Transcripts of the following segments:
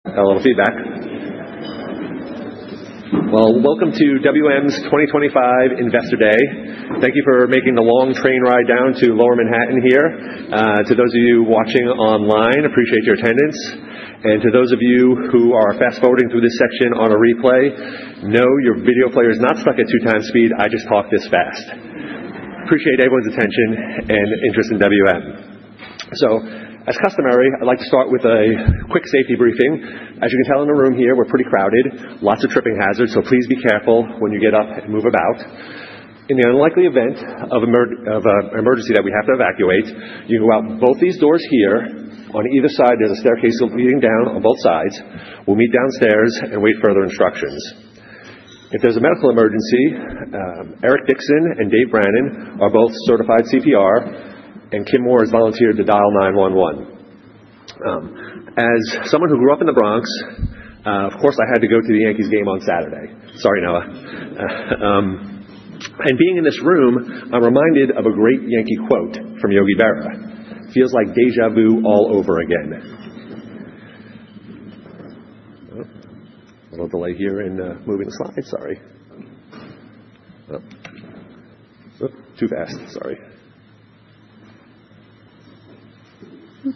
Got a little feedback. Welcome to WM's 2025 Investor Day. Thank you for making the long train ride down to Lower Manhattan here. To those of you watching online, appreciate your attendance. And to those of you who are fast-forwarding through this section on a replay, no, your video player is not stuck at two times speed. I just talk this fast. Appreciate everyone's attention and interest in WM. As customary, I'd like to start with a quick safety briefing. As you can tell in the room here, we're pretty crowded. Lots of tripping hazards, so please be careful when you get up and move about. In the unlikely event of an emergency that we have to evacuate, you can go out both these doors here. On either side, there's a staircase leading down on both sides. We'll meet downstairs and wait for further instructions. If there's a medical emergency, Eric Dixon and Dave Brennan are both certified CPR, and Kim Moore has volunteered to dial 911. As someone who grew up in the Bronx, of course, I had to go to the Yankees game on Saturday. Sorry, Noah. Being in this room, I'm reminded of a great Yankee quote from Yogi Berra: "Feels like déjà vu all over again." A little delay here in moving the slides, sorry. Too fast, sorry. Don't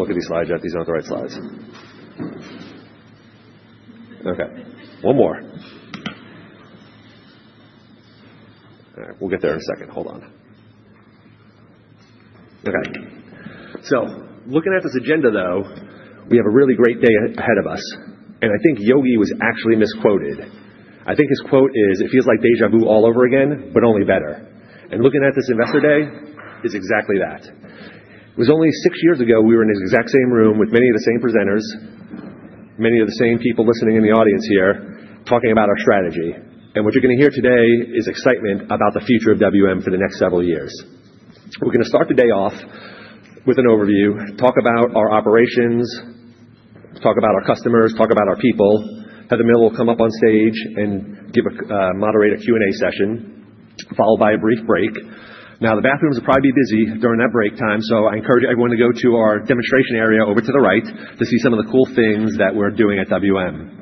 look at these slides yet. These aren't the right slides. Okay. One more. All right. We'll get there in a second. Hold on. Okay. Looking at this agenda, though, we have a really great day ahead of us. I think Yogi was actually misquoted. I think his quote is, "It feels like déjà vu all over again, but only better." Looking at this Investor Day, it's exactly that. It was only six years ago we were in the exact same room with many of the same presenters, many of the same people listening in the audience here, talking about our strategy. What you're going to hear today is excitement about the future of WM for the next several years. We're going to start the day off with an overview, talk about our operations, talk about our customers, talk about our people. Heather Miller will come up on stage and moderate a Q&A session, followed by a brief break. Now, the bathrooms will probably be busy during that break time, so I encourage everyone to go to our demonstration area over to the right to see some of the cool things that we're doing at WM.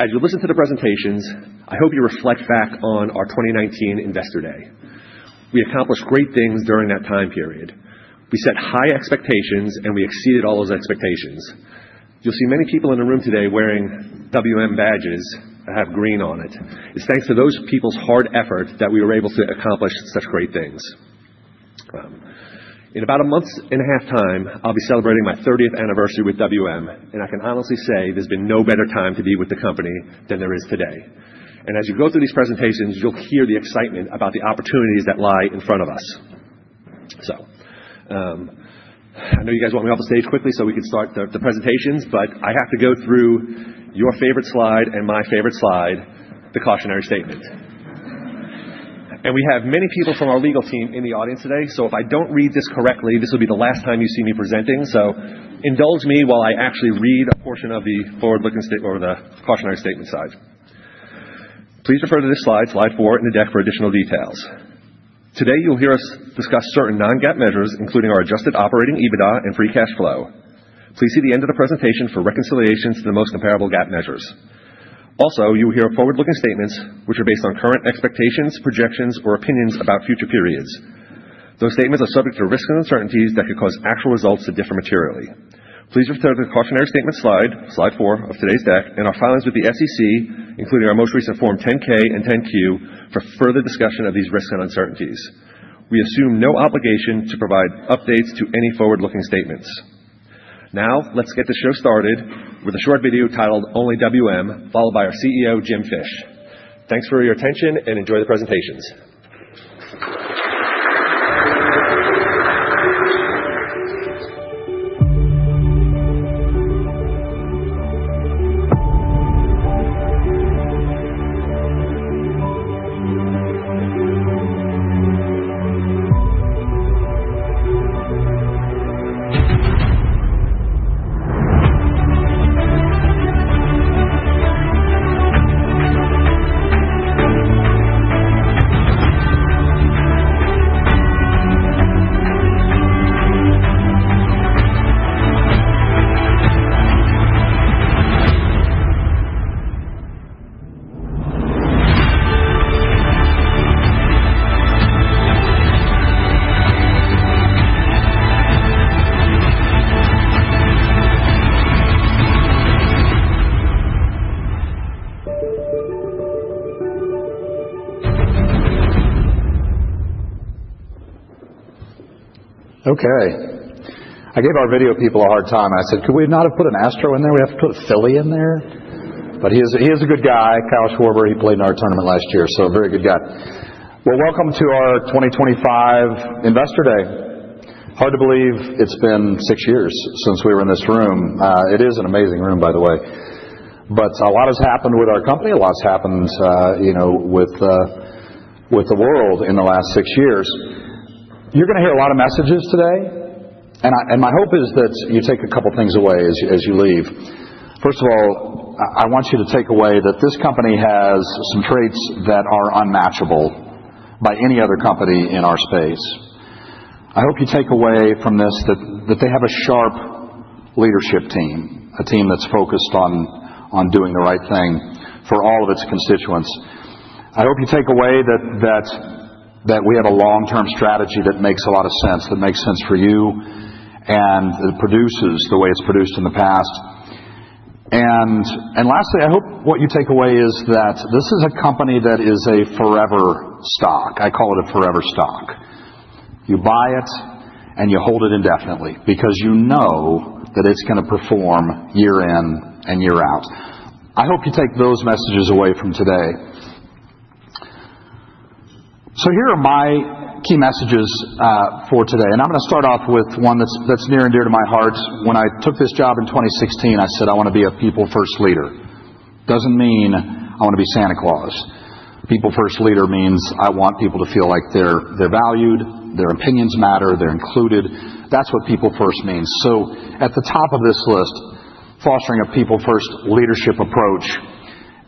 As you listen to the presentations, I hope you reflect back on our 2019 Investor Day. We accomplished great things during that time period. We set high expectations, and we exceeded all those expectations. You will see many people in the room today wearing WM badges that have green on it. It is thanks to those people's hard effort that we were able to accomplish such great things. In about a month and a half time, I will be celebrating my 30th anniversary with WM. I can honestly say there has been no better time to be with the company than there is today. As you go through these presentations, you will hear the excitement about the opportunities that lie in front of us. I know you guys want me off the stage quickly so we can start the presentations, but I have to go through your favorite slide and my favorite slide, the cautionary statement. We have many people from our legal team in the audience today, so if I do not read this correctly, this will be the last time you see me presenting. Indulge me while I actually read a portion of the forward-looking or the cautionary statement side. Please refer to this slide, slide four in the deck for additional details. Today, you will hear us discuss certain non-GAAP measures, including our adjusted operating EBITDA and free cash flow. Please see the end of the presentation for reconciliations to the most comparable GAAP measures. Also, you will hear forward-looking statements, which are based on current expectations, projections, or opinions about future periods. Those statements are subject to risks and uncertainties that could cause actual results to differ materially. Please refer to the cautionary statement slide, slide four of today's deck, and our filings with the SEC, including our most recent Form 10-K and 10-Q, for further discussion of these risks and uncertainties. We assume no obligation to provide updates to any forward-looking statements. Now, let's get the show started with a short video titled "Only WM," followed by our CEO, Jim Fish. Thanks for your attention, and enjoy the presentations. Okay. I gave our video people a hard time. I said, "Could we not have put an Astro in there? We have to put a Philly in there." He is a good guy, Kyle Schwarber. He played in our tournament last year, so a very good guy. Welcome to our 2025 Investor Day. Hard to believe it has been six years since we were in this room. It is an amazing room, by the way. A lot has happened with our company. A lot has happened with the world in the last six years. You're going to hear a lot of messages today. My hope is that you take a couple of things away as you leave. First of all, I want you to take away that this company has some traits that are unmatchable by any other company in our space. I hope you take away from this that they have a sharp leadership team, a team that's focused on doing the right thing for all of its constituents. I hope you take away that we have a long-term strategy that makes a lot of sense, that makes sense for you, and that it produces the way it's produced in the past. Lastly, I hope what you take away is that this is a company that is a forever stock. I call it a forever stock. You buy it, and you hold it indefinitely because you know that it's going to perform year in and year out. I hope you take those messages away from today. Here are my key messages for today. I'm going to start off with one that's near and dear to my heart. When I took this job in 2016, I said, "I want to be a people-first leader." It doesn't mean I want to be Santa Claus. People-first leader means I want people to feel like they're valued, their opinions matter, they're included. That's what people-first means. At the top of this list, fostering a people-first leadership approach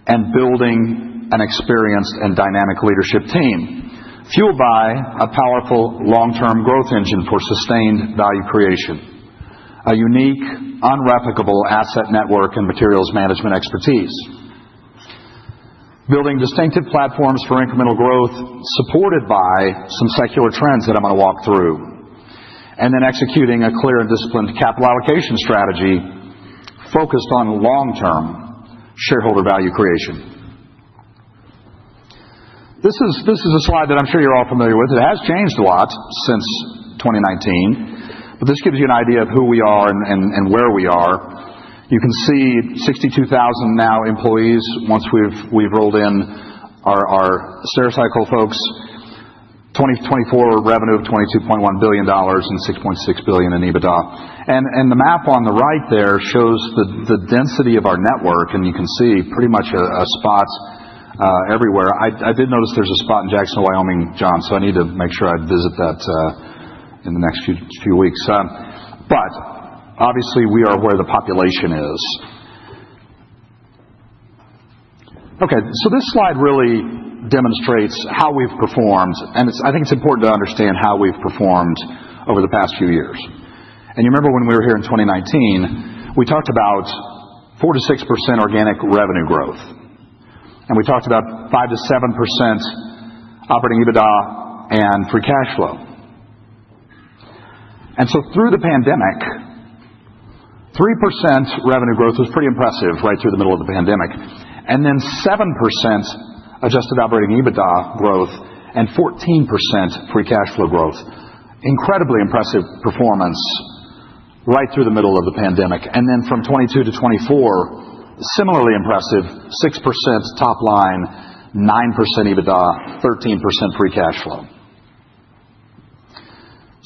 and building an experienced and dynamic leadership team, fueled by a powerful long-term growth engine for sustained value creation, a unique, unreplicable asset network and materials management expertise, building distinctive platforms for incremental growth supported by some secular trends that I am going to walk through, and then executing a clear and disciplined capital allocation strategy focused on long-term shareholder value creation. This is a slide that I am sure you are all familiar with. It has changed a lot since 2019, but this gives you an idea of who we are and where we are. You can see 62,000 now employees once we have rolled in our Stericycle folks. 2024 revenue of $22.1 billion and $6.6 billion in EBITDA. The map on the right there shows the density of our network, and you can see pretty much a spot everywhere. I did notice there's a spot in Jackson, Wyoming, John, so I need to make sure I visit that in the next few weeks. Obviously, we are where the population is. Okay. This slide really demonstrates how we've performed. I think it's important to understand how we've performed over the past few years. You remember when we were here in 2019, we talked about 4%-6% organic revenue growth. We talked about 5%-7% operating EBITDA and free cash flow. Through the pandemic, 3% revenue growth was pretty impressive right through the middle of the pandemic. Then 7% adjusted operating EBITDA growth and 14% free cash flow growth. Incredibly impressive performance right through the middle of the pandemic. From 2022-2024, similarly impressive, 6% top line, 9% EBITDA, 13% free cash flow.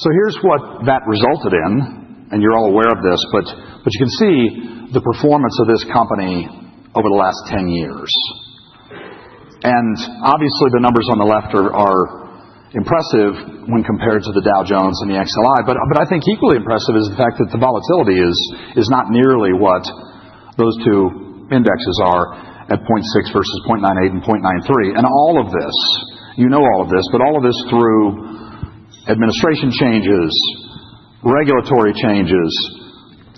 Here's what that resulted in. And you're all aware of this, but you can see the performance of this company over the last 10 years. Obviously, the numbers on the left are impressive when compared to the Dow Jones and the XLI. I think equally impressive is the fact that the volatility is not nearly what those two indexes are at 0.6 versus 0.98 and 0.93. All of this, you know all of this, but all of this through administration changes, regulatory changes,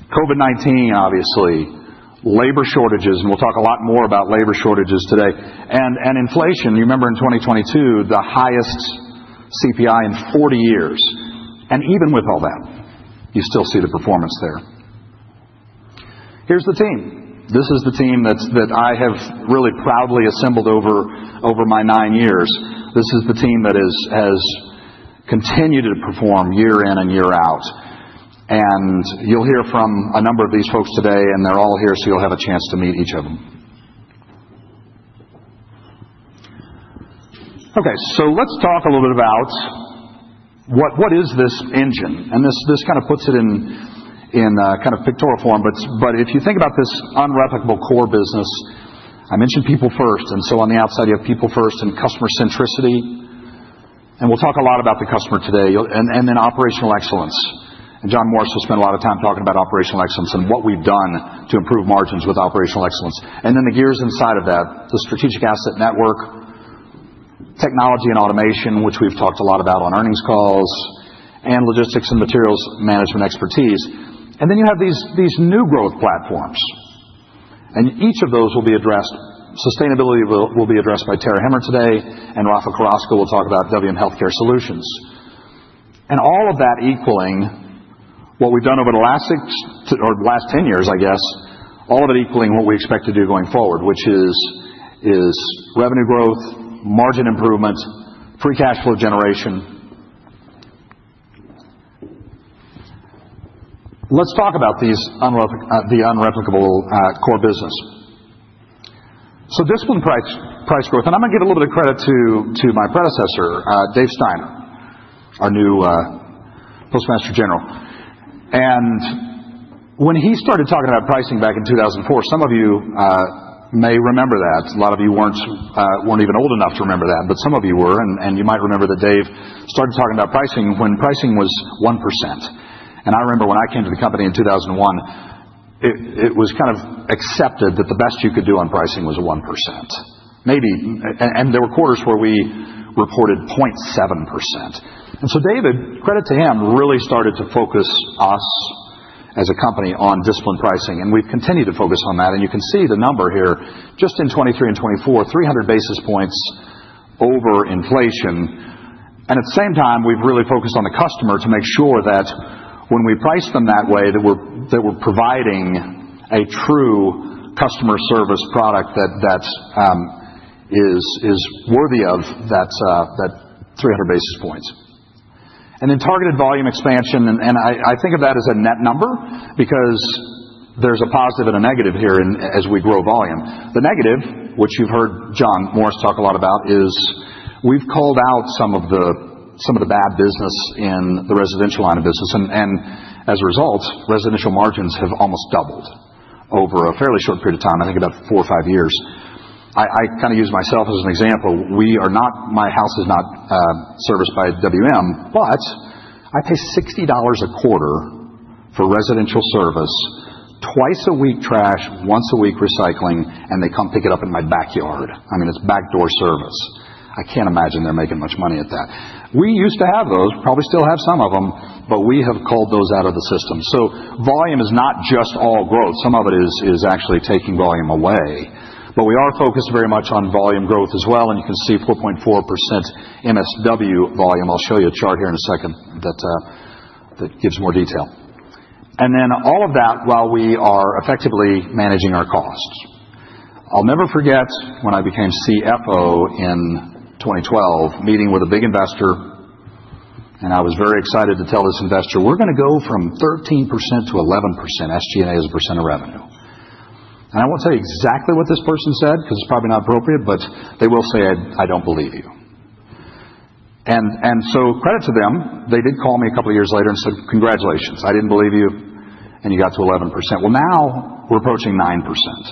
COVID-19, obviously, labor shortages. We'll talk a lot more about labor shortages today. And inflation, you remember in 2022, the highest CPI in 40 years. Even with all that, you still see the performance there. Here's the team. This is the team that I have really proudly assembled over my nine years. This is the team that has continued to perform year in and year out. You'll hear from a number of these folks today, and they're all here, so you'll have a chance to meet each of them. Okay. Let's talk a little bit about what is this engine. This kind of puts it in kind of pictorial form. If you think about this unreplicable core business, I mentioned people-first. On the outside, you have people-first and customer centricity. We'll talk a lot about the customer today and then operational excellence. John Morris will spend a lot of time talking about operational excellence and what we've done to improve margins with operational excellence. The gears inside of that, the strategic asset network, technology and automation, which we've talked a lot about on earnings calls, and logistics and materials management expertise. You have these new growth platforms. Each of those will be addressed. Sustainability will be addressed by Tara Hemmer today, and Rafa Carrasco will talk about WM Healthcare Solutions. All of that equaling what we have done over the last 10 years, I guess, all of it equaling what we expect to do going forward, which is revenue growth, margin improvement, free cash flow generation. Let's talk about the unreplicable core business. Discipline price growth. I am going to give a little bit of credit to my predecessor, Dave Steiner, our new Postmaster General. When he started talking about pricing back in 2004, some of you may remember that. A lot of you were not even old enough to remember that, but some of you were. You might remember that Dave started talking about pricing when pricing was 1%. I remember when I came to the company in 2001, it was kind of accepted that the best you could do on pricing was 1%. There were quarters where we reported 0.7%. David, credit to him, really started to focus us as a company on discipline pricing. We have continued to focus on that. You can see the number here. Just in 2023 and 2024, 300 basis points over inflation. At the same time, we have really focused on the customer to make sure that when we price them that way, we are providing a true customer service product that is worthy of that 300 basis points. Then targeted volume expansion. I think of that as a net number because there is a positive and a negative here as we grow volume. The negative, which you've heard John Morris talk a lot about, is we've called out some of the bad business in the residential line of business. As a result, residential margins have almost doubled over a fairly short period of time, I think about four or five years. I kind of use myself as an example. My house is not serviced by WM, but I pay $60 a quarter for residential service, twice a week trash, once a week recycling, and they come pick it up in my backyard. I mean, it's backdoor service. I can't imagine they're making much money at that. We used to have those, probably still have some of them, but we have called those out of the system. Volume is not just all growth. Some of it is actually taking volume away. We are focused very much on volume growth as well. You can see 4.4% MSW volume. I'll show you a chart here in a second that gives more detail. All of that while we are effectively managing our costs. I'll never forget when I became CFO in 2012, meeting with a big investor. I was very excited to tell this investor, "We're going to go from 13% to 11% SG&A as a percent of revenue." I won't tell you exactly what this person said because it's probably not appropriate, but they did say, "I don't believe you." Credit to them. They did call me a couple of years later and said, "Congratulations. I didn't believe you, and you got to 11%." Now we're approaching 9%.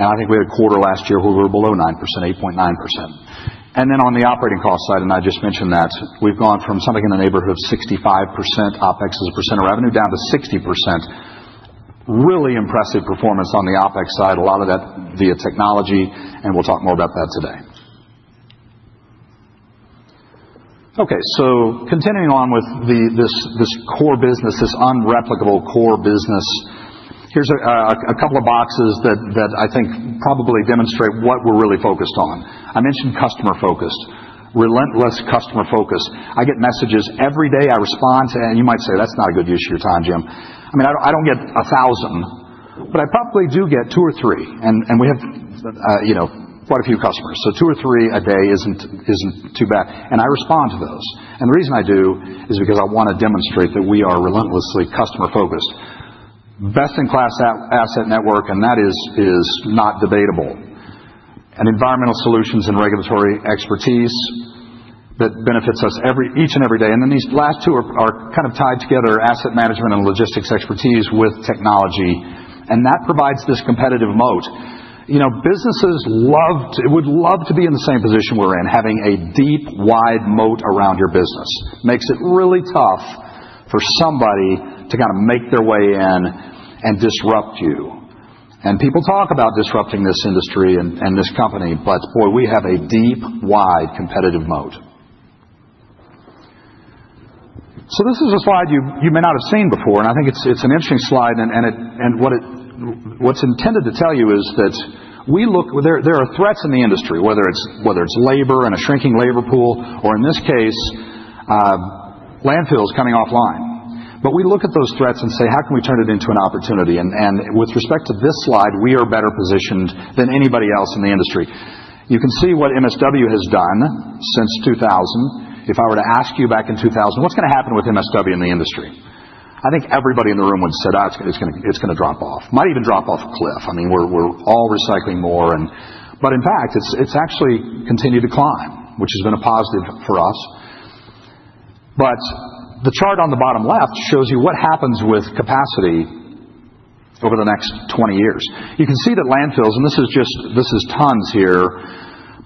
I think we had a quarter last year where we were below 9%, 8.9%. Then on the operating cost side, and I just mentioned that, we've gone from something in the neighborhood of 65% OpEx as a percent of revenue down to 60%. Really impressive performance on the OpEx side. A lot of that via technology. We'll talk more about that today. Okay. Continuing on with this core business, this unreplicable core business, here's a couple of boxes that I think probably demonstrate what we're really focused on. I mentioned customer focused, relentless customer focus. I get messages every day. I respond to, and you might say, "That's not a good use of your time, Jim." I mean, I don't get a thousand, but I probably do get two or three. We have quite a few customers. Two or three a day isn't too bad. I respond to those. The reason I do is because I want to demonstrate that we are relentlessly customer focused. Best in class asset network, and that is not debatable. Environmental solutions and regulatory expertise that benefits us each and every day. These last two are kind of tied together, asset management and logistics expertise with technology. That provides this competitive moat. Businesses would love to be in the same position we're in, having a deep, wide moat around your business. Makes it really tough for somebody to kind of make their way in and disrupt you. People talk about disrupting this industry and this company, but boy, we have a deep, wide competitive moat. This is a slide you may not have seen before. I think it's an interesting slide. What is intended to tell you is that there are threats in the industry, whether it's labor and a shrinking labor pool, or in this case, landfills coming offline. We look at those threats and say, "How can we turn it into an opportunity?" With respect to this slide, we are better positioned than anybody else in the industry. You can see what MSW has done since 2000. If I were to ask you back in 2000, what's going to happen with MSW in the industry? I think everybody in the room would say, "It's going to drop off." Might even drop off a cliff. I mean, we're all recycling more. In fact, it's actually continued to climb, which has been a positive for us. The chart on the bottom left shows you what happens with capacity over the next 20 years. You can see that landfills, and this is tons here,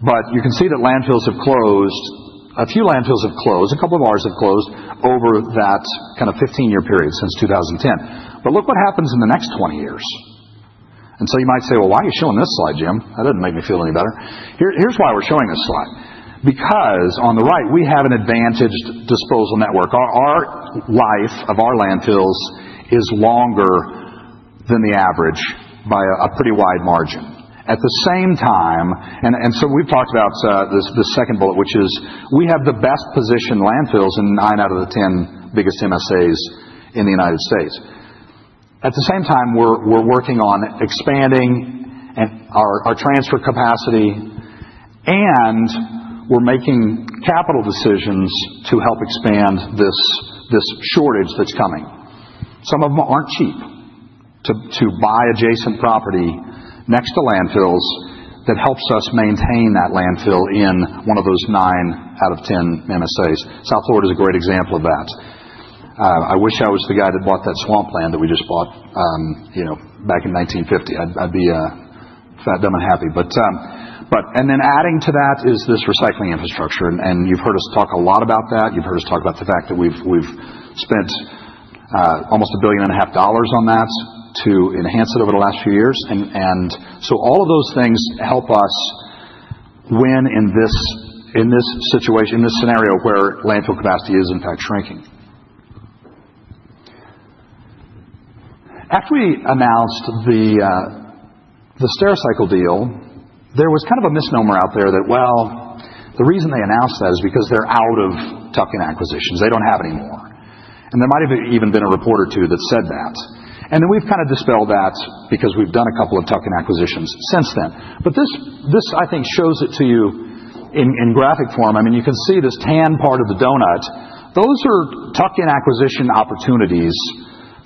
but you can see that landfills have closed. A few landfills have closed. A couple of bars have closed over that kind of 15-year period since 2010. You might say, "Why are you showing this slide, Jim? That does not make me feel any better." Here is why we are showing this slide. Because on the right, we have an advantaged disposal network. Our life of our landfills is longer than the average by a pretty wide margin. At the same time, and so we have talked about the second bullet, which is we have the best positioned landfills in 9 out of the 10 biggest MSAs in the United States. At the same time, we're working on expanding our transfer capacity, and we're making capital decisions to help expand this shortage that's coming. Some of them aren't cheap. To buy adjacent property next to landfills that helps us maintain that landfill in one of those 9 out of 10 MSAs. South Florida is a great example of that. I wish I was the guy that bought that swampland that we just bought back in 1950. I'd be fat, dumb, and happy. Adding to that is this recycling infrastructure. You've heard us talk a lot about that. You've heard us talk about the fact that we've spent almost $1.5 billion on that to enhance it over the last few years. All of those things help us win in this situation, in this scenario where landfill capacity is, in fact, shrinking. After we announced the Stericycle deal, there was kind of a misnomer out there that, well, the reason they announced that is because they're out of tuck-in acquisitions. They don't have any more. There might have even been a reporter or two that said that. We've kind of dispelled that because we've done a couple of tuck-in acquisitions since then. I think this shows it to you in graphic form. I mean, you can see this tan part of the donut. Those are tuck-in acquisition opportunities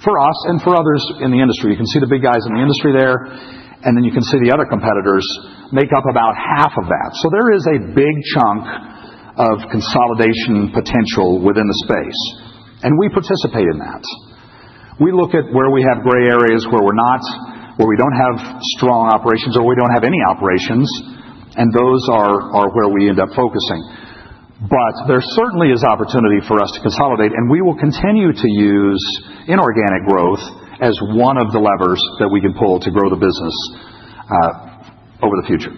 for us and for others in the industry. You can see the big guys in the industry there. You can see the other competitors make up about half of that. There is a big chunk of consolidation potential within the space. We participate in that. We look at where we have gray areas, where we do not have strong operations, or we do not have any operations. Those are where we end up focusing. There certainly is opportunity for us to consolidate. We will continue to use inorganic growth as one of the levers that we can pull to grow the business over the future.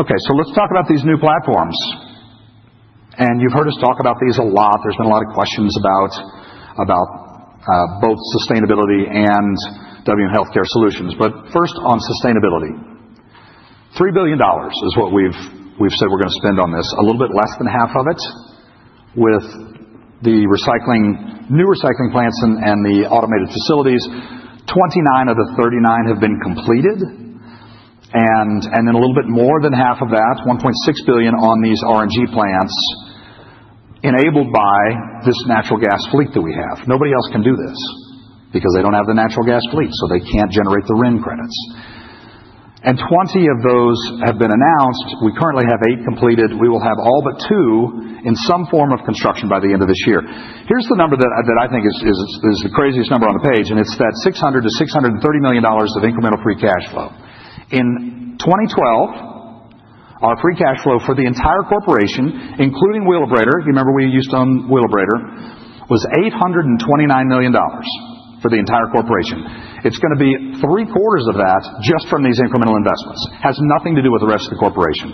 Okay. Let's talk about these new platforms. You have heard us talk about these a lot. There have been a lot of questions about both sustainability and WM Healthcare Solutions. First, on sustainability. $3 billion is what we have said we are going to spend on this. A little bit less than half of it with the new recycling plants and the automated facilities. 29 of the 39 have been completed. A little bit more than half of that, $1.6 billion on these RNG plants, enabled by this natural gas fleet that we have. Nobody else can do this because they do not have the natural gas fleet, so they cannot generate the RIN credits. Twenty of those have been announced. We currently have eight completed. We will have all but two in some form of construction by the end of this year. Here is the number that I think is the craziest number on the page. It is that $600 million-$630 million of incremental free cash flow. In 2012, our free cash flow for the entire corporation, including Wheelabrator, you remember we used to own Wheelabrator, was $829 million for the entire corporation. It is going to be three quarters of that just from these incremental investments. Has nothing to do with the rest of the corporation.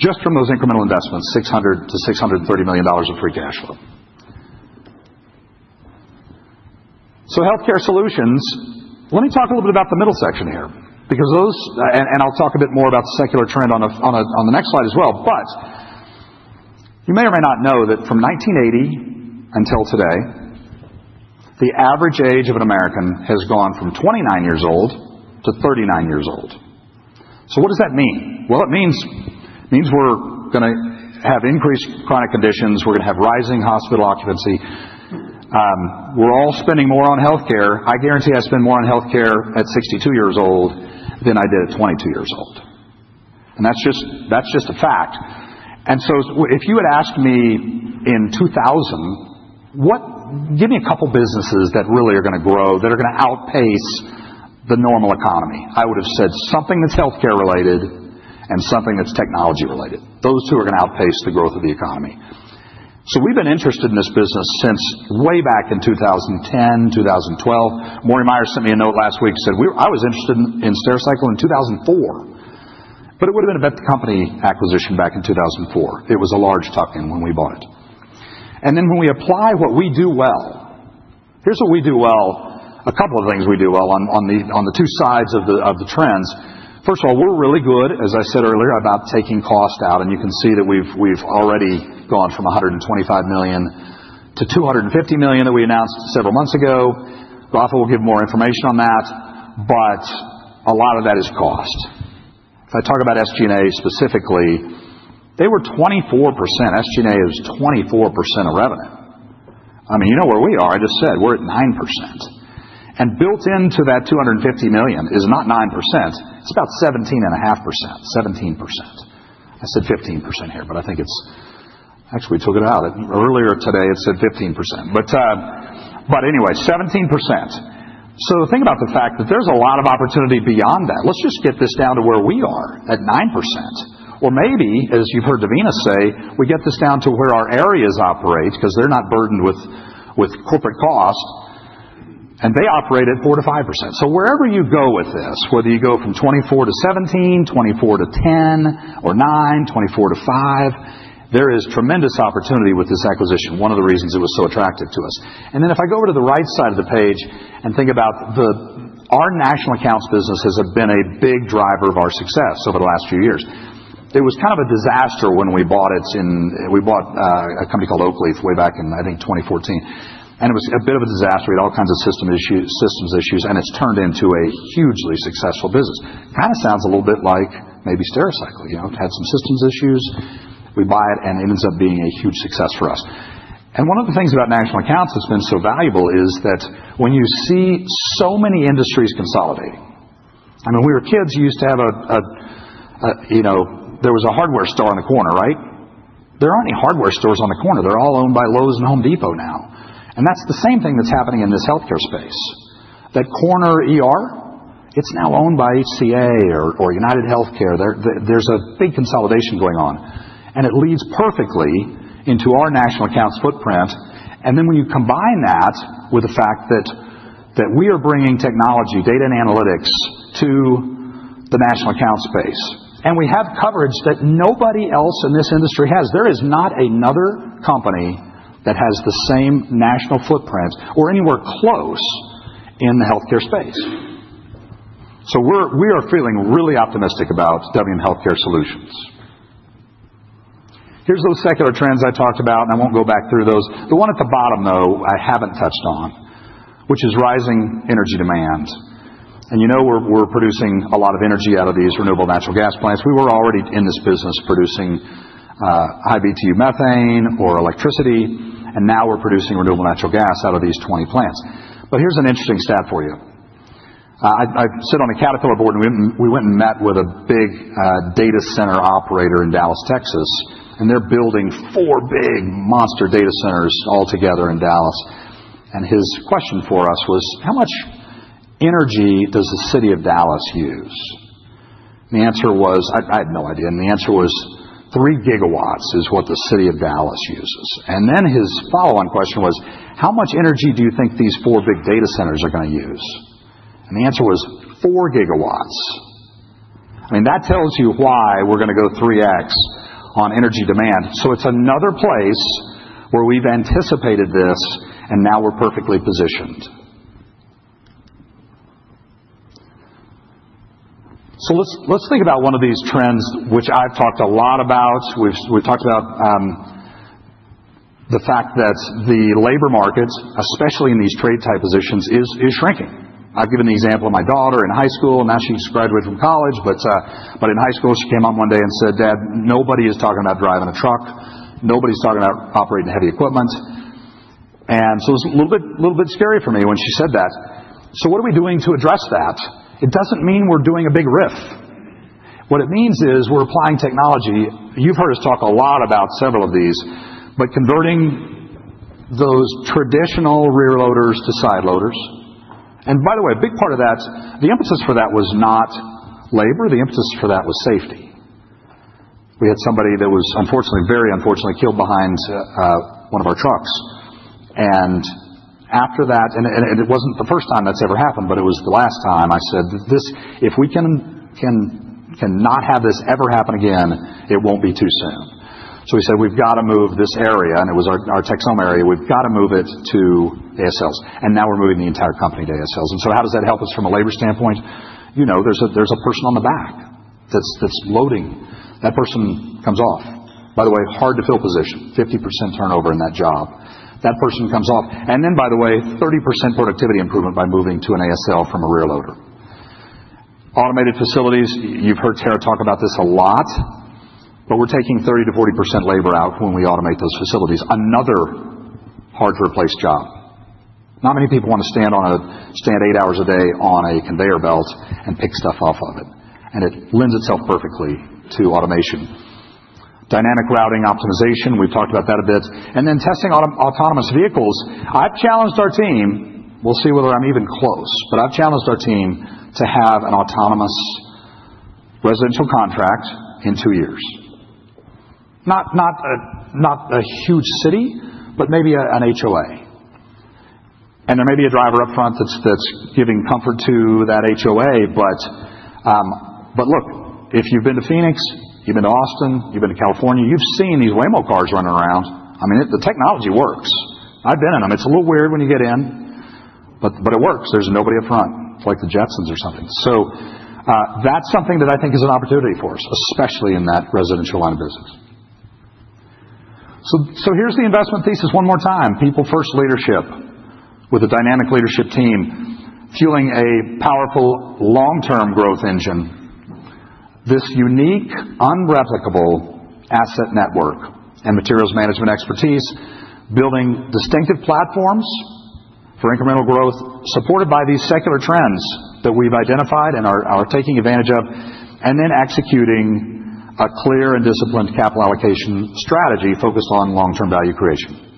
Just from those incremental investments, $600 million-$630 million of free cash flow. So healthcare solutions, let me talk a little bit about the middle section here. And I'll talk a bit more about the secular trend on the next slide as well. But you may or may not know that from 1980 until today, the average age of an American has gone from 29 years old to 39 years old. So what does that mean? Well, it means we're going to have increased chronic conditions. We're going to have rising hospital occupancy. We're all spending more on healthcare. I guarantee I spend more on healthcare at 62 years old than I did at 22 years old. And that's just a fact. If you had asked me in 2000, "Give me a couple of businesses that really are going to grow that are going to outpace the normal economy." I would have said something that's healthcare related and something that's technology related. Those two are going to outpace the growth of the economy. We have been interested in this business since way back in 2010, 2012. Murray Myers sent me a note last week and said, "I was interested in Stericycle in 2004." It would have been a company acquisition back in 2004. It was a large tuck-in when we bought it. When we apply what we do well, here is what we do well. A couple of things we do well on the two sides of the trends. First of all, we are really good, as I said earlier, about taking cost out. You can see that we've already gone from $125 million-$250 million that we announced several months ago. Rafa will give more information on that. A lot of that is cost. If I talk about SG&A specifically, they were 24%. SG&A is 24% of revenue. I mean, you know where we are. I just said we're at 9%. Built into that $250 million is not 9%. It's about 17.5%. 17%. I said 15% here, but I think it's actually we took it out. Earlier today, it said 15%. Anyway, 17%. Think about the fact that there's a lot of opportunity beyond that. Let's just get this down to where we are at 9%. Or maybe, as you've heard Devina say, we get this down to where our areas operate because they're not burdened with corporate cost. They operate at 4%-5%. Wherever you go with this, whether you go from 24% to 17%, 24% to 10%, or 9%, 24% to 5%, there is tremendous opportunity with this acquisition. One of the reasons it was so attractive to us. If I go over to the right side of the page and think about our national accounts business, it has been a big driver of our success over the last few years. It was kind of a disaster when we bought it. We bought a company called Oakleaf way back in, I think, 2014. It was a bit of a disaster. We had all kinds of systems issues. It has turned into a hugely successful business. Kind of sounds a little bit like maybe Stericycle. It had some systems issues. We buy it, and it ends up being a huge success for us. One of the things about national accounts that's been so valuable is that when you see so many industries consolidating, I mean, we were kids used to have a there was a hardware store on the corner, right? There aren't any hardware stores on the corner. They're all owned by Lowe's and Home Depot now. That's the same thing that's happening in this healthcare space. That corner, it's now owned by HCA or UnitedHealthcare. There's a big consolidation going on. It leads perfectly into our national accounts footprint. When you combine that with the fact that we are bringing technology, data, and analytics to the national accounts space, and we have coverage that nobody else in this industry has, there is not another company that has the same national footprint or anywhere close in the healthcare space. We are feeling really optimistic about WM Healthcare Solutions. Here are those secular trends I talked about, and I will not go back through those. The one at the bottom, though, I have not touched on, which is rising energy demand. You know we are producing a lot of energy out of these renewable natural gas plants. We were already in this business producing high BTU methane or electricity. Now we are producing renewable natural gas out of these 20 plants. Here is an interesting stat for you. I have sat on a Caterpillar board, and we went and met with a big data center operator in Dallas, Texas. They are building four big monster data centers altogether in Dallas. His question for us was, "How much energy does the city of Dallas use?" The answer was, "I have no idea." The answer was, "3 GW is what the city of Dallas uses." His follow-on question was, "How much energy do you think these four big data centers are going to use?" The answer was, "4 GW." I mean, that tells you why we're going to go 3x on energy demand. It is another place where we've anticipated this, and now we're perfectly positioned. Let's think about one of these trends, which I've talked a lot about. We've talked about the fact that the labor market, especially in these trade-type positions, is shrinking. I've given the example of my daughter in high school. Now she's graduated from college. In high school, she came up one day and said, "Dad, nobody is talking about driving a truck. Nobody's talking about operating heavy equipment." It was a little bit scary for me when she said that. What are we doing to address that? It does not mean we're doing a big riff. What it means is we're applying technology. You've heard us talk a lot about several of these, but converting those traditional rear loaders to side loaders. By the way, a big part of that, the emphasis for that was not labor. The emphasis for that was safety. We had somebody that was, unfortunately, very unfortunately, killed behind one of our trucks. After that, and it wasn't the first time that's ever happened, but it was the last time, I said, "If we can not have this ever happen again, it won't be too soon." We said, "We've got to move this area." It was our tech summer area. "We've got to move it to ASLs." Now we're moving the entire company to ASLs. How does that help us from a labor standpoint? There's a person on the back that's loading. That person comes off. By the way, hard to fill position. 50% turnover in that job. That person comes off. By the way, 30% productivity improvement by moving to an ASL from a rear loader. Automated facilities, you've heard Tara talk about this a lot. We're taking 30%-40% labor out when we automate those facilities. Another hard-to-replace job. Not many people want to stand eight hours a day on a conveyor belt and pick stuff off of it. It lends itself perfectly to automation. Dynamic routing optimization, we've talked about that a bit. Then testing autonomous vehicles. I've challenged our team. We'll see whether I'm even close. I've challenged our team to have an autonomous residential contract in two years. Not a huge city, but maybe an HOA. There may be a driver upfront that's giving comfort to that HOA. Look, if you've been to Phoenix, you've been to Austin, you've been to California, you've seen these Waymo cars running around. I mean, the technology works. I've been in them. It's a little weird when you get in, but it works. There's nobody upfront. It's like the Jetsons or something. That's something that I think is an opportunity for us, especially in that residential line of business. Here's the investment thesis one more time. People-first leadership with a dynamic leadership team fueling a powerful long-term growth engine. This unique, unreplicable asset network and materials management expertise, building distinctive platforms for incremental growth supported by these secular trends that we've identified and are taking advantage of, and then executing a clear and disciplined capital allocation strategy focused on long-term value creation.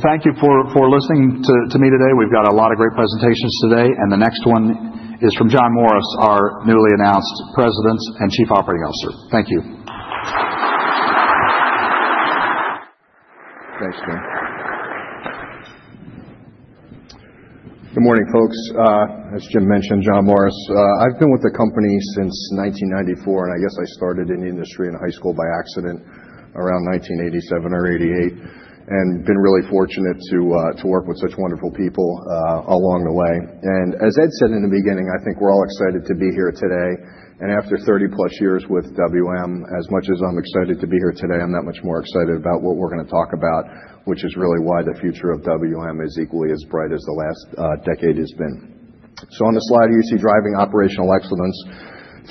Thank you for listening to me today. We've got a lot of great presentations today. The next one is from John Morris, our newly announced President and Chief Operating Officer. Thank you. Thanks, Jim. Good morning, folks. As Jim mentioned, John Morris, I've been with the company since 1994. I guess I started in the industry in high school by accident around 1987 or 1988. I've been really fortunate to work with such wonderful people along the way. As Ed said in the beginning, I think we're all excited to be here today. After 30+ years with WM, as much as I'm excited to be here today, I'm that much more excited about what we're going to talk about, which is really why the future of WM is equally as bright as the last decade has been. On the slide, you see driving operational excellence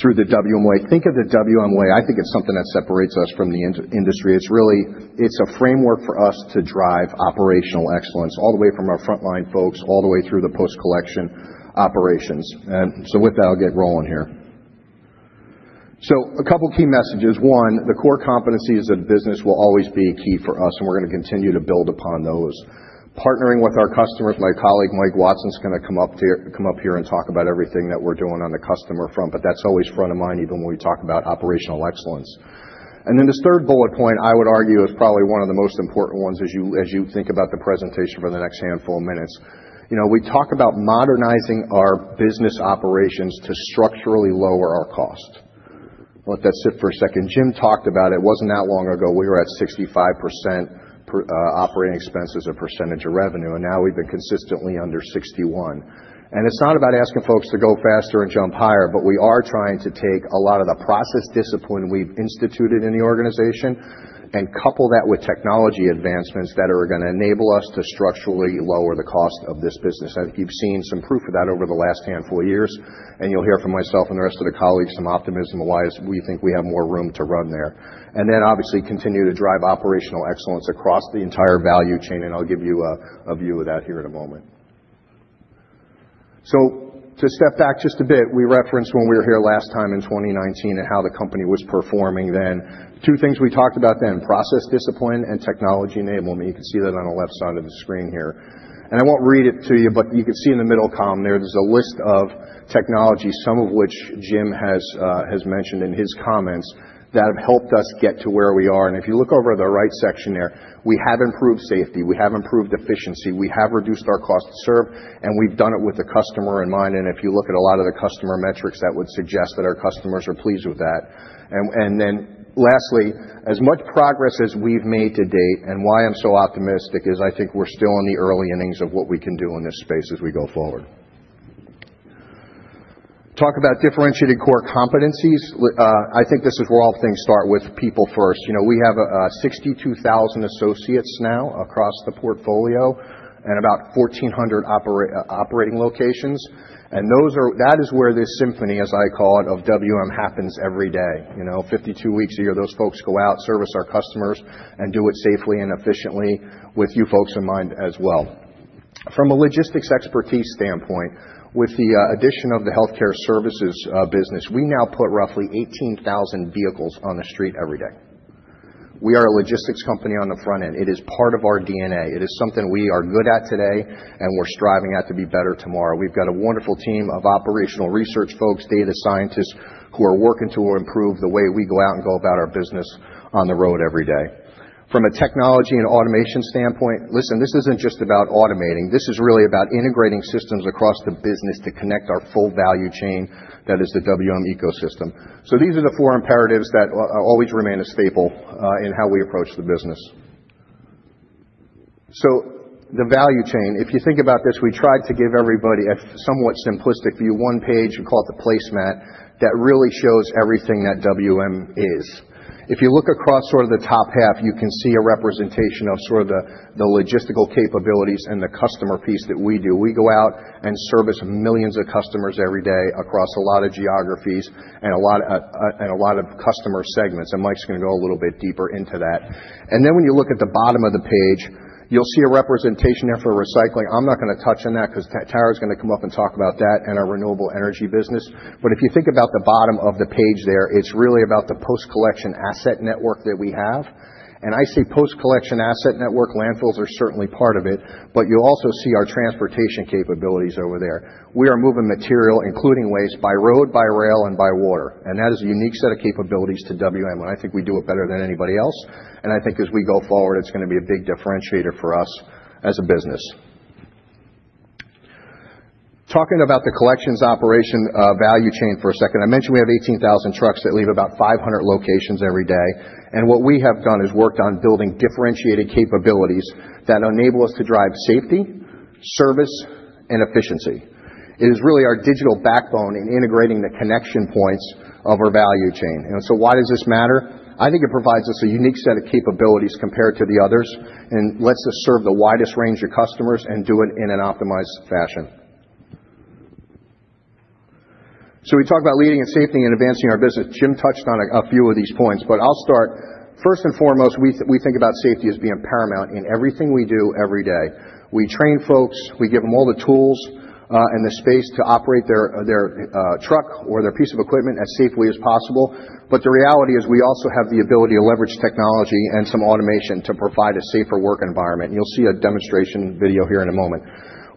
through the WM Way. Think of the WM Way. I think it's something that separates us from the industry. It's a framework for us to drive operational excellence all the way from our frontline folks all the way through the post-collection operations. With that, I'll get rolling here. A couple of key messages. One, the core competencies of the business will always be key for us. We're going to continue to build upon those. Partnering with our customers, my colleague Mike Watson's going to come up here and talk about everything that we're doing on the customer front. That's always front of mind, even when we talk about operational excellence. The third bullet point, I would argue, is probably one of the most important ones as you think about the presentation for the next handful of minutes. We talk about modernizing our business operations to structurally lower our cost. Let that sit for a second. Jim talked about it. It wasn't that long ago. We were at 65% operating expenses of percentage of revenue. And now we've been consistently under 61%. And it's not about asking folks to go faster and jump higher. But we are trying to take a lot of the process discipline we've instituted in the organization and couple that with technology advancements that are going to enable us to structurally lower the cost of this business. I think you've seen some proof of that over the last handful of years. And you'll hear from myself and the rest of the colleagues some optimism of why we think we have more room to run there. And then, obviously, continue to drive operational excellence across the entire value chain. And I'll give you a view of that here in a moment. To step back just a bit, we referenced when we were here last time in 2019 and how the company was performing then. Two things we talked about then: process discipline and technology enablement. You can see that on the left side of the screen here. I won't read it to you. You can see in the middle column there, there's a list of technologies, some of which Jim has mentioned in his comments that have helped us get to where we are. If you look over the right section there, we have improved safety. We have improved efficiency. We have reduced our cost to serve. We've done it with the customer in mind. If you look at a lot of the customer metrics that would suggest that our customers are pleased with that. Lastly, as much progress as we've made to date, and why I'm so optimistic is I think we're still in the early innings of what we can do in this space as we go forward. Talk about differentiated core competencies. I think this is where all things start with people first. We have 62,000 associates now across the portfolio and about 1,400 operating locations. That is where this symphony, as I call it, of WM happens every day. Fifty-two weeks a year, those folks go out, service our customers, and do it safely and efficiently with you folks in mind as well. From a logistics expertise standpoint, with the addition of the healthcare services business, we now put roughly 18,000 vehicles on the street every day. We are a logistics company on the front end. It is part of our DNA. It is something we are good at today, and we're striving out to be better tomorrow. We've got a wonderful team of operational research folks, data scientists who are working to improve the way we go out and go about our business on the road every day. From a technology and automation standpoint, listen, this isn't just about automating. This is really about integrating systems across the business to connect our full value chain that is the WM ecosystem. These are the four imperatives that always remain a staple in how we approach the business. The value chain, if you think about this, we tried to give everybody a somewhat simplistic view, one page. We call it the placemat that really shows everything that WM is. If you look across sort of the top half, you can see a representation of sort of the logistical capabilities and the customer piece that we do. We go out and service millions of customers every day across a lot of geographies and a lot of customer segments. Mike's going to go a little bit deeper into that. When you look at the bottom of the page, you'll see a representation there for recycling. I'm not going to touch on that because Tara's going to come up and talk about that and our Renewable Energy business. If you think about the bottom of the page there, it's really about the post-collection asset network that we have. I say post-collection asset network. Landfills are certainly part of it. You'll also see our transportation capabilities over there. We are moving material, including waste, by road, by rail, and by water. That is a unique set of capabilities to WM. I think we do it better than anybody else. I think as we go forward, it is going to be a big differentiator for us as a business. Talking about the collections operation value chain for a second, I mentioned we have 18,000 trucks that leave about 500 locations every day. What we have done is worked on building differentiated capabilities that enable us to drive safety, service, and efficiency. It is really our digital backbone in integrating the connection points of our value chain. Why does this matter? I think it provides us a unique set of capabilities compared to the others and lets us serve the widest range of customers and do it in an optimized fashion. We talk about leading in safety and advancing our business. Jim touched on a few of these points. I'll start. First and foremost, we think about safety as being paramount in everything we do every day. We train folks. We give them all the tools and the space to operate their truck or their piece of equipment as safely as possible. The reality is we also have the ability to leverage technology and some automation to provide a safer work environment. You'll see a demonstration video here in a moment.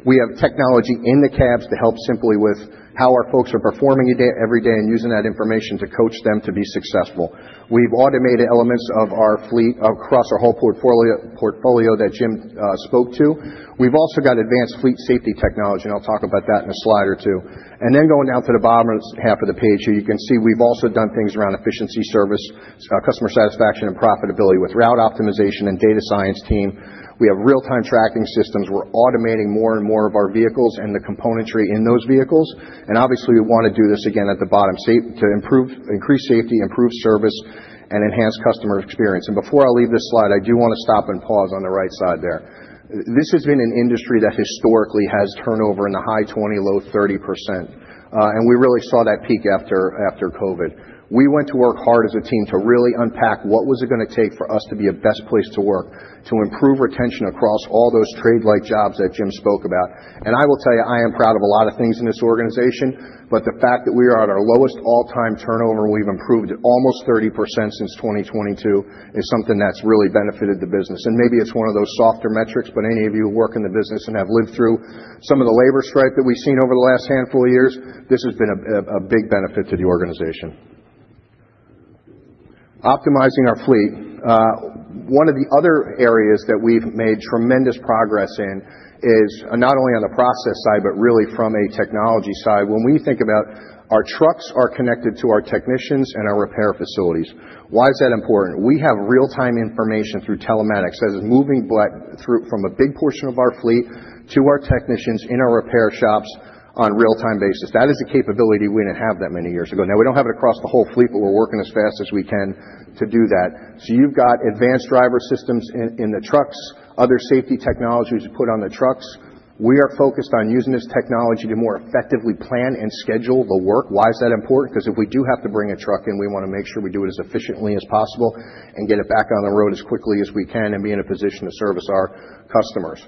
We have technology in the cabs to help simply with how our folks are performing every day and using that information to coach them to be successful. We've automated elements of our fleet across our whole portfolio that Jim spoke to. We've also got advanced fleet safety technology. I'll talk about that in a slide or two. Going down to the bottom half of the page here, you can see we've also done things around efficiency, service, customer satisfaction, and profitability with route optimization and data science team. We have real-time tracking systems. We're automating more and more of our vehicles and the componentry in those vehicles. Obviously, we want to do this again at the bottom to increase safety, improve service, and enhance customer experience. Before I leave this slide, I do want to stop and pause on the right side there. This has been an industry that historically has turnover in the high 20%-low 30% range. We really saw that peak after COVID. We went to work hard as a team to really unpack what was it going to take for us to be a best place to work to improve retention across all those trade-like jobs that Jim spoke about. I will tell you, I am proud of a lot of things in this organization. The fact that we are at our lowest all-time turnover, we've improved almost 30% since 2022, is something that's really benefited the business. Maybe it's one of those softer metrics. Any of you who work in the business and have lived through some of the labor strife that we've seen over the last handful of years, this has been a big benefit to the organization. Optimizing our fleet. One of the other areas that we've made tremendous progress in is not only on the process side, but really from a technology side. When we think about our trucks are connected to our technicians and our repair facilities. Why is that important? We have real-time information through telematics that is moving from a big portion of our fleet to our technicians in our repair shops on a real-time basis. That is a capability we did not have that many years ago. Now, we do not have it across the whole fleet, but we are working as fast as we can to do that. You have got advanced driver systems in the trucks, other safety technologies put on the trucks. We are focused on using this technology to more effectively plan and schedule the work. Why is that important? Because if we do have to bring a truck in, we want to make sure we do it as efficiently as possible and get it back on the road as quickly as we can and be in a position to service our customers.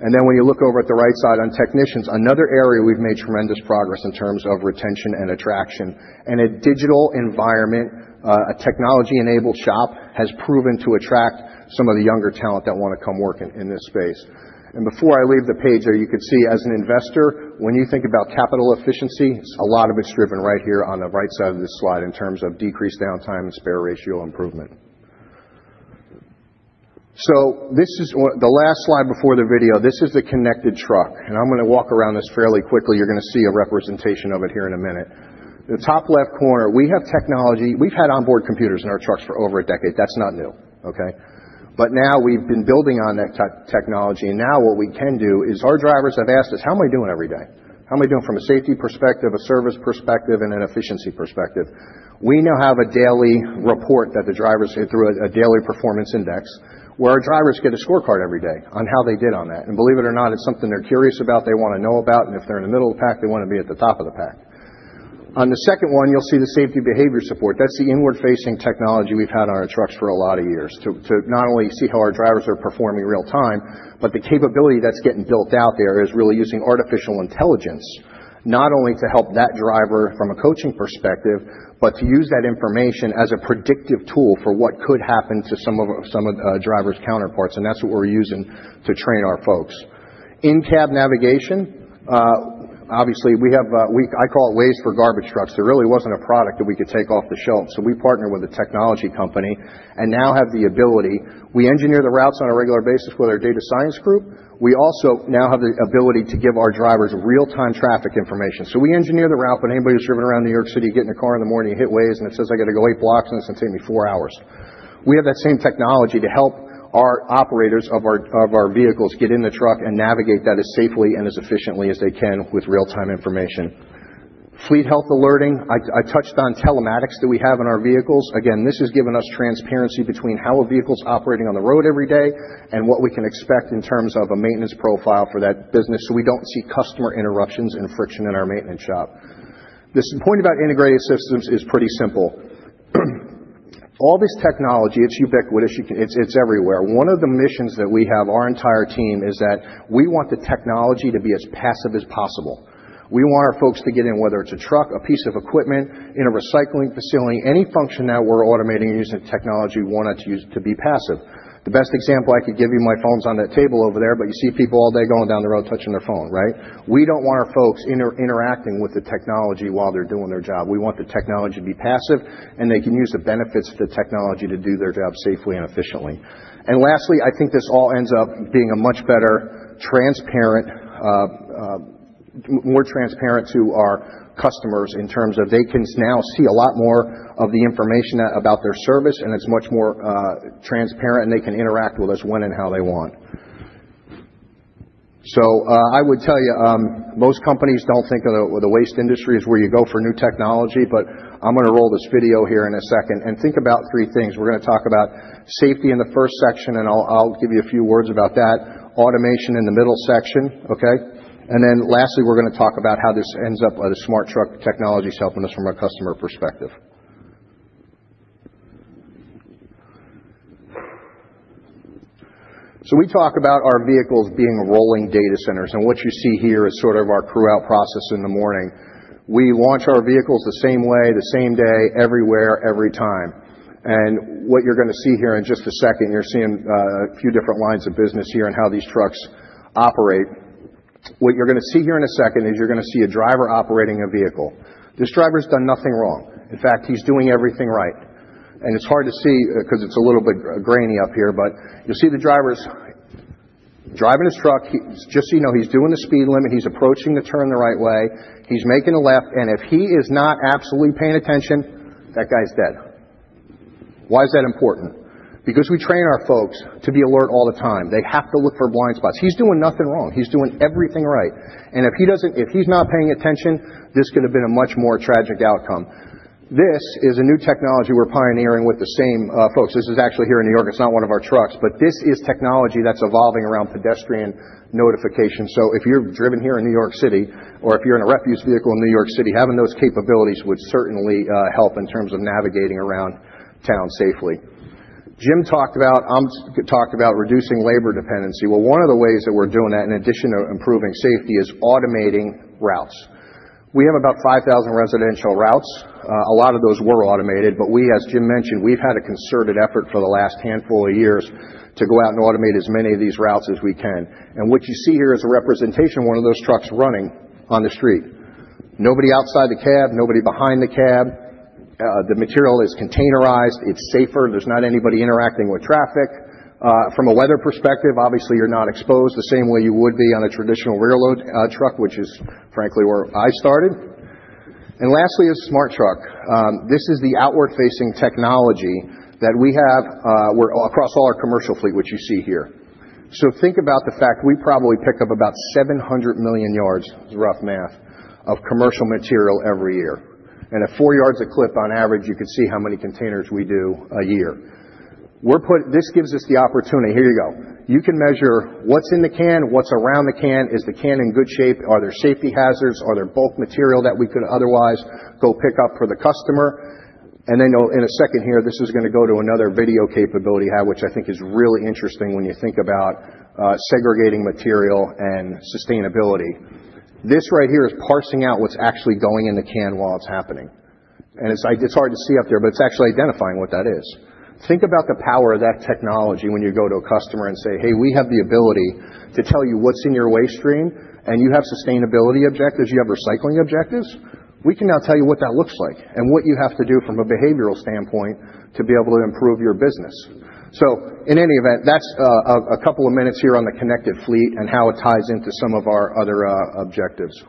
When you look over at the right side on technicians, another area we've made tremendous progress in terms of retention and attraction. A digital environment, a technology-enabled shop has proven to attract some of the younger talent that want to come work in this space. Before I leave the page there, you could see as an investor, when you think about capital efficiency, a lot of it's driven right here on the right side of this slide in terms of decreased downtime and spare ratio improvement. This is the last slide before the video. This is the connected truck. I'm going to walk around this fairly quickly. You're going to see a representation of it here in a minute. The top left corner, we have technology. We've had onboard computers in our trucks for over a decade. That's not new, okay? Now we've been building on that technology. Now what we can do is our drivers have asked us, "How am I doing every day? How am I doing from a safety perspective, a service perspective, and an efficiency perspective?" We now have a daily report that the drivers hit through a daily performance index where our drivers get a scorecard every day on how they did on that. And believe it or not, it's something they're curious about. They want to know about it. If they're in the middle of the pack, they want to be at the top of the pack. On the second one, you'll see the safety behavior support. That's the inward-facing technology we've had on our trucks for a lot of years to not only see how our drivers are performing real time, but the capability that's getting built out there is really using artificial intelligence not only to help that driver from a coaching perspective, but to use that information as a predictive tool for what could happen to some of drivers' counterparts. That's what we're using to train our folks. In-cab navigation, obviously, we have, I call it Waze for garbage trucks. There really wasn't a product that we could take off the shelf. We partner with a technology company and now have the ability. We engineer the routes on a regular basis with our data science group. We also now have the ability to give our drivers real-time traffic information. We engineer the route. Anybody who's driven around New York City getting a car in the morning, you hit Waze, and it says, "I got to go eight blocks, and it's going to take me four hours." We have that same technology to help our operators of our vehicles get in the truck and navigate that as safely and as efficiently as they can with real-time information. Fleet health alerting. I touched on telematics that we have in our vehicles. Again, this has given us transparency between how a vehicle's operating on the road every day and what we can expect in terms of a maintenance profile for that business so we don't see customer interruptions and friction in our maintenance shop. This point about integrated systems is pretty simple. All this technology, it's ubiquitous. It's everywhere. One of the missions that we have, our entire team, is that we want the technology to be as passive as possible. We want our folks to get in, whether it's a truck, a piece of equipment, in a recycling facility, any function that we're automating using technology, we want it to be passive. The best example I could give you, my phone's on that table over there. You see people all day going down the road touching their phone, right? We don't want our folks interacting with the technology while they're doing their job. We want the technology to be passive, and they can use the benefits of the technology to do their job safely and efficiently. Lastly, I think this all ends up being much better, more transparent to our customers in terms of they can now see a lot more of the information about their service, and it's much more transparent, and they can interact with us when and how they want. I would tell you, most companies don't think of the waste industry as where you go for new technology. I'm going to roll this video here in a second and think about three things. We're going to talk about safety in the first section, and I'll give you a few words about that. Automation in the middle section. Okay? Lastly, we're going to talk about how this ends up at a smart truck technology is helping us from a customer perspective. We talk about our vehicles being rolling data centers. What you see here is sort of our crew-out process in the morning. We launch our vehicles the same way, the same day, everywhere, every time. What you're going to see here in just a second, you're seeing a few different lines of business here and how these trucks operate. What you're going to see here in a second is you're going to see a driver operating a vehicle. This driver's done nothing wrong. In fact, he's doing everything right. It's hard to see because it's a little bit grainy up here. You'll see the driver's driving his truck. Just so you know, he's doing the speed limit. He's approaching the turn the right way. He's making a left. If he is not absolutely paying attention, that guy's dead. Why is that important? Because we train our folks to be alert all the time. They have to look for blind spots. He's doing nothing wrong. He's doing everything right. If he's not paying attention, this could have been a much more tragic outcome. This is a new technology we're pioneering with the same folks. This is actually here in New York. It's not one of our trucks. This is technology that's evolving around pedestrian notification. If you've driven here in New York City or if you're in a refuse vehicle in New York City, having those capabilities would certainly help in terms of navigating around town safely. Jim talked about reducing labor dependency. One of the ways that we're doing that in addition to improving safety is automating routes. We have about 5,000 residential routes. A lot of those were automated. As Jim mentioned, we've had a concerted effort for the last handful of years to go out and automate as many of these routes as we can. What you see here is a representation of one of those trucks running on the street. Nobody outside the cab, nobody behind the cab. The material is containerized. It's safer. There's not anybody interacting with traffic. From a weather perspective, obviously, you're not exposed the same way you would be on a traditional rear loader truck, which is frankly where I started. Lastly, a smart truck. This is the outward-facing technology that we have across all our commercial fleet, which you see here. Think about the fact we probably pick up about 700 million yards, it's rough math, of commercial material every year. At four yards a clip on average, you could see how many containers we do a year. This gives us the opportunity. Here you go. You can measure what's in the can, what's around the can, is the can in good shape, are there safety hazards, are there bulk material that we could otherwise go pick up for the customer. In a second here, this is going to go to another video capability which I think is really interesting when you think about segregating material and sustainability. This right here is parsing out what's actually going in the can while it's happening. It's hard to see up there, but it's actually identifying what that is. Think about the power of that technology when you go to a customer and say, "Hey, we have the ability to tell you what's in your waste stream, and you have sustainability objectives, you have recycling objectives. We can now tell you what that looks like and what you have to do from a behavioral standpoint to be able to improve your business." In any event, that's a couple of minutes here on the connected fleet and how it ties into some of our other objectives.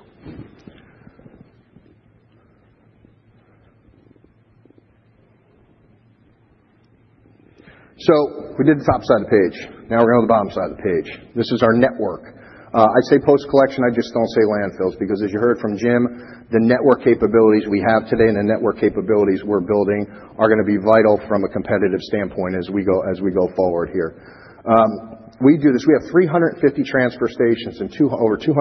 We did the top side of the page. Now we're on the bottom side of the page. This is our network. I say post-collection, I just don't say landfills. Because as you heard from Jim, the network capabilities we have today and the network capabilities we're building are going to be vital from a competitive standpoint as we go forward here. We do this. We have 350 transfer stations and over 260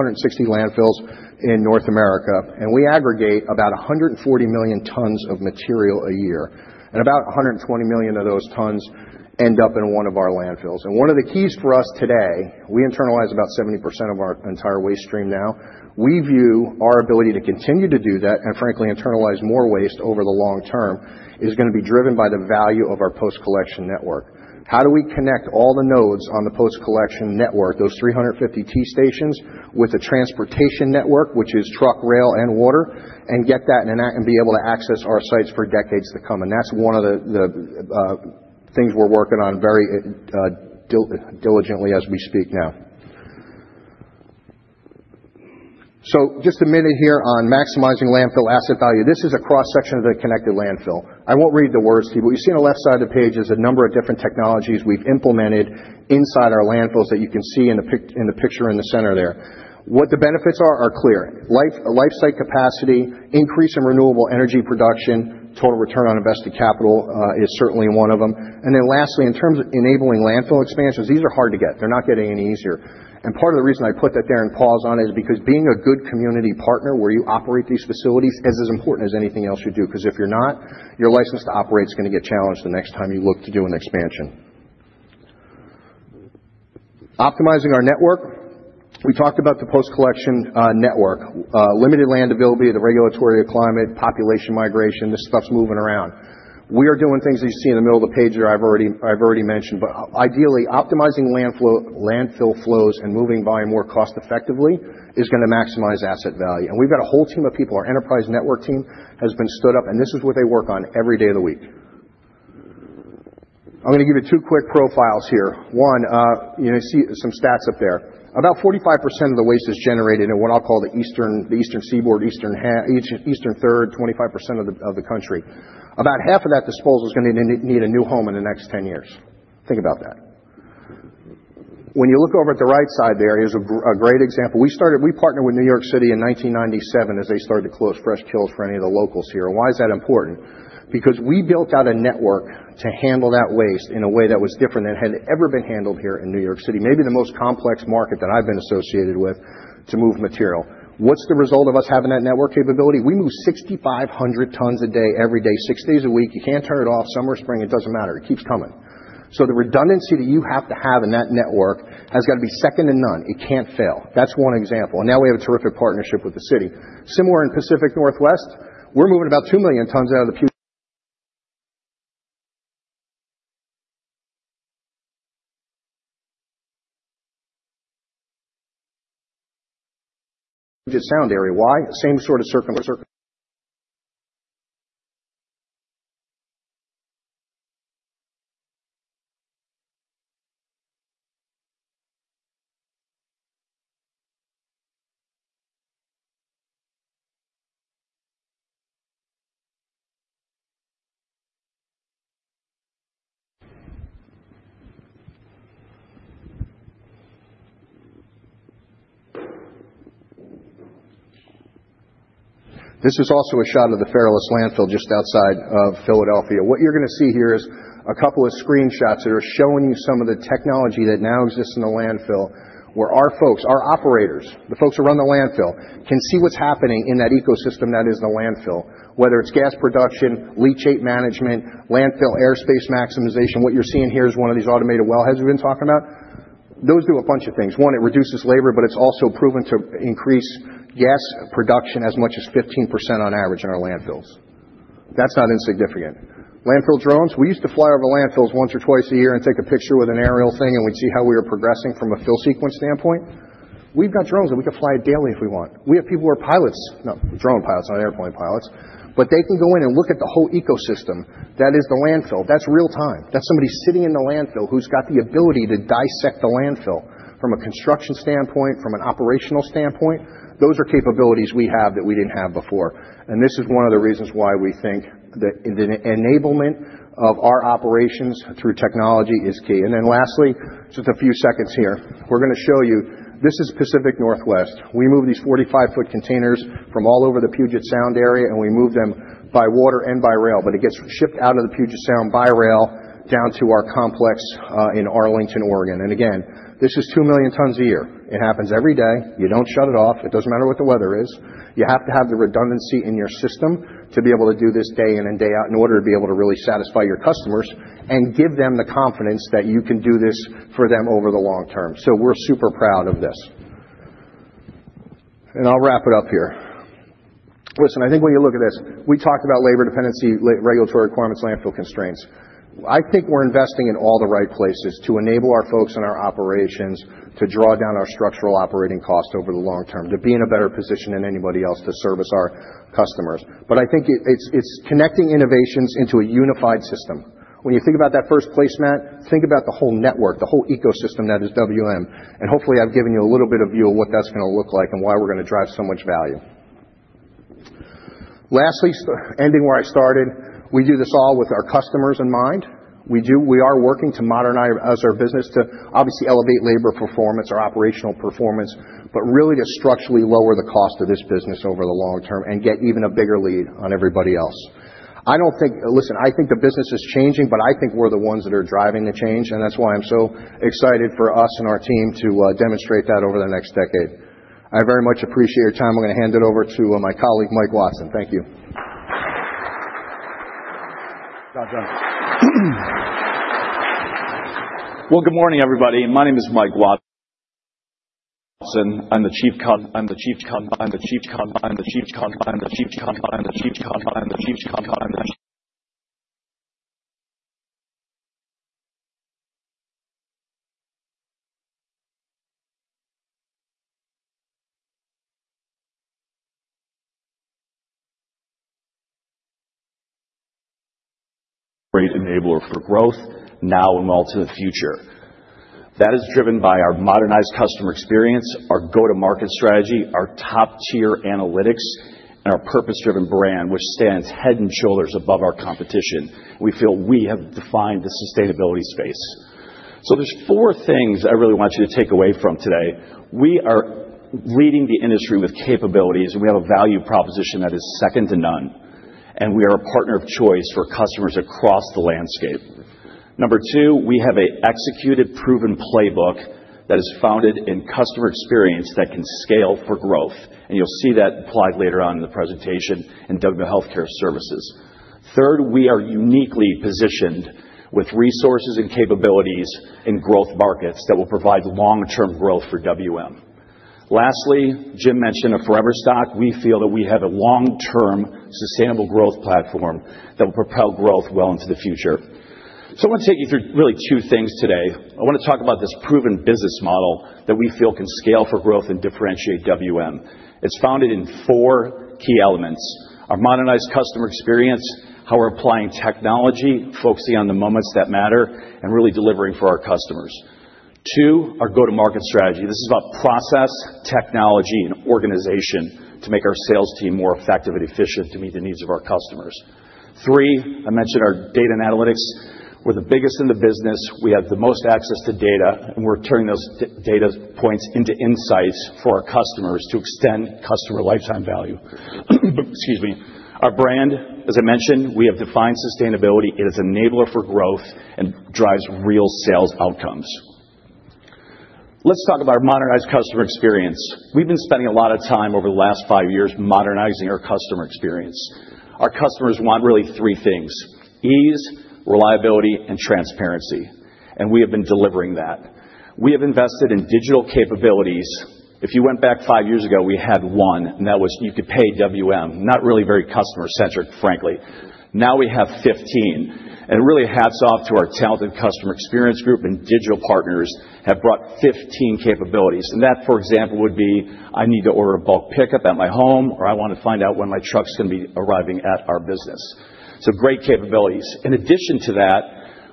landfills in North America. We aggregate about 140 million tons of material a year. About 120 million of those tons end up in one of our landfills. One of the keys for us today, we internalize about 70% of our entire waste stream now. We view our ability to continue to do that and, frankly, internalize more waste over the long term is going to be driven by the value of our post-collection network. How do we connect all the nodes on the post-collection network, those 350 transfer stations, with a transportation network, which is truck, rail, and water, and get that and be able to access our sites for decades to come? That is one of the things we are working on very diligently as we speak now. Just a minute here on maximizing landfill asset value. This is a cross-section of the connected landfill. I won't read the words to you. You see on the left side of the page is a number of different technologies we've implemented inside our landfills that you can see in the picture in the center there. What the benefits are are clear. Life cycle capacity, increase in renewable energy production, total return on invested capital is certainly one of them. Lastly, in terms of enabling landfill expansions, these are hard to get. They're not getting any easier. Part of the reason I put that there and pause on it is because being a good community partner where you operate these facilities is as important as anything else you do. Because if you're not, your license to operate is going to get challenged the next time you look to do an expansion. Optimizing our network. We talked about the post-collection network, limited land availability, the regulatory climate, population migration. This stuff's moving around. We are doing things that you see in the middle of the page that I've already mentioned. Ideally, optimizing landfill flows and moving by more cost-effectively is going to maximize asset value. We've got a whole team of people. Our enterprise network team has been stood up, and this is what they work on every day of the week. I'm going to give you two quick profiles here. One, you see some stats up there. About 45% of the waste is generated in what I'll call the Eastern Seaboard, Eastern Third, 25% of the country. About half of that disposal is going to need a new home in the next 10 years. Think about that. When you look over at the right side there, here's a great example. We partnered with New York City in 1997 as they started to close for any of the locals here. Why is that important? Because we built out a network to handle that waste in a way that was different than had ever been handled here in New York City, maybe the most complex market that I've been associated with to move material. What's the result of us having that network capability? We move 6,500 tons a day, every day, six days a week. You can't turn it off. Summer, spring, it doesn't matter. It keeps coming. The redundancy that you have to have in that network has got to be second to none. It can't fail. That's one example. Now we have a terrific partnership with the city. Similar in Pacific Northwest, we're moving about 2 million tons out of the sound area. Why? Same sort of circumstance. This is also a shot of the Fairless Landfill just outside of Philadelphia. What you're going to see here is a couple of screenshots that are showing you some of the technology that now exists in the landfill where our folks, our operators, the folks who run the landfill, can see what's happening in that ecosystem that is the landfill, whether it's gas production, leachate management, landfill airspace maximization. What you're seeing here is one of these automated wellheads we've been talking about. Those do a bunch of things. One, it reduces labor, but it's also proven to increase gas production as much as 15% on average in our landfills. That's not insignificant. Landfill drones. We used to fly over landfills once or twice a year and take a picture with an aerial thing, and we'd see how we were progressing from a fill sequence standpoint. We've got drones that we can fly daily if we want. We have people who are pilots, not drone pilots, not airplane pilots. But they can go in and look at the whole ecosystem that is the landfill. That's real time. That's somebody sitting in the landfill who's got the ability to dissect the landfill from a construction standpoint, from an operational standpoint. Those are capabilities we have that we didn't have before. This is one of the reasons why we think that the enablement of our operations through technology is key. Lastly, just a few seconds here. We're going to show you. This is Pacific Northwest. We move these 45-foot containers from all over the Puget Sound area, and we move them by water and by rail. It gets shipped out of the Puget Sound by rail down to our complex in Arlington, Oregon. Again, this is 2 million tons a year. It happens every day. You do not shut it off. It does not matter what the weather is. You have to have the redundancy in your system to be able to do this day in and day out in order to be able to really satisfy your customers and give them the confidence that you can do this for them over the long term. We are super proud of this. I will wrap it up here. Listen, I think when you look at this, we talked about labor dependency, regulatory requirements, landfill constraints. I think we're investing in all the right places to enable our folks and our operations to draw down our structural operating cost over the long term to be in a better position than anybody else to service our customers. I think it's connecting innovations into a unified system. When you think about that first placement, think about the whole network, the whole ecosystem that is WM. Hopefully, I've given you a little bit of view of what that's going to look like and why we're going to drive so much value. Lastly, ending where I started, we do this all with our customers in mind. We are working to modernize our business to obviously elevate labor performance, our operational performance, but really to structurally lower the cost of this business over the long term and get even a bigger lead on everybody else. Listen, I think the business is changing, but I think we're the ones that are driving the change. That is why I'm so excited for us and our team to demonstrate that over the next decade. I very much appreciate your time. I'm going to hand it over to my colleague, Mike Watson. Thank you. Good morning, everybody. My name is Mike Watson. I'm the Chief Commercial Officer for Growth now and well to the future. That is driven by our modernized customer experience, our go-to-market strategy, our top-tier analytics, and our purpose-driven brand, which stands head and shoulders above our competition. We feel we have defined the sustainability space. There are four things I really want you to take away from today. We are leading the industry with capabilities, and we have a value proposition that is second to none. We are a partner of choice for customers across the landscape. Number two, we have an executed, proven playbook that is founded in customer experience that can scale for growth. You will see that applied later on in the presentation in WM Healthcare Services. Third, we are uniquely positioned with resources and capabilities in growth markets that will provide long-term growth for WM. Lastly, Jim mentioned a forever stock. We feel that we have a long-term sustainable growth platform that will propel growth well into the future. I want to take you through really two things today. I want to talk about this proven business model that we feel can scale for growth and differentiate WM. It's founded in four key elements: our modernized customer experience, how we're applying technology, focusing on the moments that matter, and really delivering for our customers. Two, our go-to-market strategy. This is about process, technology, and organization to make our sales team more effective and efficient to meet the needs of our customers. Three, I mentioned our data and analytics. We're the biggest in the business. We have the most access to data, and we're turning those data points into insights for our customers to extend customer lifetime value. Excuse me. Our brand, as I mentioned, we have defined sustainability. It is an enabler for growth and drives real sales outcomes. Let's talk about our modernized customer experience. We've been spending a lot of time over the last five years modernizing our customer experience. Our customers want really three things: ease, reliability, and transparency. We have been delivering that. We have invested in digital capabilities. If you went back five years ago, we had one, and that was you could pay WM, not really very customer-centric, frankly. Now we have 15. It really hats off to our talented customer experience group and digital partners have brought 15 capabilities. That, for example, would be, "I need to order a bulk pickup at my home," or, "I want to find out when my truck's going to be arriving at our business." Great capabilities. In addition to that,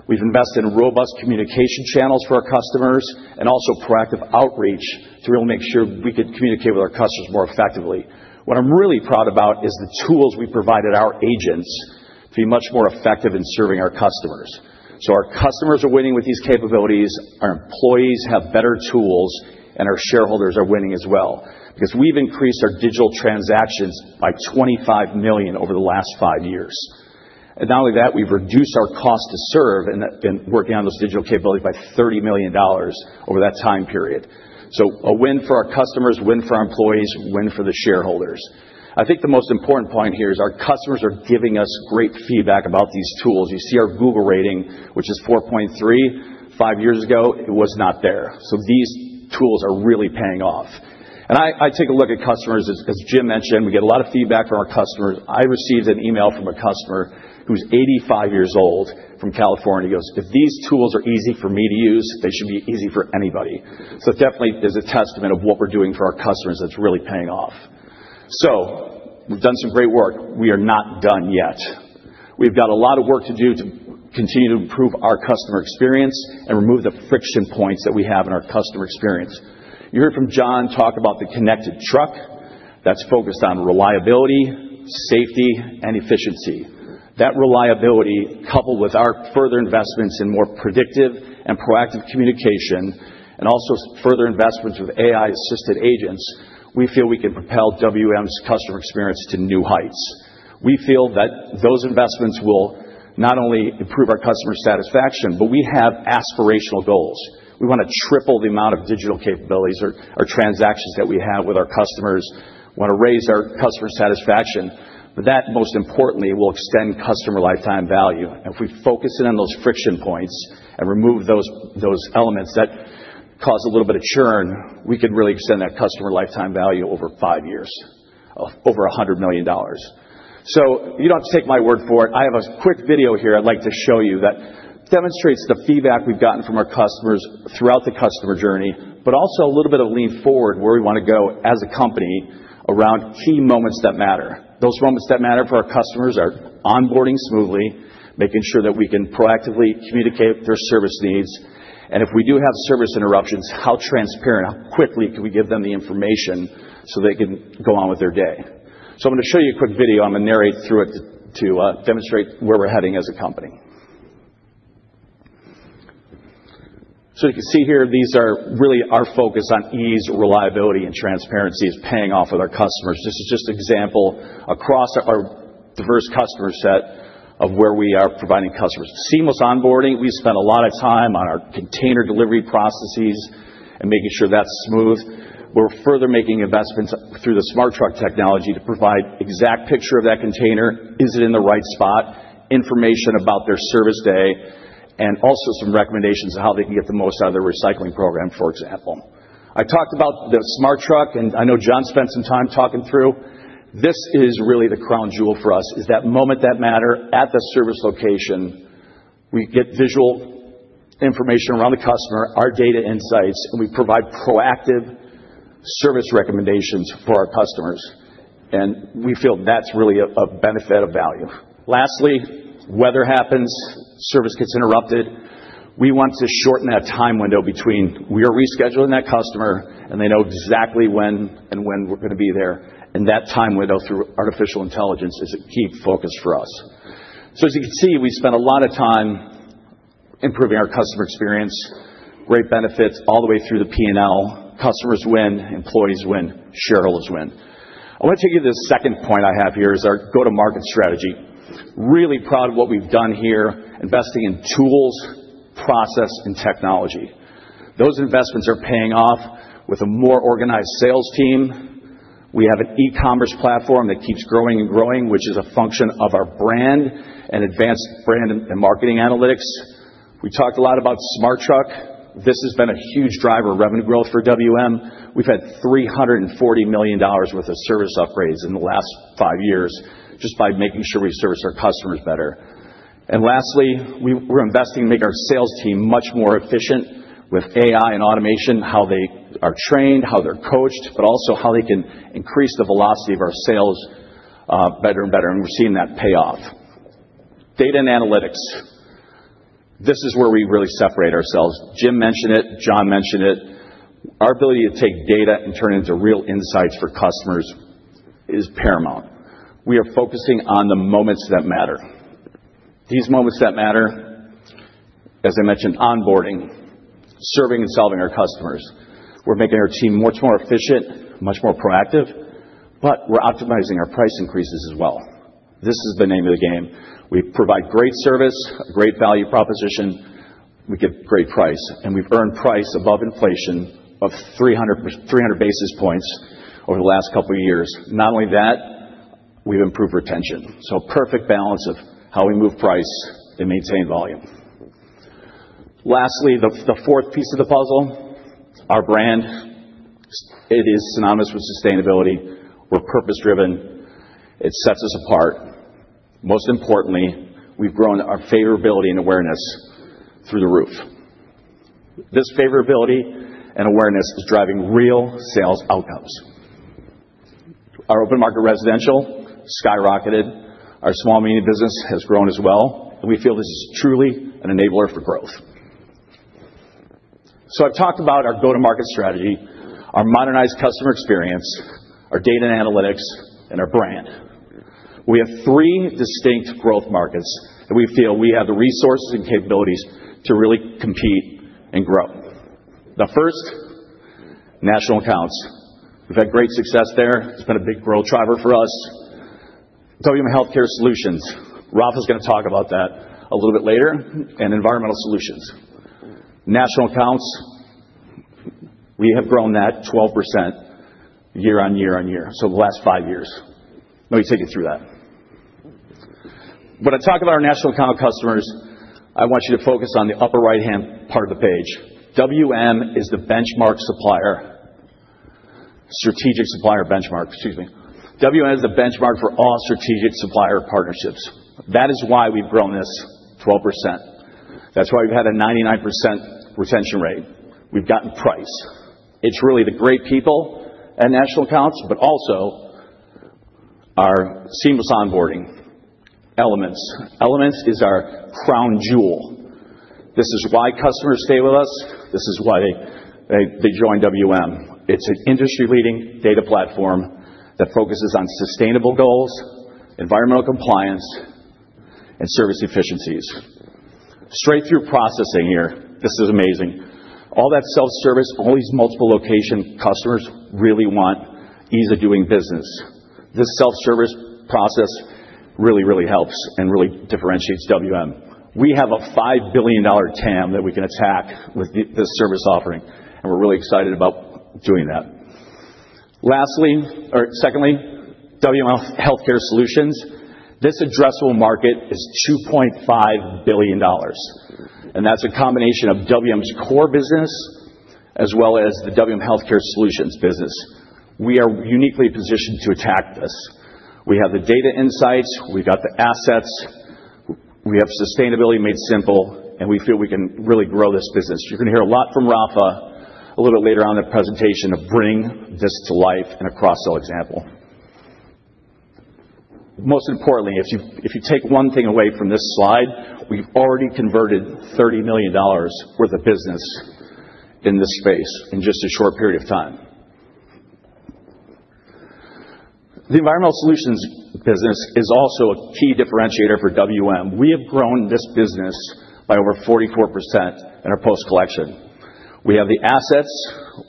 we've invested in robust communication channels for our customers and also proactive outreach to really make sure we could communicate with our customers more effectively. What I'm really proud about is the tools we provided our agents to be much more effective in serving our customers. Our customers are winning with these capabilities. Our employees have better tools, and our shareholders are winning as well because we've increased our digital transactions by 25 million over the last five years. Not only that, we've reduced our cost to serve and working on those digital capabilities by $30 million over that time period. A win for our customers, win for our employees, win for the shareholders. I think the most important point here is our customers are giving us great feedback about these tools. You see our Google rating, which is 4.3 five years ago, it was not there. These tools are really paying off. I take a look at customers. As Jim mentioned, we get a lot of feedback from our customers. I received an email from a customer who's 85 years old from California. He goes, "If these tools are easy for me to use, they should be easy for anybody." Definitely, there's a testament of what we're doing for our customers that's really paying off. We've done some great work. We are not done yet. We've got a lot of work to do to continue to improve our customer experience and remove the friction points that we have in our customer experience. You heard from John talk about the connected truck that's focused on reliability, safety, and efficiency. That reliability, coupled with our further investments in more predictive and proactive communication, and also further investments with AI-assisted agents, we feel we can propel WM's customer experience to new heights. We feel that those investments will not only improve our customer satisfaction, but we have aspirational goals. We want to triple the amount of digital capabilities or transactions that we have with our customers. We want to raise our customer satisfaction. That, most importantly, will extend customer lifetime value. If we focus in on those friction points and remove those elements that cause a little bit of churn, we could really extend that customer lifetime value over five years, over $100 million. You do not have to take my word for it. I have a quick video here I would like to show you that demonstrates the feedback we have gotten from our customers throughout the customer journey, but also a little bit of lean forward where we want to go as a company around key moments that matter. Those moments that matter for our customers are onboarding smoothly, making sure that we can proactively communicate their service needs. If we do have service interruptions, how transparent, how quickly can we give them the information so they can go on with their day? I'm going to show you a quick video. I'm going to narrate through it to demonstrate where we're heading as a company. You can see here, these are really our focus on ease, reliability, and transparency is paying off with our customers. This is just an example across our diverse customer set of where we are providing customers seamless onboarding. We spend a lot of time on our container delivery processes and making sure that's smooth. We're further making investments through the Smart Truck technology to provide an exact picture of that container. Is it in the right spot? Information about their service day and also some recommendations on how they can get the most out of their recycling program, for example. I talked about the Smart Truck, and I know John spent some time talking through. This is really the crown jewel for us, is that moment that matter at the service location. We get visual information around the customer, our data insights, and we provide proactive service recommendations for our customers. We feel that's really a benefit of value. Lastly, weather happens. Service gets interrupted. We want to shorten that time window between we are rescheduling that customer, and they know exactly when and when we're going to be there. That time window through artificial intelligence is a key focus for us. As you can see, we spend a lot of time improving our customer experience, great benefits all the way through the P&L. Customers win, employees win, shareholders win. I want to take you to the second point I have here is our go-to-market strategy. Really proud of what we've done here, investing in tools, process, and technology. Those investments are paying off with a more organized sales team. We have an e-commerce platform that keeps growing and growing, which is a function of our brand and advanced brand and marketing analytics. We talked a lot about Smart Truck. This has been a huge driver of revenue growth for WM. We've had $340 million worth of service upgrades in the last five years just by making sure we service our customers better. Lastly, we're investing in making our sales team much more efficient with AI and automation, how they are trained, how they're coached, but also how they can increase the velocity of our sales better and better. We're seeing that pay off. Data and analytics. This is where we really separate ourselves. Jim mentioned it. John mentioned it. Our ability to take data and turn it into real insights for customers is paramount. We are focusing on the moments that matter. These moments that matter, as I mentioned, onboarding, serving, and solving our customers. We are making our team much more efficient, much more proactive, but we are optimizing our price increases as well. This is the name of the game. We provide great service, a great value proposition. We get great price. And we have earned price above inflation of 300 basis points over the last couple of years. Not only that, we have improved retention. So perfect balance of how we move price and maintain volume. Lastly, the fourth piece of the puzzle, our brand. It is synonymous with sustainability. We are purpose-driven. It sets us apart. Most importantly, we have grown our favorability and awareness through the roof. This favorability and awareness is driving real sales outcomes. Our open market residential skyrocketed. Our small medium business has grown as well. We feel this is truly an enabler for growth. I've talked about our go-to-market strategy, our modernized customer experience, our data and analytics, and our brand. We have three distinct growth markets, and we feel we have the resources and capabilities to really compete and grow. The first, national accounts. We've had great success there. It's been a big growth driver for us. WM Healthcare Solutions. Ralph is going to talk about that a little bit later. Environmental solutions. National accounts, we have grown that 12% year on year on year, so the last five years. Let me take you through that. When I talk about our national account customers, I want you to focus on the upper right-hand part of the page. WM is the benchmark supplier, strategic supplier benchmark. Excuse me. WM is the benchmark for all strategic supplier partnerships. That is why we've grown this 12%. That's why we've had a 99% retention rate. We've gotten price. It's really the great people at national accounts, but also our seamless onboarding elements. Elements is our crown jewel. This is why customers stay with us. This is why they join WM. It's an industry-leading data platform that focuses on sustainable goals, environmental compliance, and service efficiencies. Straight through processing here. This is amazing. All that self-service, all these multiple location customers really want ease of doing business. This self-service process really, really helps and really differentiates WM. We have a $5 billion TAM that we can attack with this service offering, and we're really excited about doing that. Secondly, WM Healthcare Solutions. This addressable market is $2.5 billion. That is a combination of WM's core business as well as the WM Healthcare Solutions business. We are uniquely positioned to attack this. We have the data insights. We've got the assets. We have sustainability made simple, and we feel we can really grow this business. You're going to hear a lot from Rafa a little bit later on in the presentation to bring this to life and a cross-sell example. Most importantly, if you take one thing away from this slide, we've already converted $30 million worth of business in this space in just a short period of time. The environmental solutions business is also a key differentiator for WM. We have grown this business by over 44% in our post-collection. We have the assets.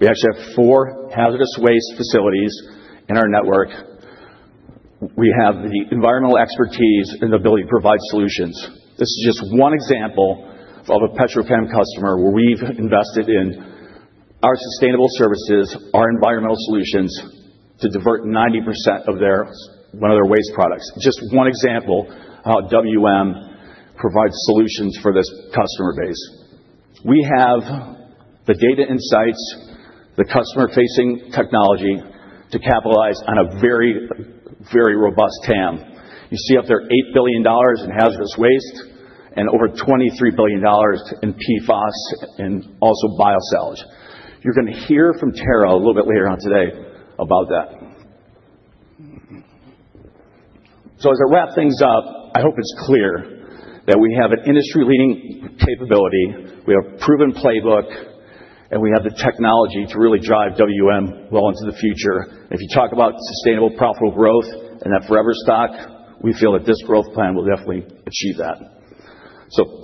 We actually have four hazardous waste facilities in our network. We have the environmental expertise and the ability to provide solutions. This is just one example of a petrochem customer where we've invested in our sustainable services, our environmental solutions to divert 90% of their waste products. Just one example of how WM provides solutions for this customer base. We have the data insights, the customer-facing technology to capitalize on a very, very robust TAM. You see up there $8 billion in hazardous waste and over $23 billion in PFAS and also biosolids. You're going to hear from Tara a little bit later on today about that. As I wrap things up, I hope it's clear that we have an industry-leading capability. We have a proven playbook, and we have the technology to really drive WM well into the future. If you talk about sustainable, profitable growth and that forever stock, we feel that this growth plan will definitely achieve that.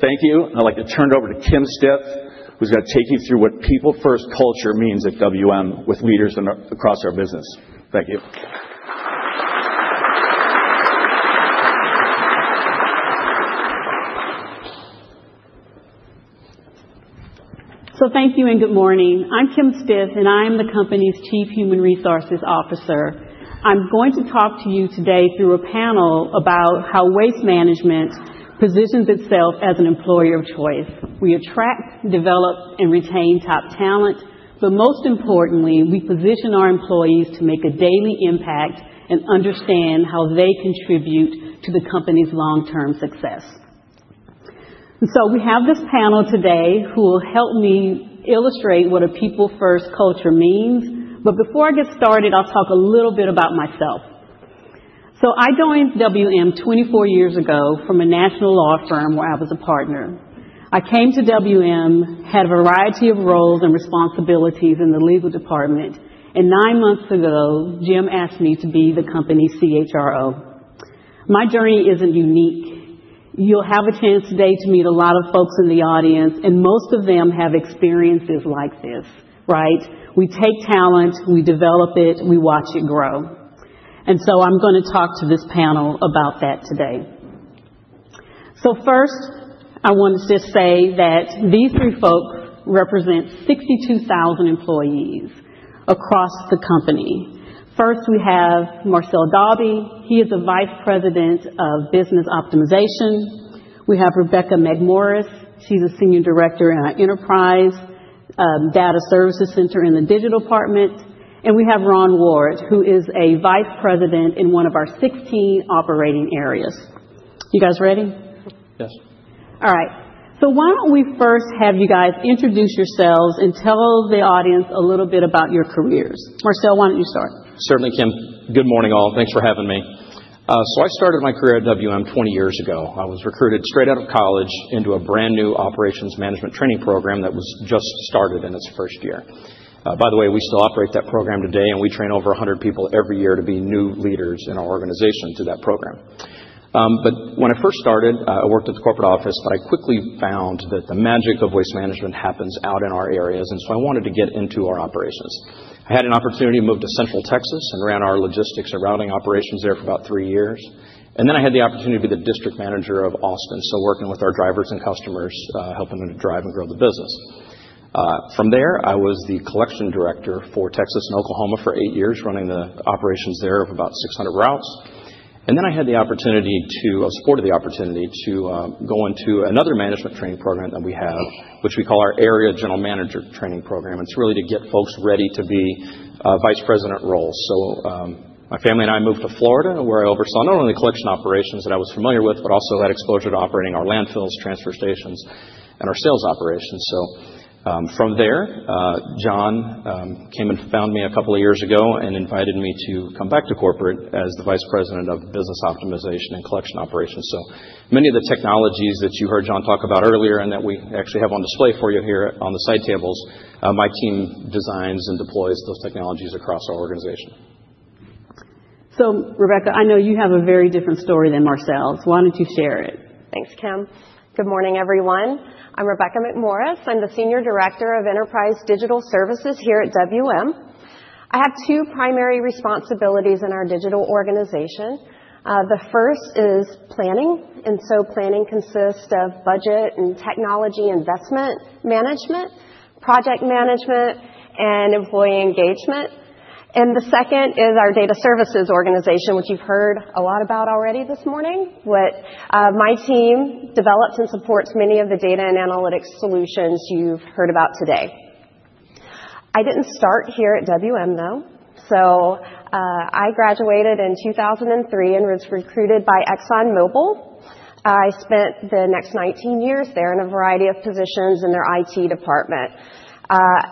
Thank you. I'd like to turn it over to Kim Stith, who's going to take you through what people-first culture means at WM with leaders across our business. Thank you. Thank you and good morning. I'm Kim Stith, and I am the company's Chief Human Resources Officer. I'm going to talk to you today through a panel about how Waste Management positions itself as an employer of choice. We attract, develop, and retain top talent, but most importantly, we position our employees to make a daily impact and understand how they contribute to the company's long-term success. We have this panel today who will help me illustrate what a people-first culture means. Before I get started, I'll talk a little bit about myself. I joined WM 24 years ago from a national law firm where I was a partner. I came to WM, had a variety of roles and responsibilities in the legal department. Nine months ago, Jim asked me to be the company's CHRO. My journey isn't unique. You'll have a chance today to meet a lot of folks in the audience, and most of them have experiences like this, right? We take talent, we develop it, we watch it grow. I'm going to talk to this panel about that today. First, I want to just say that these three folks represent 62,000 employees across the company. First, we have Marcel Dalby. He is the Vice President of Business Optimization. We have Rebecca McMorris. She's a Senior Director in our enterprise data services center in the digital department. We have Ron Ward, who is a Vice President in one of our 16 operating areas. You guys ready? Yes. All right. Why do not we first have you guys introduce yourselves and tell the audience a little bit about your careers? Marcel, why do not you start? Certainly, Kim. Good morning, all. Thanks for having me. I started my career at WM 20 years ago. I was recruited straight out of college into a brand new operations management training program that was just started in its first year. By the way, we still operate that program today, and we train over 100 people every year to be new leaders in our organization through that program. When I first started, I worked at the corporate office, but I quickly found that the magic of waste management happens out in our areas. I wanted to get into our operations. I had an opportunity to move to Central Texas and ran our logistics and routing operations there for about three years. I had the opportunity to be the District Manager of Austin, working with our drivers and customers, helping them to drive and grow the business. From there, I was the collection director for Texas and Oklahoma for eight years, running the operations there of about 600 routes. I was afforded the opportunity to go into another management training program that we have, which we call our Area General Manager training program. It is really to get folks ready to be Vice President roles. My family and I moved to Florida, where I oversaw not only the collection operations that I was familiar with, but also had exposure to operating our landfills, transfer stations, and our sales operations. John came and found me a couple of years ago and invited me to come back to corporate as the Vice President of Business Optimization and Collection Operations. Many of the technologies that you heard John talk about earlier and that we actually have on display for you here on the side tables, my team designs and deploys those technologies across our organization. Rebecca, I know you have a very different story than Marcel. So why don't you share it? Thanks, Kim. Good morning, everyone. I'm Rebecca McMorris. I'm the Senior Director of Enterprise Digital Services here at WM. I have two primary responsibilities in our digital organization. The first is planning. Planning consists of budget and technology investment management, project management, and employee engagement. The second is our data services organization, which you've heard a lot about already this morning, where my team developed and supports many of the data and analytics solutions you've heard about today. I didn't start here at WM, though. I graduated in 2003 and was recruited by ExxonMobil. I spent the next 19 years there in a variety of positions in their IT department.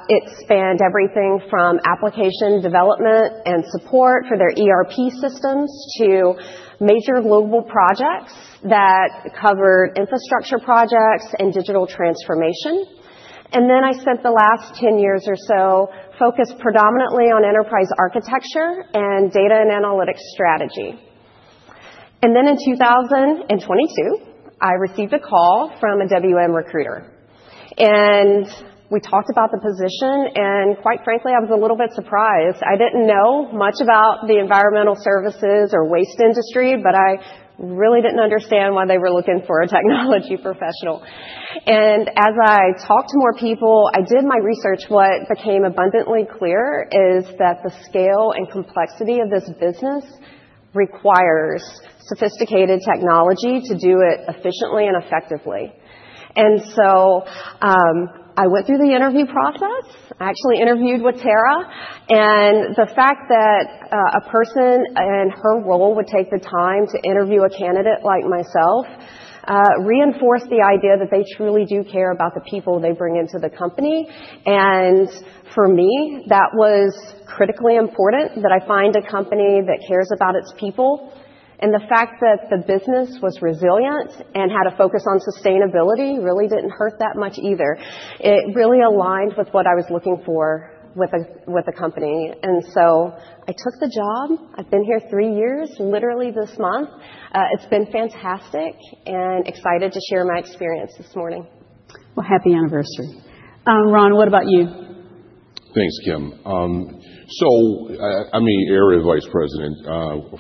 It spanned everything from application development and support for their ERP systems to major global projects that covered infrastructure projects and digital transformation. I spent the last 10 years or so focused predominantly on enterprise architecture and data and analytics strategy. In 2022, I received a call from a WM recruiter. We talked about the position. Quite frankly, I was a little bit surprised. I did not know much about the environmental services or waste industry, but I really did not understand why they were looking for a technology professional. As I talked to more people, I did my research. What became abundantly clear is that the scale and complexity of this business requires sophisticated technology to do it efficiently and effectively. I went through the interview process. I actually interviewed with Tara. The fact that a person in her role would take the time to interview a candidate like myself reinforced the idea that they truly do care about the people they bring into the company. For me, that was critically important that I find a company that cares about its people. The fact that the business was resilient and had a focus on sustainability really did not hurt that much either. It really aligned with what I was looking for with a company. I took the job. I have been here three years literally this month. It has been fantastic and excited to share my experience this morning. Happy anniversary. Ron, what about you? Thanks, Kim. I'm the Area Vice President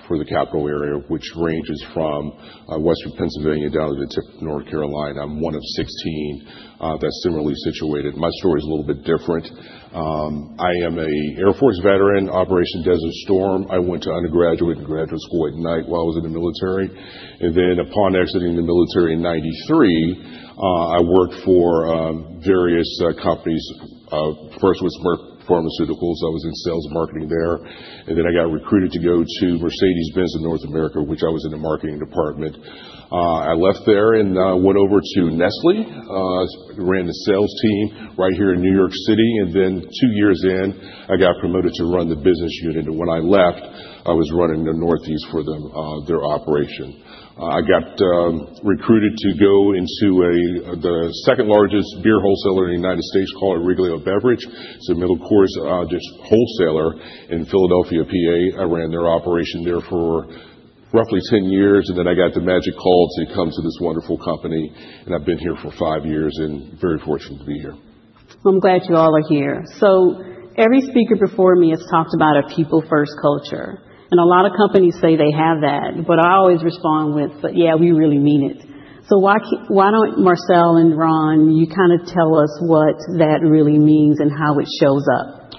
for the Capital Area, which ranges from western Pennsylvania down to the tip of North Carolina. I'm one of 16 that's similarly situated. My story is a little bit different. I am an Air Force veteran, Operation Desert Storm. I went to undergraduate and graduate school at night while I was in the military. Upon exiting the military in 1993, I worked for various companies. First was Merck Pharmaceuticals. I was in sales and marketing there. I got recruited to go to Mercedes-Benz of North America, which I was in the marketing department. I left there and went over to Nestlé, ran the sales team right here in New York City. Two years in, I got promoted to run the business unit. When I left, I was running the Northeast for their operation. I got recruited to go into the second largest beer wholesaler in the United States called Origlio Beverage. It's a middle-class wholesaler in Philadelphia, PA. I ran their operation there for roughly 10 years. I got the magic call to come to this wonderful company. I have been here for five years and very fortunate to be here. I'm glad you all are here. Every speaker before me has talked about a people-first culture. A lot of companies say they have that, but I always respond with, but yeah, we really mean it. Why don't Marcel and Ron, you kind of tell us what that really means and how it shows up?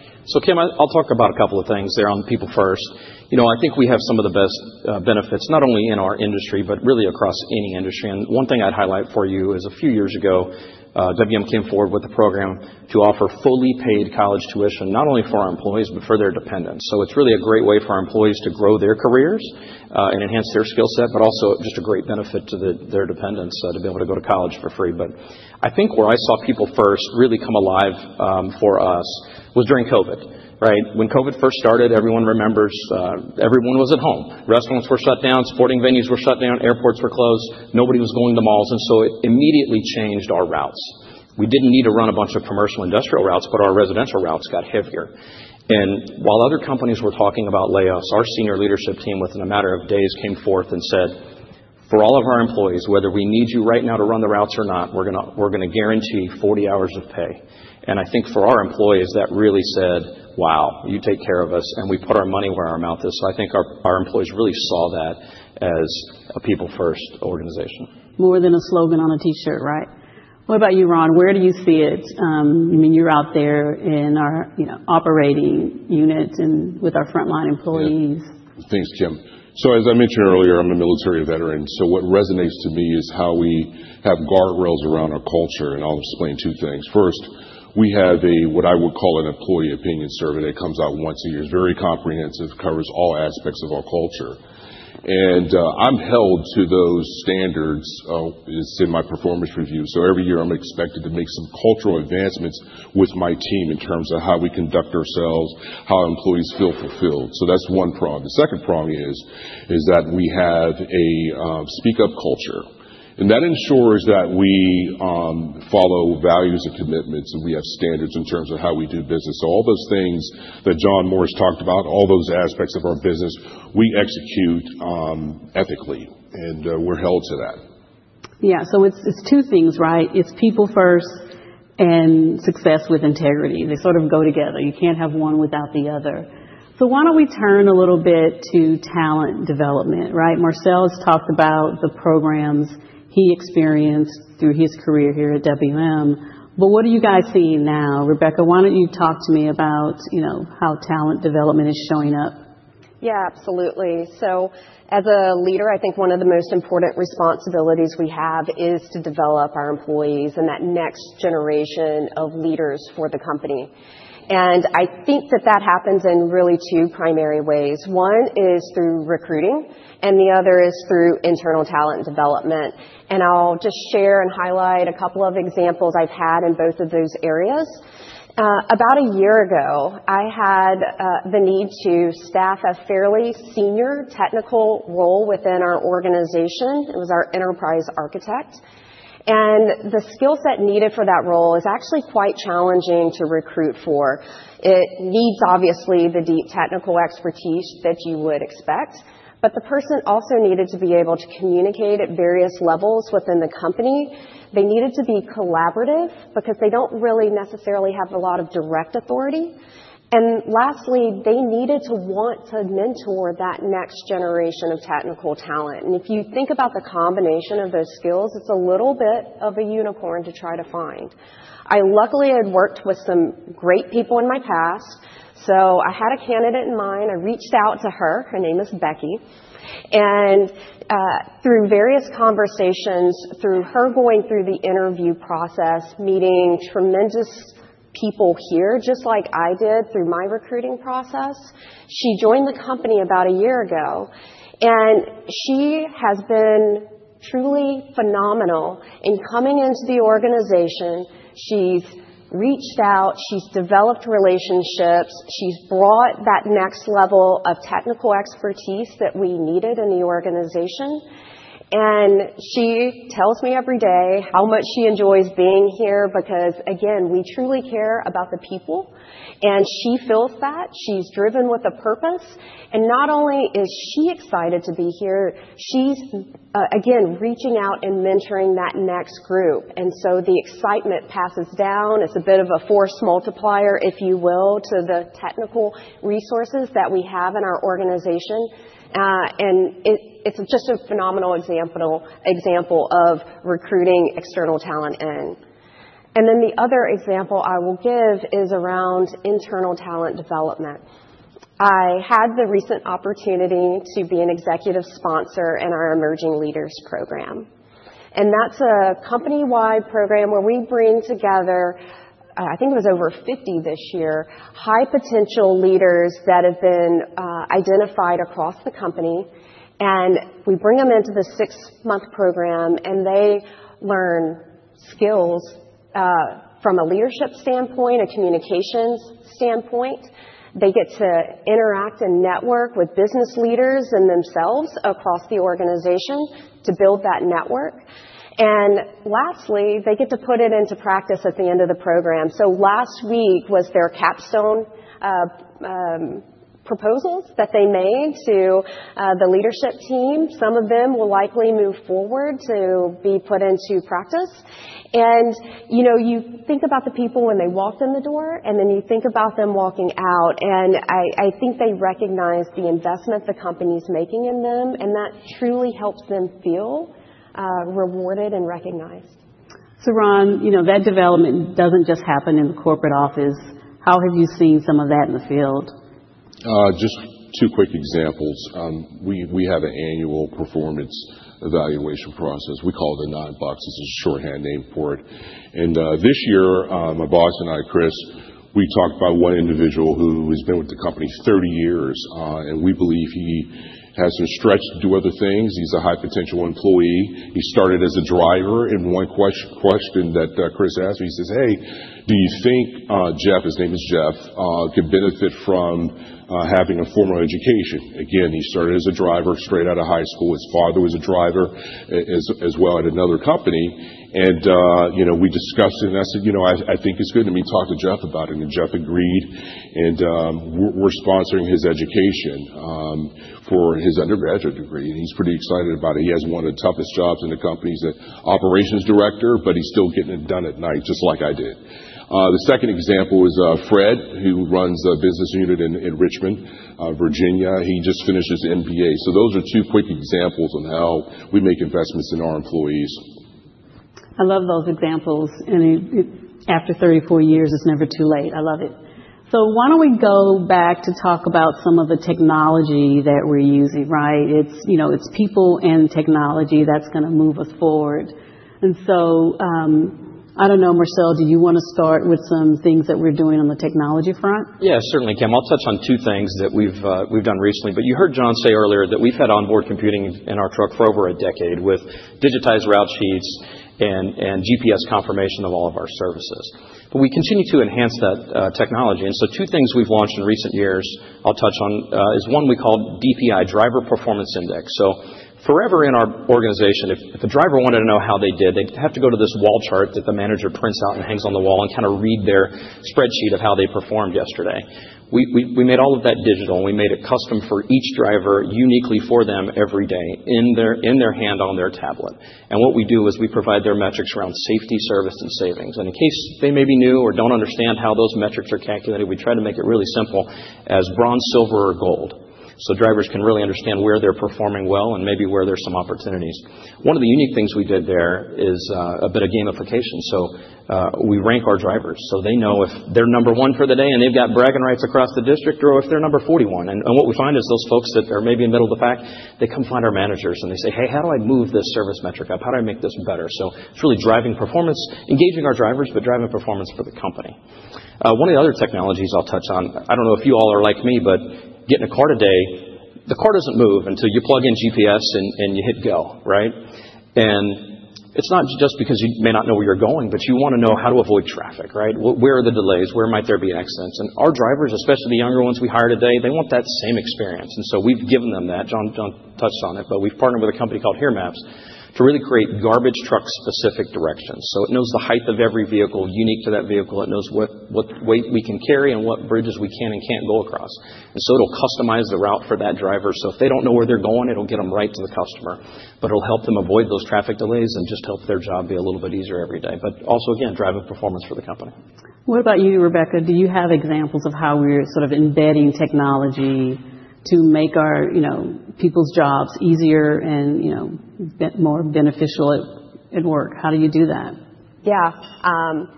Kim, I'll talk about a couple of things there on people-first. I think we have some of the best benefits not only in our industry, but really across any industry. One thing I'd highlight for you is a few years ago, WM came forward with the program to offer fully paid college tuition not only for our employees, but for their dependents. It's really a great way for our employees to grow their careers and enhance their skill set, but also just a great benefit to their dependents to be able to go to college for free. I think where I saw people-first really come alive for us was during COVID, right? When COVID first started, everyone remembers everyone was at home. Restaurants were shut down, sporting venues were shut down, airports were closed. Nobody was going to malls. It immediately changed our routes. We did not need to run a bunch of commercial industrial routes, but our residential routes got heavier. While other companies were talking about layoffs, our senior leadership team, within a matter of days, came forth and said, for all of our employees, whether we need you right now to run the routes or not, we are going to guarantee 40 hours of pay. I think for our employees, that really said, wow, you take care of us and we put our money where our mouth is. I think our employees really saw that as a people-first organization. More than a slogan on a T-shirt, right? What about you, Ron? Where do you see it? I mean, you're out there in our operating unit and with our frontline employees. Thanks, Kim. As I mentioned earlier, I'm a military veteran. What resonates to me is how we have guardrails around our culture. I'll explain two things. First, we have what I would call an employee opinion survey. It comes out once a year. It's very comprehensive, covers all aspects of our culture. I'm held to those standards in my performance review. Every year, I'm expected to make some cultural advancements with my team in terms of how we conduct ourselves, how employees feel fulfilled. That's one prong. The second prong is that we have a speak-up culture. That ensures that we follow values and commitments, and we have standards in terms of how we do business. All those things that John Morris talked about, all those aspects of our business, we execute ethically. We're held to that. Yeah. So it's two things, right? It's people-first and success with integrity. They sort of go together. You can't have one without the other. Why don't we turn a little bit to talent development, right? Marcel has talked about the programs he experienced through his career here at WM. What are you guys seeing now? Rebecca, why don't you talk to me about how talent development is showing up? Yeah, absolutely. As a leader, I think one of the most important responsibilities we have is to develop our employees and that next generation of leaders for the company. I think that that happens in really two primary ways. One is through recruiting, and the other is through internal talent development. I'll just share and highlight a couple of examples I've had in both of those areas. About a year ago, I had the need to staff a fairly senior technical role within our organization. It was our enterprise architect. The skill set needed for that role is actually quite challenging to recruit for. It needs, obviously, the deep technical expertise that you would expect. The person also needed to be able to communicate at various levels within the company. They needed to be collaborative because they do not really necessarily have a lot of direct authority. Lastly, they needed to want to mentor that next generation of technical talent. If you think about the combination of those skills, it is a little bit of a unicorn to try to find. I luckily had worked with some great people in my past. I had a candidate in mind. I reached out to her. Her name is Becky. Through various conversations, through her going through the interview process, meeting tremendous people here, just like I did through my recruiting process, she joined the company about a year ago. She has been truly phenomenal in coming into the organization. She has reached out. She has developed relationships. She has brought that next level of technical expertise that we needed in the organization. She tells me every day how much she enjoys being here because, again, we truly care about the people. She feels that. She's driven with a purpose. Not only is she excited to be here, she's, again, reaching out and mentoring that next group. The excitement passes down. It's a bit of a force multiplier, if you will, to the technical resources that we have in our organization. It's just a phenomenal example of recruiting external talent in. The other example I will give is around internal talent development. I had the recent opportunity to be an executive sponsor in our Emerging Leaders program. That's a company-wide program where we bring together, I think it was over 50 this year, high-potential leaders that have been identified across the company. We bring them into the six-month program, and they learn skills from a leadership standpoint, a communications standpoint. They get to interact and network with business leaders and themselves across the organization to build that network. Lastly, they get to put it into practice at the end of the program. Last week was their capstone proposals that they made to the leadership team. Some of them will likely move forward to be put into practice. You think about the people when they walked in the door, and then you think about them walking out. I think they recognize the investment the company's making in them. That truly helps them feel rewarded and recognized. Ron, that development does not just happen in the corporate office. How have you seen some of that in the field? Just two quick examples. We have an annual performance evaluation process. We call it the nine boxes. It's a shorthand name for it. This year, my boss and I, Chris, we talked about one individual who has been with the company 30 years. We believe he has some stretch to do other things. He's a high-potential employee. He started as a driver. One question that Chris asked me, he says, "Hey, do you think Jeff, his name is Jeff, could benefit from having a formal education?" Again, he started as a driver straight out of high school. His father was a driver as well at another company. We discussed it. I said, "I think it's good. Let me talk to Jeff about it." Jeff agreed. We're sponsoring his education for his undergraduate degree. He's pretty excited about it. He has one of the toughest jobs in the company as an Operations Director, but he's still getting it done at night, just like I did. The second example is Fred, who runs a business unit in Richmond, Virginia. He just finished his MBA. Those are two quick examples on how we make investments in our employees. I love those examples. After 34 years, it's never too late. I love it. Why don't we go back to talk about some of the technology that we're using, right? It's people and technology that's going to move us forward. I don't know, Marcel, do you want to start with some things that we're doing on the technology front? Yeah, certainly, Kim. I'll touch on two things that we've done recently. You heard John say earlier that we've had onboard computing in our truck for over a decade with digitized route sheets and GPS confirmation of all of our services. We continue to enhance that technology. Two things we've launched in recent years I'll touch on is one we call DPI, Driver Performance Index. Forever in our organization, if a driver wanted to know how they did, they'd have to go to this wall chart that the manager prints out and hangs on the wall and kind of read their spreadsheet of how they performed yesterday. We made all of that digital. We made it custom for each driver uniquely for them every day in their hand on their tablet. What we do is we provide their metrics around safety, service, and savings. In case they may be new or do not understand how those metrics are calculated, we try to make it really simple as bronze, silver, or gold. Drivers can really understand where they are performing well and maybe where there are some opportunities. One of the unique things we did there is a bit of gamification. We rank our drivers, so they know if they are number one for the day and they have got bragging rights across the district or if they are number 41. What we find is those folks that are maybe in the middle of the pack, they come find our managers and they say, "Hey, how do I move this service metric up? How do I make this better?" It is really driving performance, engaging our drivers, but driving performance for the company. One of the other technologies I'll touch on, I don't know if you all are like me, but getting a car today, the car doesn't move until you plug in GPS and you hit go, right? It is not just because you may not know where you're going, but you want to know how to avoid traffic, right? Where are the delays? Where might there be accidents? Our drivers, especially the younger ones we hire today, they want that same experience. We have given them that. John touched on it, but we've partnered with a company called HERE Maps to really create garbage truck-specific directions. It knows the height of every vehicle unique to that vehicle. It knows what weight we can carry and what bridges we can and can't go across. It will customize the route for that driver. If they don't know where they're going, it'll get them right to the customer. It'll help them avoid those traffic delays and just help their job be a little bit easier every day. Also, again, driving performance for the company. What about you, Rebecca? Do you have examples of how we're sort of embedding technology to make our people's jobs easier and more beneficial at work? How do you do that? Yeah.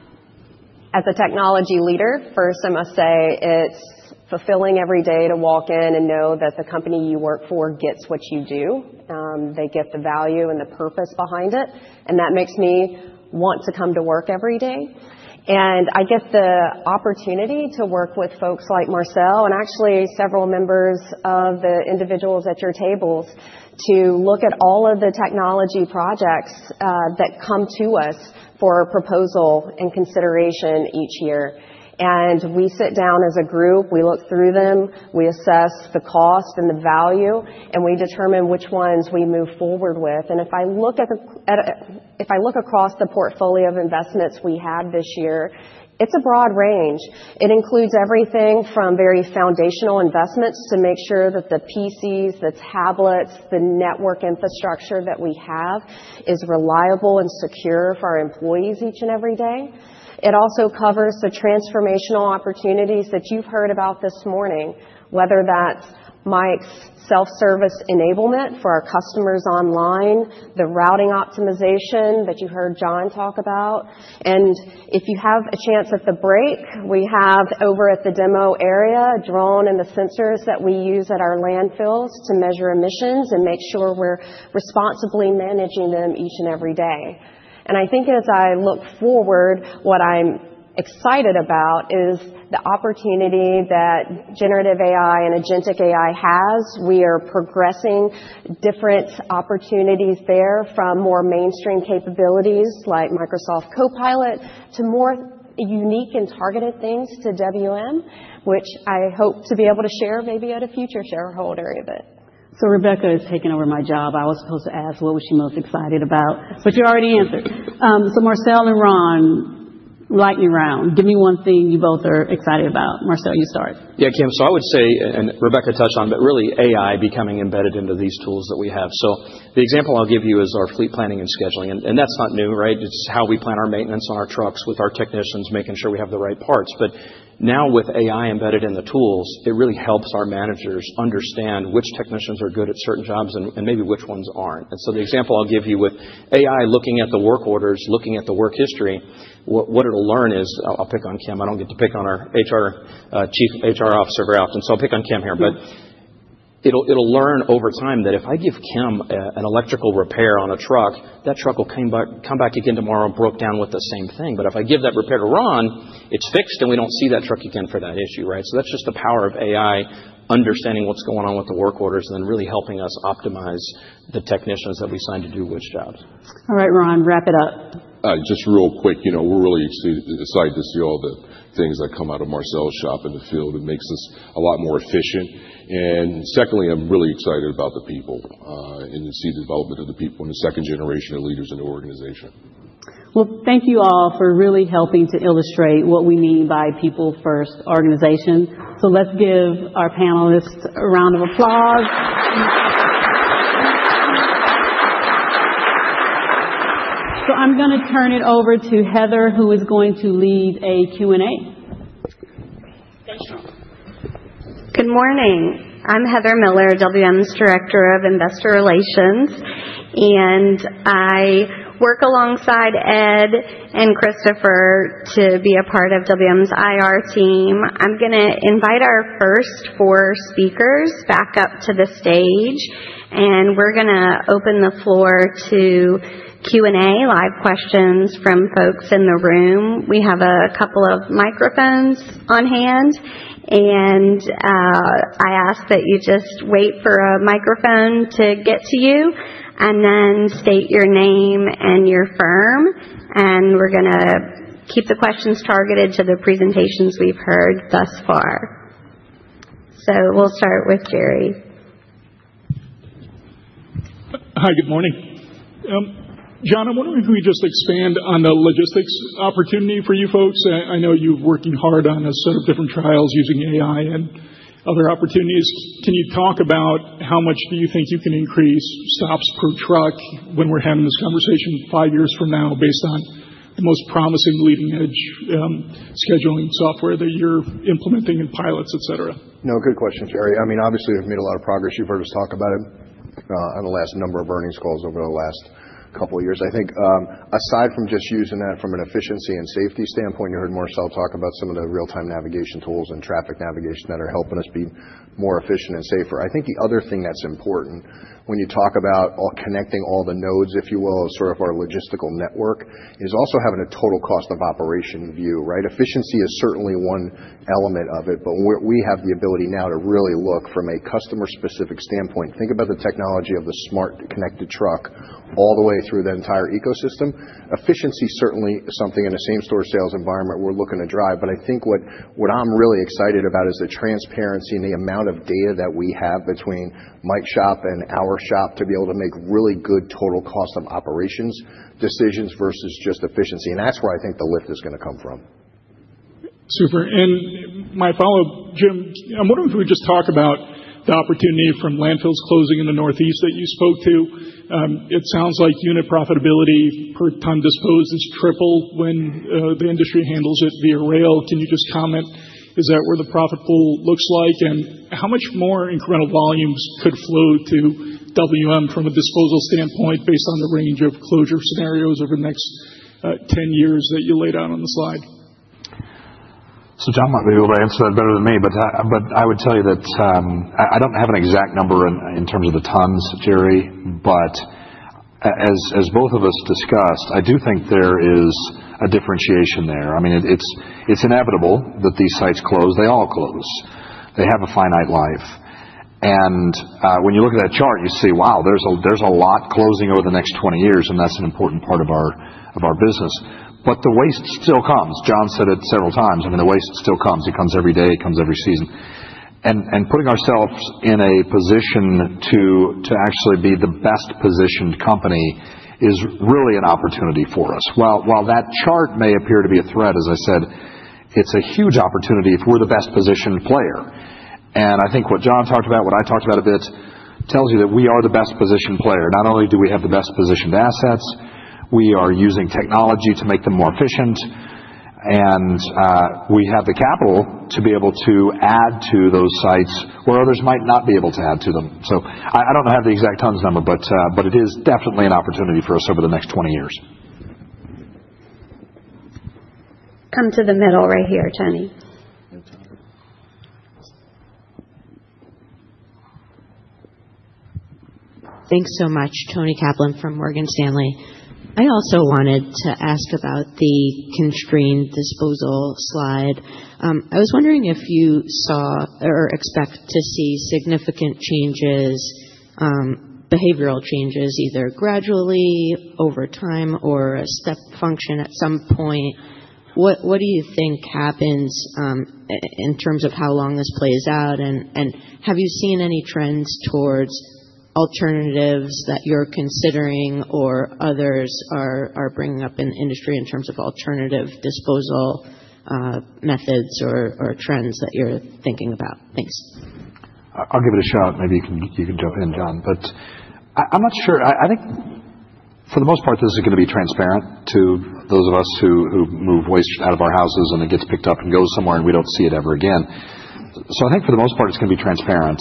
As a technology leader, first, I must say it's fulfilling every day to walk in and know that the company you work for gets what you do. They get the value and the purpose behind it. That makes me want to come to work every day. I get the opportunity to work with folks like Marcel and actually several members of the individuals at your tables to look at all of the technology projects that come to us for proposal and consideration each year. We sit down as a group. We look through them. We assess the cost and the value, and we determine which ones we move forward with. If I look across the portfolio of investments we had this year, it's a broad range. It includes everything from very foundational investments to make sure that the PCs, the tablets, the network infrastructure that we have is reliable and secure for our employees each and every day. It also covers the transformational opportunities that you've heard about this morning, whether that's my self-service enablement for our customers online, the routing optimization that you heard John talk about. If you have a chance at the break, we have over at the demo area a drone and the sensors that we use at our landfills to measure emissions and make sure we're responsibly managing them each and every day. I think as I look forward, what I'm excited about is the opportunity that generative AI and agentic AI has. We are progressing different opportunities there from more mainstream capabilities like Microsoft Copilot to more unique and targeted things to WM, which I hope to be able to share maybe at a future shareholder event. Rebecca has taken over my job. I was supposed to ask what was she most excited about, but you already answered. Marcel and Ron, lightning round. Give me one thing you both are excited about. Marcel, you start. Yeah, Kim. I would say, and Rebecca touched on, but really AI becoming embedded into these tools that we have. The example I'll give you is our fleet planning and scheduling. That's not new, right? It's how we plan our maintenance on our trucks with our technicians, making sure we have the right parts. Now with AI embedded in the tools, it really helps our managers understand which technicians are good at certain jobs and maybe which ones aren't. The example I'll give you with AI looking at the work orders, looking at the work history, what it'll learn is I'll pick on Kim. I don't get to pick on our Chief Human Resources Officer very often. I'll pick on Kim here. It'll learn over time that if I give Kim an electrical repair on a truck, that truck will come back again tomorrow and broke down with the same thing. But if I give that repair to Ron, it's fixed and we don't see that truck again for that issue, right? That's just the power of AI understanding what's going on with the work orders and then really helping us optimize the technicians that we assign to do which jobs. All right, Ron, wrap it up. Just real quick, we're really excited to see all the things that come out of Marcel's shop in the field. It makes us a lot more efficient. Secondly, I'm really excited about the people and to see the development of the people and the second generation of leaders in the organization. Thank you all for really helping to illustrate what we mean by people-first organization. Let's give our panelists a round of applause. I'm going to turn it over to Heather, who is going to lead a Q&A. Good morning. I'm Heather Miller, WM's Director of Investor Relations. I work alongside Ed and Christopher to be a part of WM's IR team. I'm going to invite our first four speakers back up to the stage. We're going to open the floor to Q&A, live questions from folks in the room. We have a couple of microphones on hand. I ask that you just wait for a microphone to get to you and then state your name and your firm. We're going to keep the questions targeted to the presentations we've heard thus far. We'll start with Jerry. Hi, good morning. John, I'm wondering if we just expand on the logistics opportunity for you folks. I know you're working hard on a set of different trials using AI and other opportunities. Can you talk about how much do you think you can increase stops per truck when we're having this conversation five years from now based on the most promising leading-edge scheduling software that you're implementing and pilots, etc.? No, good question, Jerry. I mean, obviously, we've made a lot of progress. You've heard us talk about it on the last number of earnings calls over the last couple of years. I think aside from just using that from an efficiency and safety standpoint, you heard Marcel talk about some of the real-time navigation tools and traffic navigation that are helping us be more efficient and safer. I think the other thing that's important when you talk about connecting all the nodes, if you will, of sort of our logistical network is also having a total cost of operation view, right? Efficiency is certainly one element of it. We have the ability now to really look from a customer-specific standpoint. Think about the technology of the smart connected truck all the way through the entire ecosystem. Efficiency is certainly something in a same-store sales environment we're looking to drive. I think what I'm really excited about is the transparency and the amount of data that we have between my shop and our shop to be able to make really good total cost of operations decisions versus just efficiency. That's where I think the lift is going to come from. Super. My follow-up, Jim, I'm wondering if we just talk about the opportunity from landfills closing in the Northeast that you spoke to. It sounds like unit profitability per ton disposed is triple when the industry handles it via rail. Can you just comment? Is that where the profit pool looks like? How much more incremental volumes could flow to WM from a disposal standpoint based on the range of closure scenarios over the next 10 years that you laid out on the slide? John might be able to answer that better than me. I would tell you that I do not have an exact number in terms of the tons, Jerry. As both of us discussed, I do think there is a differentiation there. I mean, it is inevitable that these sites close. They all close. They have a finite life. When you look at that chart, you see, wow, there is a lot closing over the next 20 years. That is an important part of our business. The waste still comes. John said it several times. I mean, the waste still comes. It comes every day. It comes every season. Putting ourselves in a position to actually be the best-positioned company is really an opportunity for us. While that chart may appear to be a threat, as I said, it is a huge opportunity if we are the best-positioned player. I think what John talked about, what I talked about a bit, tells you that we are the best-positioned player. Not only do we have the best-positioned assets, we are using technology to make them more efficient. We have the capital to be able to add to those sites where others might not be able to add to them. I do not have the exact tons number, but it is definitely an opportunity for us over the next 20 years. Come to the middle right here, Toni. Thanks so much, Toni Kaplan from Morgan Stanley. I also wanted to ask about the constrained disposal slide. I was wondering if you saw or expect to see significant changes, behavioral changes, either gradually over time or a step function at some point. What do you think happens in terms of how long this plays out? Have you seen any trends towards alternatives that you're considering or others are bringing up in the industry in terms of alternative disposal methods or trends that you're thinking about? Thanks. I'll give it a shot. Maybe you can jump in, John. But I'm not sure. I think for the most part, this is going to be transparent to those of us who move waste out of our houses and it gets picked up and goes somewhere and we don't see it ever again. I think for the most part, it's going to be transparent.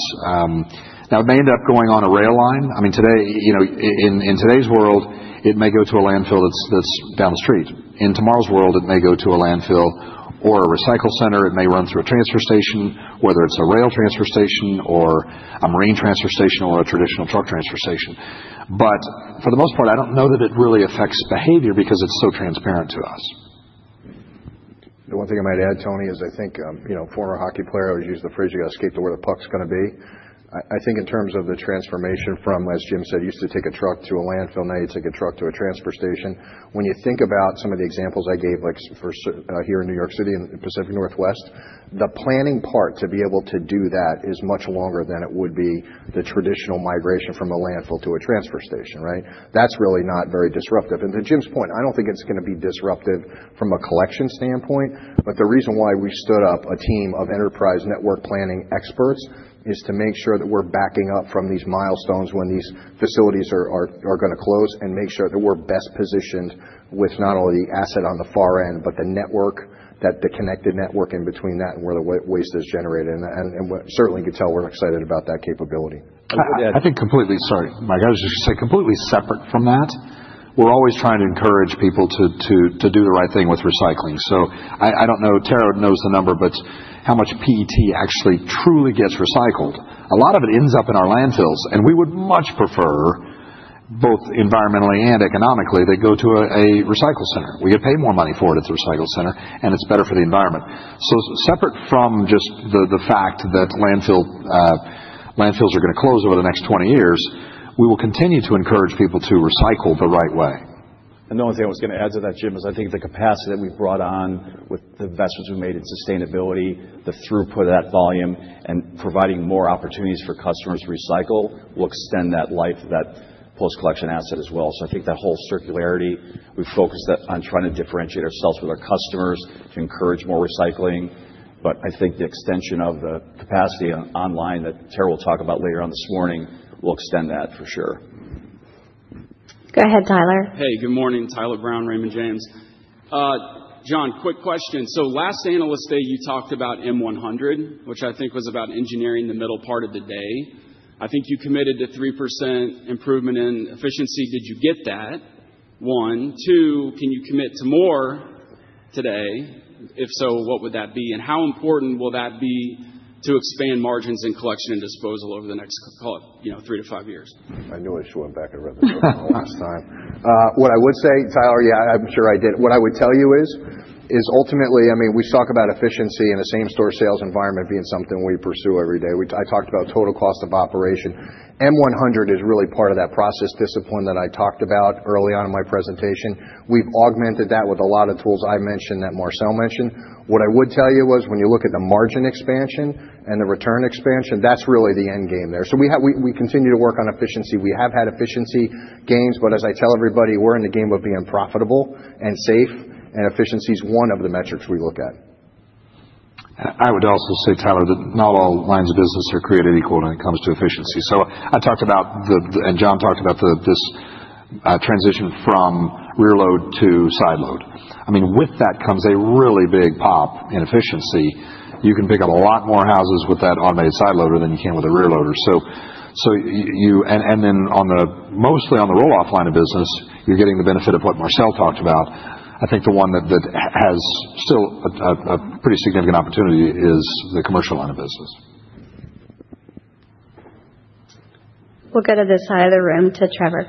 Now, it may end up going on a rail line. I mean, in today's world, it may go to a landfill that's down the street. In tomorrow's world, it may go to a landfill or a recycle center. It may run through a transfer station, whether it's a rail transfer station or a marine transfer station or a traditional truck transfer station. For the most part, I don't know that it really affects behavior because it's so transparent to us. The one thing I might add, Toni, is I think former hockey player, I always use the phrase, you got to escape to where the puck's going to be. I think in terms of the transformation from, as Jim said, used to take a truck to a landfill, now you take a truck to a transfer station. When you think about some of the examples I gave, like here in New York City and the Pacific Northwest, the planning part to be able to do that is much longer than it would be the traditional migration from a landfill to a transfer station, right? That's really not very disruptive. To Jim's point, I don't think it's going to be disruptive from a collection standpoint. The reason why we stood up a team of enterprise network planning experts is to make sure that we're backing up from these milestones when these facilities are going to close and make sure that we're best positioned with not only the asset on the far end, but the connected network in between that and where the waste is generated. Certainly, you can tell we're excited about that capability. I think completely—sorry, Mike. I was just going to say completely separate from that. We're always trying to encourage people to do the right thing with recycling. I don't know. Tara knows the number, but how much PET actually truly gets recycled? A lot of it ends up in our landfills. We would much prefer, both environmentally and economically, that it go to a recycle center. We get paid more money for it at the recycle center, and it's better for the environment. Separate from just the fact that landfills are going to close over the next 20 years, we will continue to encourage people to recycle the right way. The only thing I was going to add to that, Jim, is I think the capacity that we've brought on with the investments we've made in sustainability, the throughput of that volume, and providing more opportunities for customers to recycle will extend that life of that post-collection asset as well. I think that whole circularity, we've focused on trying to differentiate ourselves with our customers to encourage more recycling. I think the extension of the capacity online that Tara will talk about later on this morning will extend that for sure. Go ahead, Tyler. Hey, good morning. Tyler Brown, Raymond James. John, quick question. Last analyst day, you talked about M100, which I think was about engineering the middle part of the day. I think you committed to 3% improvement in efficiency. Did you get that? One. Two, can you commit to more today? If so, what would that be? How important will that be to expand margins in collection and disposal over the next, call it, three to five years? I know I showed back a rhythm last time. What I would say, Tyler, yeah, I'm sure I did. What I would tell you is, ultimately, I mean, we talk about efficiency in a same-store sales environment being something we pursue every day. I talked about total cost of operation. M100 is really part of that process discipline that I talked about early on in my presentation. We've augmented that with a lot of tools I mentioned that Marcel mentioned. What I would tell you was when you look at the margin expansion and the return expansion, that's really the end game there. We continue to work on efficiency. We have had efficiency gains. As I tell everybody, we're in the game of being profitable and safe. Efficiency is one of the metrics we look at. I would also say, Tyler, that not all lines of business are created equal when it comes to efficiency. I talked about, and John talked about this transition from rear load to side load. I mean, with that comes a really big pop in efficiency. You can pick up a lot more houses with that automated side loader than you can with a rear loader. Mostly on the roll-off line of business, you are getting the benefit of what Marcel talked about. I think the one that has still a pretty significant opportunity is the commercial line of business. We'll go to this either room to Trevor.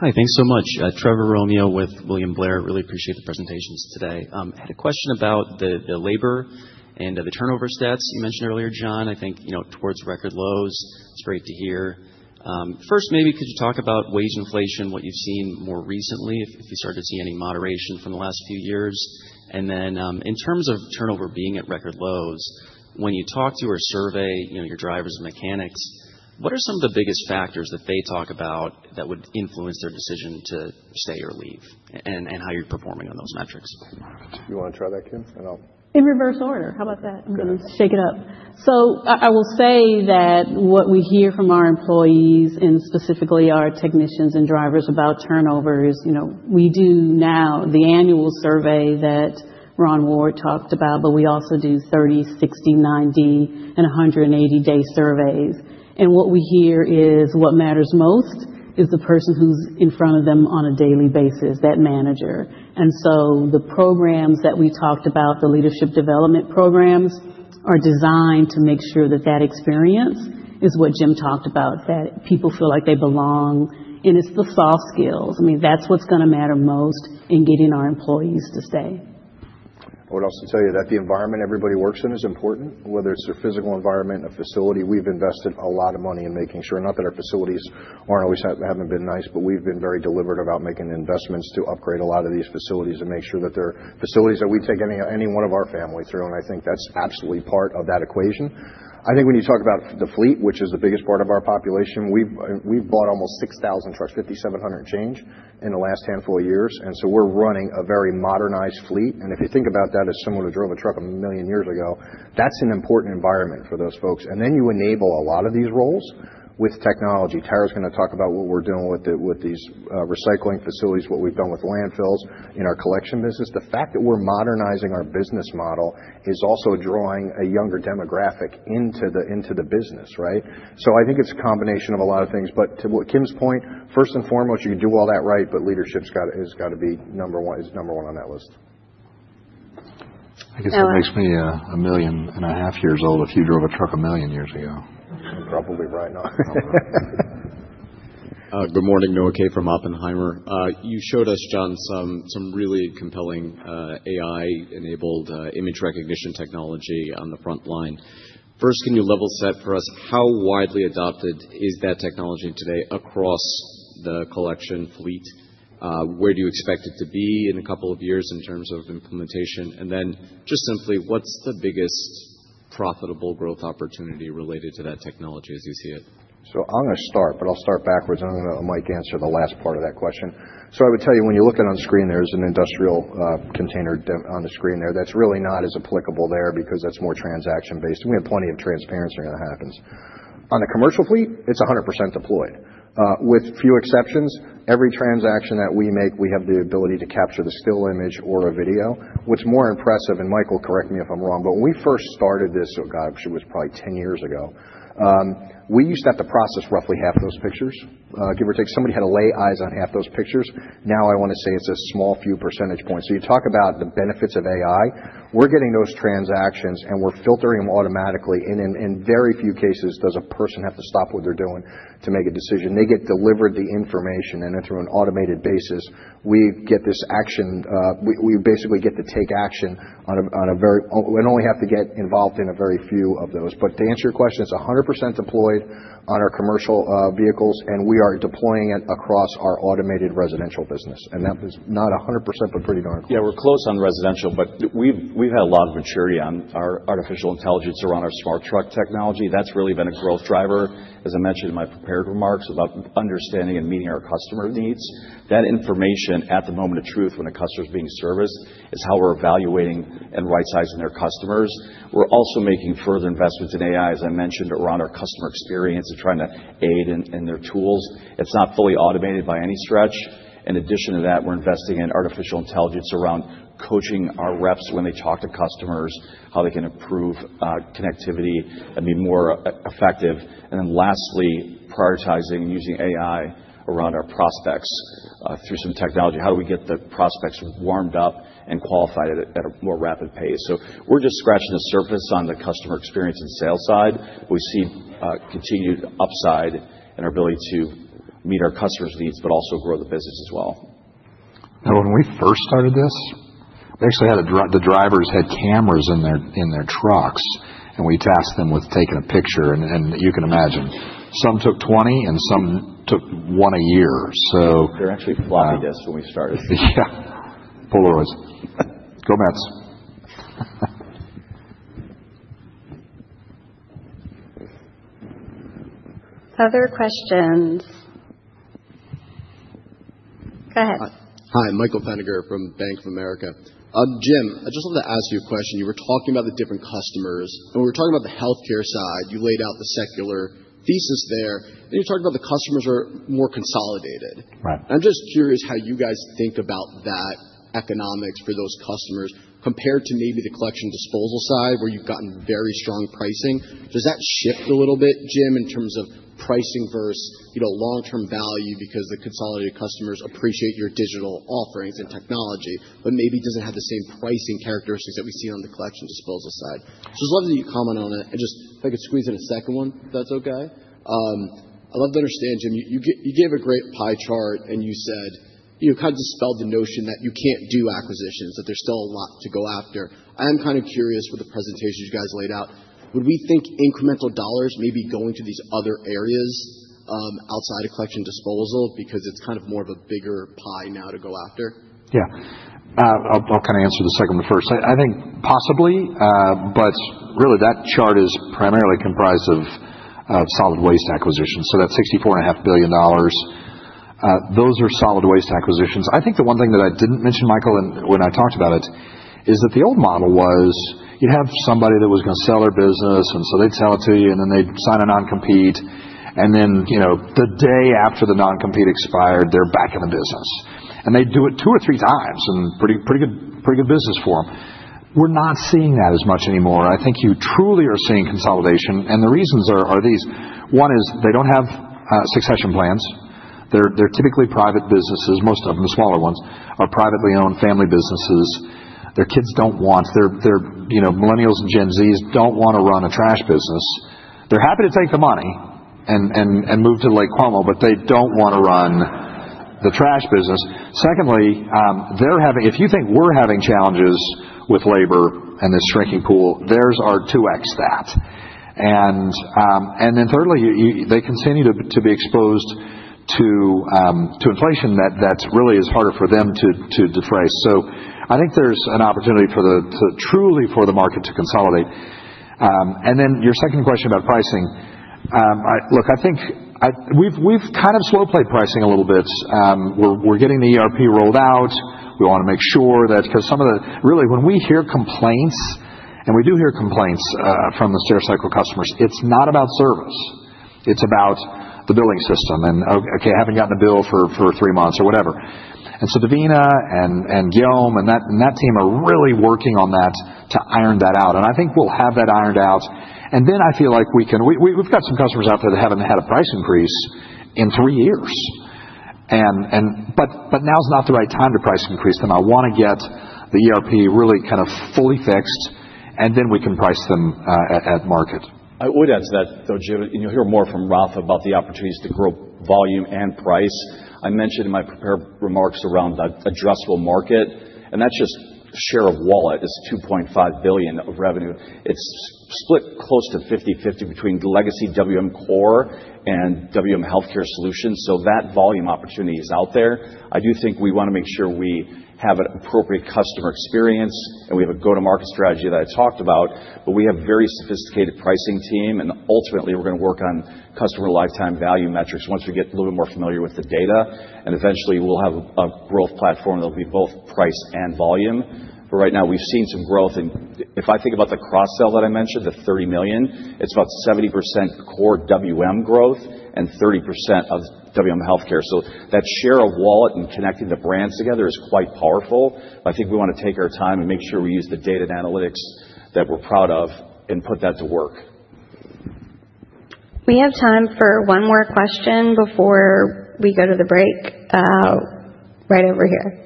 Hi, thanks so much. Trevor Romeo with William Blair. Really appreciate the presentations today. I had a question about the labor and the turnover stats you mentioned earlier, John. I think towards record lows. It's great to hear. First, maybe could you talk about wage inflation, what you've seen more recently, if you started to see any moderation from the last few years? In terms of turnover being at record lows, when you talk to or survey your drivers and mechanics, what are some of the biggest factors that they talk about that would influence their decision to stay or leave and how you're performing on those metrics? You want to try that, Kim? I'll. In reverse order. How about that? I'm going to shake it up. I will say that what we hear from our employees and specifically our technicians and drivers about turnover is we do now the annual survey that Ron Ward talked about, but we also do 30, 60, 90, and 180-day surveys. What we hear is what matters most is the person who's in front of them on a daily basis, that manager. The programs that we talked about, the leadership development programs, are designed to make sure that that experience is what Jim talked about, that people feel like they belong. It's the soft skills. I mean, that's what's going to matter most in getting our employees to stay. I would also tell you that the environment everybody works in is important, whether it's their physical environment, a facility. We've invested a lot of money in making sure not that our facilities aren't always having been nice, but we've been very deliberate about making investments to upgrade a lot of these facilities and make sure that they're facilities that we take any one of our family through. I think that's absolutely part of that equation. I think when you talk about the fleet, which is the biggest part of our population, we've bought almost 6,000 trucks, 5,700 change in the last handful of years. We're running a very modernized fleet. If you think about that as someone who drove a truck a million years ago, that's an important environment for those folks. You enable a lot of these roles with technology. Tara's going to talk about what we're doing with these recycling facilities, what we've done with landfills in our collection business. The fact that we're modernizing our business model is also drawing a younger demographic into the business, right? I think it's a combination of a lot of things. To Kim's point, first and foremost, you can do all that right, but leadership has got to be number one on that list. I guess that makes me a million and a half years old if you drove a truck a million years ago. Probably right now. Good morning, Noah Kaye from Oppenheimer. You showed us, John, some really compelling AI-enabled image recognition technology on the front line. First, can you level set for us how widely adopted is that technology today across the collection fleet? Where do you expect it to be in a couple of years in terms of implementation? What's the biggest profitable growth opportunity related to that technology as you see it? I'm going to start, but I'll start backwards. I'm going to let Mike answer the last part of that question. I would tell you, when you look at it on screen, there's an industrial container on the screen there. That's really not as applicable there because that's more transaction-based. We have plenty of transparency when that happens. On the commercial fleet, it's 100% deployed. With few exceptions, every transaction that we make, we have the ability to capture the still image or a video. What's more impressive, and Mike will correct me if I'm wrong, but when we first started this, oh gosh, it was probably 10 years ago, we used to have to process roughly half those pictures. Give or take, somebody had to lay eyes on half those pictures. Now I want to say it's a small few percentage points. You talk about the benefits of AI. We're getting those transactions, and we're filtering them automatically. In very few cases does a person have to stop what they're doing to make a decision. They get delivered the information, and then through an automated basis, we get this action. We basically get to take action on a very, we only have to get involved in a very few of those. To answer your question, it's 100% deployed on our commercial vehicles, and we are deploying it across our automated residential business. That is not 100%, but pretty darn close. Yeah, we're close on residential, but we've had a lot of maturity on our artificial intelligence around our smart truck technology. That's really been a growth driver, as I mentioned in my prepared remarks, about understanding and meeting our customer needs. That information at the moment of truth when a customer is being serviced is how we're evaluating and right-sizing their customers. We're also making further investments in AI, as I mentioned, around our customer experience and trying to aid in their tools. It's not fully automated by any stretch. In addition to that, we're investing in artificial intelligence around coaching our reps when they talk to customers, how they can improve connectivity and be more effective. Lastly, prioritizing and using AI around our prospects through some technology. How do we get the prospects warmed up and qualified at a more rapid pace? We're just scratching the surface on the customer experience and sales side. We see continued upside in our ability to meet our customers' needs, but also grow the business as well. Now, when we first started this, we actually had the drivers had cameras in their trucks, and we tasked them with taking a picture. You can imagine, some took 20, and some took one a year. They were actually floppy disks when we started. Yeah. Polaroids. Go Mets. Other questions? Go ahead. Hi, Michael Feninger from Bank of America. Jim, I just wanted to ask you a question. You were talking about the different customers. When we were talking about the healthcare side, you laid out the secular thesis there. You were talking about the customers are more consolidated. I'm just curious how you guys think about that economics for those customers compared to maybe the collection and disposal side where you've gotten very strong pricing. Does that shift a little bit, Jim, in terms of pricing versus long-term value because the consolidated customers appreciate your digital offerings and technology, but maybe does not have the same pricing characteristics that we see on the collection and disposal side? I just love that you comment on it. If I could squeeze in a second one, if that's okay. I'd love to understand, Jim, you gave a great pie chart, and you kind of dispelled the notion that you can't do acquisitions, that there's still a lot to go after. I am kind of curious with the presentations you guys laid out. Would we think incremental dollars may be going to these other areas outside of collection and disposal because it's kind of more of a bigger pie now to go after? Yeah. I'll kind of answer the second one first. I think possibly, but really, that chart is primarily comprised of solid waste acquisitions. So that's $64.5 billion. Those are solid waste acquisitions. I think the one thing that I didn't mention, Michael, when I talked about it, is that the old model was you'd have somebody that was going to sell their business, and so they'd sell it to you, and then they'd sign a non-compete. The day after the non-compete expired, they're back in the business. They'd do it two or three times and pretty good business for them. We're not seeing that as much anymore. I think you truly are seeing consolidation. The reasons are these. One is they don't have succession plans. They're typically private businesses, most of them, the smaller ones, are privately owned family businesses. Their kids don't want to, their Millennials and Gen Zs don't want to run a trash business. They're happy to take the money and move to Lake Como, but they don't want to run the trash business. Secondly, if you think we're having challenges with labor and this shrinking pool, theirs are 2x that. Thirdly, they continue to be exposed to inflation that really is harder for them to deface. I think there's an opportunity truly for the market to consolidate. Your second question about pricing, look, I think we've kind of slow-played pricing a little bit. We're getting the ERP rolled out. We want to make sure that because some of the really, when we hear complaints, and we do hear complaints from the Stericycle customers, it's not about service. It's about the billing system. Okay, I haven't gotten a bill for three months or whatever. Devina and Guillaume and that team are really working on that to iron that out. I think we'll have that ironed out. I feel like we can, we've got some customers out there that haven't had a price increase in three years. Now's not the right time to price increase them. I want to get the ERP really kind of fully fixed, and then we can price them at market. I would add to that, though, Jim, and you'll hear more from Rafa about the opportunities to grow volume and price. I mentioned in my prepared remarks around the addressable market. And that's just share of wallet. It's $2.5 billion of revenue. It's split close to 50/50 between the legacy WM core and WM Healthcare Solutions. So that volume opportunity is out there. I do think we want to make sure we have an appropriate customer experience, and we have a go-to-market strategy that I talked about. We have a very sophisticated pricing team. Ultimately, we're going to work on customer lifetime value metrics once we get a little bit more familiar with the data. Eventually, we'll have a growth platform that'll be both price and volume. Right now, we've seen some growth. If I think about the cross-sale that I mentioned, the $30 million, it is about 70% core WM growth and 30% WM healthcare. That share of wallet and connecting the brands together is quite powerful. I think we want to take our time and make sure we use the data and analytics that we are proud of and put that to work. We have time for one more question before we go to the break right over here.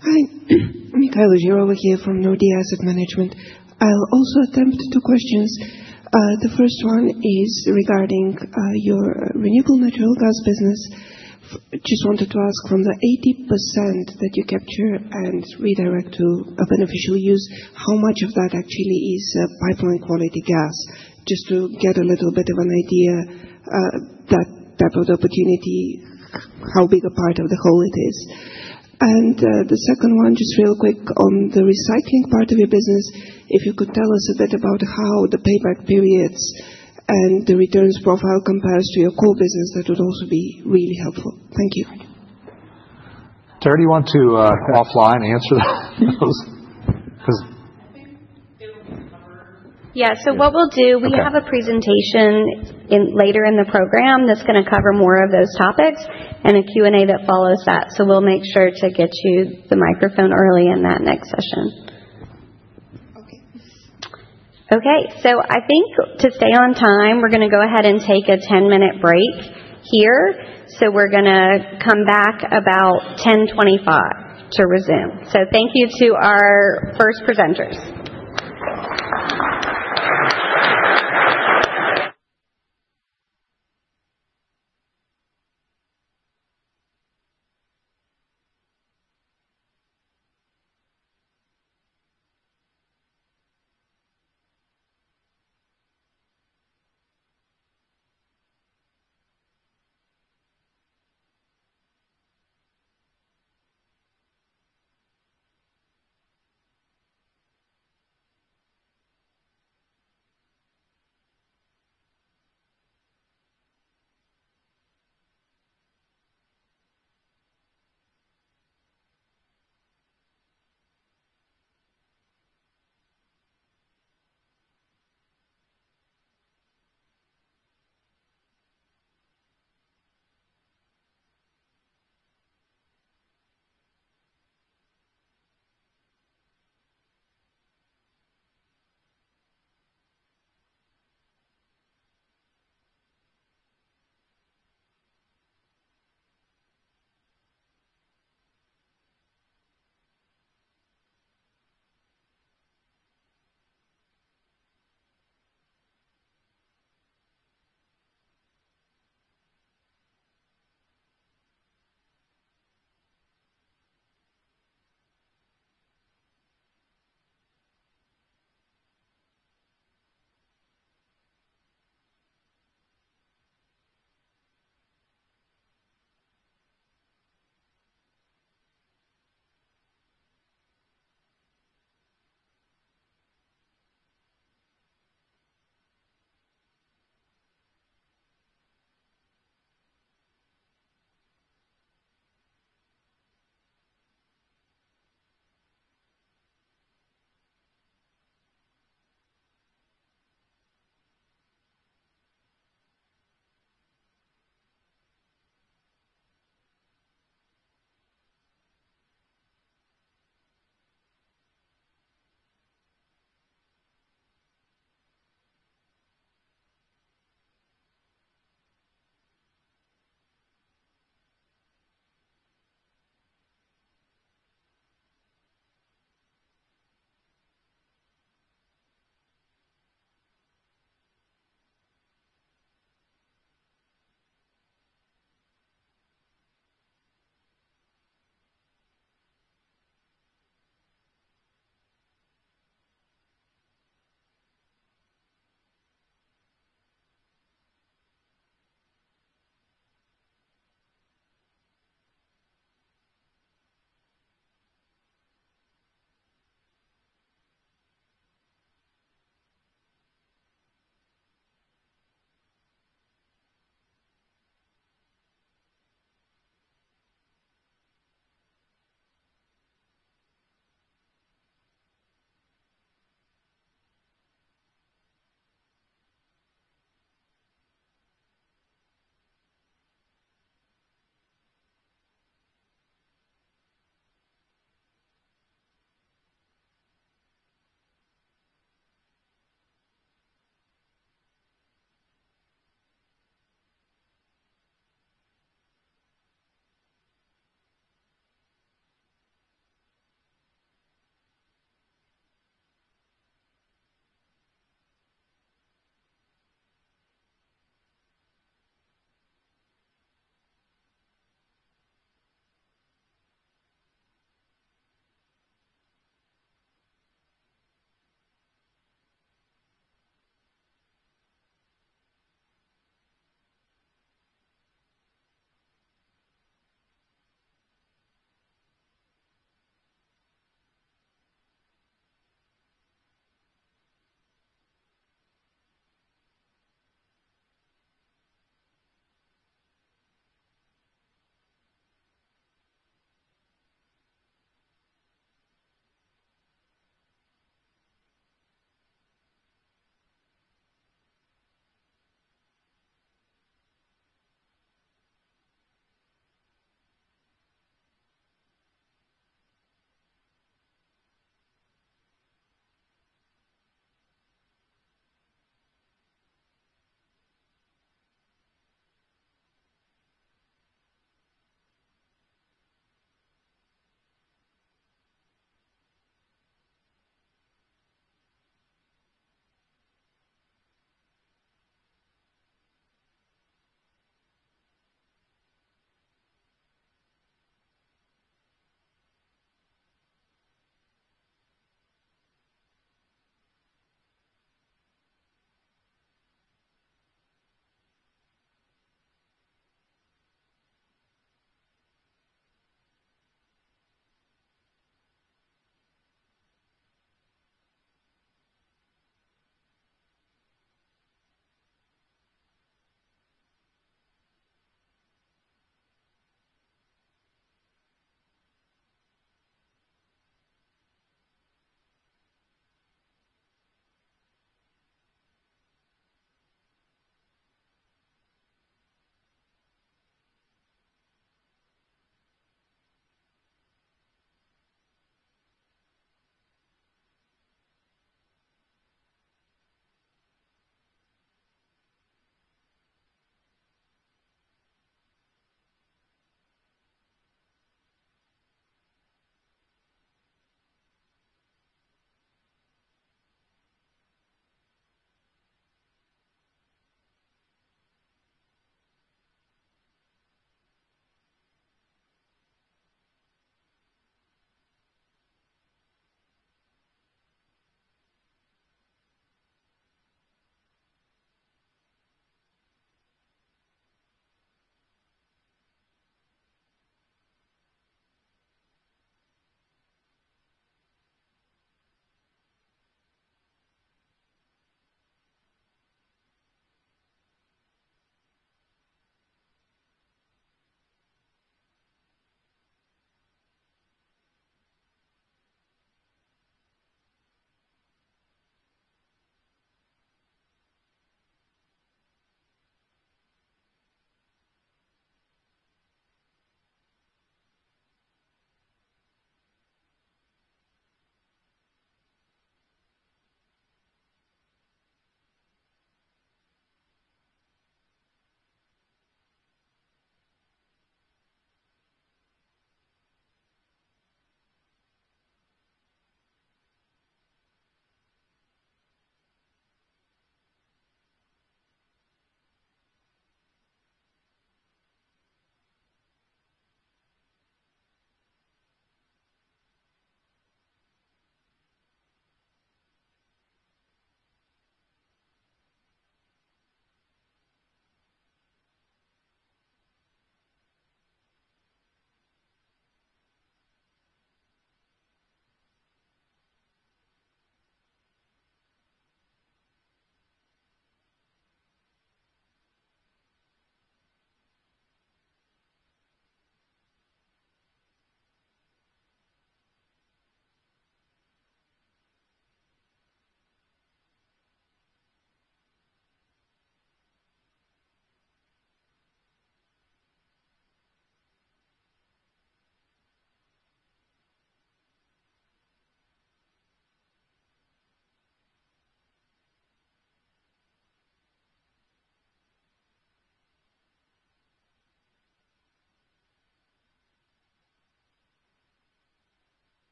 Hi. I'm with Nordic Asset Management. I'll also attempt two questions. The first one is regarding your renewable natural gas business. Just wanted to ask from the 80% that you capture and redirect to a beneficial use, how much of that actually is pipeline quality gas? Just to get a little bit of an idea, that type of opportunity, how big a part of the whole it is. The second one, just real quick on the recycling part of your business, if you could tell us a bit about how the payback periods and the returns profile compares to your core business, that would also be really helpful. Thank you. Tara, do you want to offline answer those? Because. I think they will be covered. Yeah. What we'll do, we have a presentation later in the program that's going to cover more of those topics and a Q&A that follows that. We'll make sure to get you the microphone early in that next session. Okay. Okay. I think to stay on time, we're going to go ahead and take a 10-minute break here. We're going to come back about 10:25 to resume. Thank you to our first presenters.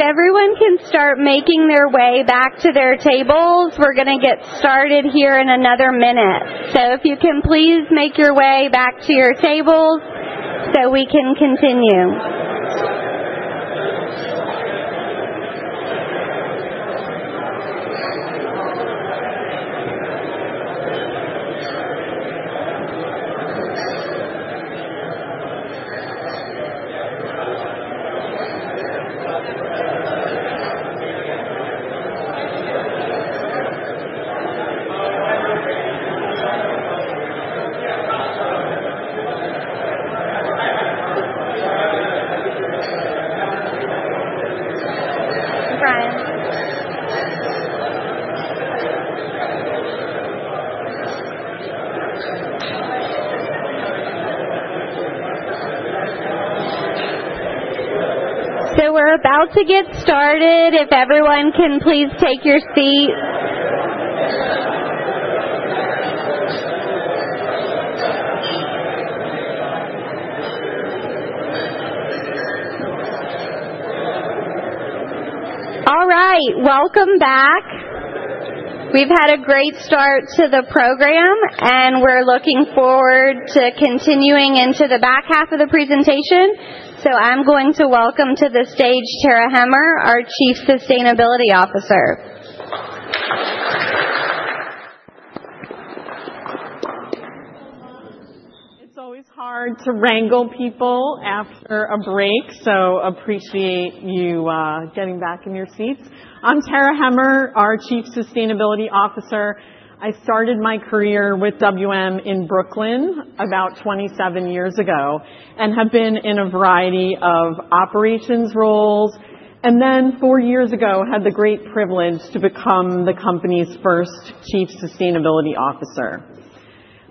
If everyone can start making their way back to their tables, we're going to get started here in another minute. If you can please make your way back to your tables so we can continue. We're about to get started. If everyone can please take your seats. All right. Welcome back. We've had a great start to the program, and we're looking forward to continuing into the back half of the presentation. I'm going to welcome to the stage Tara Hemmer, our Chief Sustainability Officer. It's always hard to wrangle people after a break, so I appreciate you getting back in your seats. I'm Tara Hemmer, our Chief Sustainability Officer. I started my career with WM in Brooklyn about 27 years ago and have been in a variety of operations roles. Four years ago, I had the great privilege to become the company's first Chief Sustainability Officer.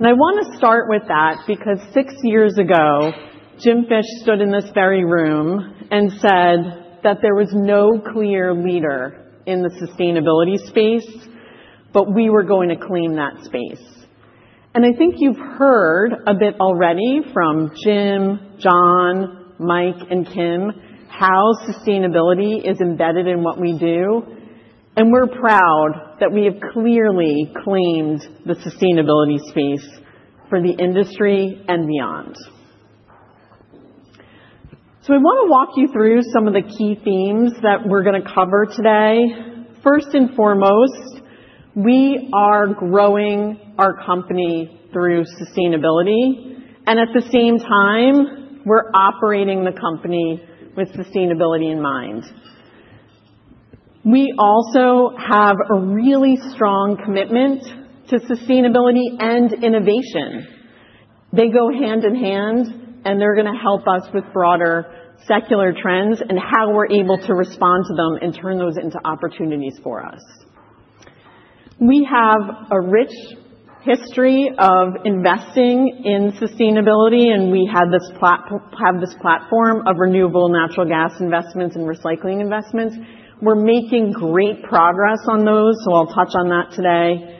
I want to start with that because six years ago, Jim Fish stood in this very room and said that there was no clear leader in the sustainability space, but we were going to claim that space. I think you've heard a bit already from Jim, John, Mike, and Kim how sustainability is embedded in what we do. We're proud that we have clearly claimed the sustainability space for the industry and beyond. I want to walk you through some of the key themes that we're going to cover today. First and foremost, we are growing our company through sustainability. At the same time, we're operating the company with sustainability in mind. We also have a really strong commitment to sustainability and innovation. They go hand in hand, and they're going to help us with broader secular trends and how we're able to respond to them and turn those into opportunities for us. We have a rich history of investing in sustainability, and we have this platform of renewable natural gas investments and recycling investments. We're making great progress on those, so I'll touch on that today.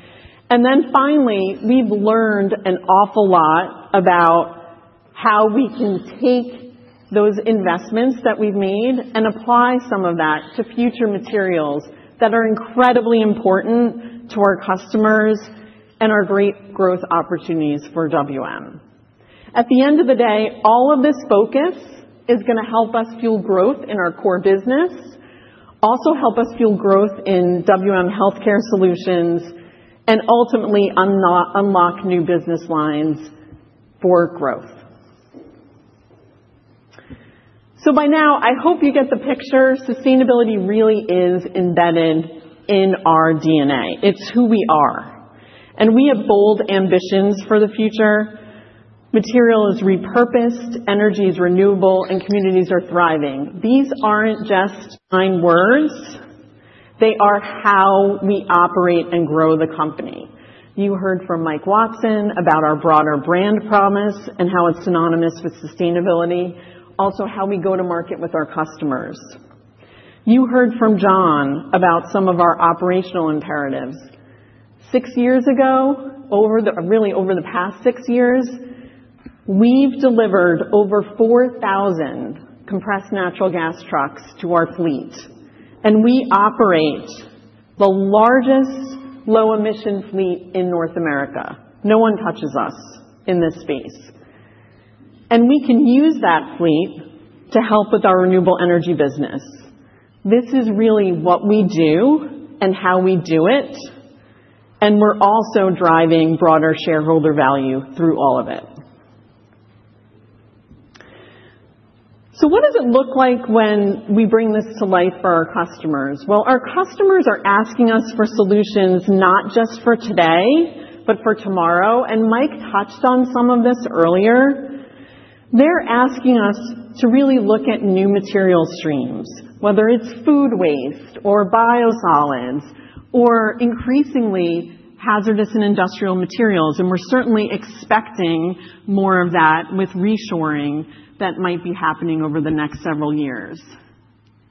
Finally, we've learned an awful lot about how we can take those investments that we've made and apply some of that to future materials that are incredibly important to our customers and are great growth opportunities for WM. At the end of the day, all of this focus is going to help us fuel growth in our core business, also help us fuel growth in WM Healthcare Solutions, and ultimately unlock new business lines for growth. By now, I hope you get the picture. Sustainability really is embedded in our DNA. It's who we are. We have bold ambitions for the future. Material is repurposed, energy is renewable, and communities are thriving. These aren't just nine words. They are how we operate and grow the company. You heard from Mike Watson about our broader brand promise and how it's synonymous with sustainability, also how we go to market with our customers. You heard from John about some of our operational imperatives. Six years ago, really over the past six years, we've delivered over 4,000 compressed natural gas trucks to our fleet. We operate the largest low-emission fleet in North America. No one touches us in this space. We can use that fleet to help with our renewable energy business. This is really what we do and how we do it. We're also driving broader shareholder value through all of it. What does it look like when we bring this to life for our customers? Our customers are asking us for solutions not just for today, but for tomorrow. Mike touched on some of this earlier. They're asking us to really look at new material streams, whether it's food waste or biosolids or increasingly hazardous and industrial materials. We're certainly expecting more of that with reshoring that might be happening over the next several years.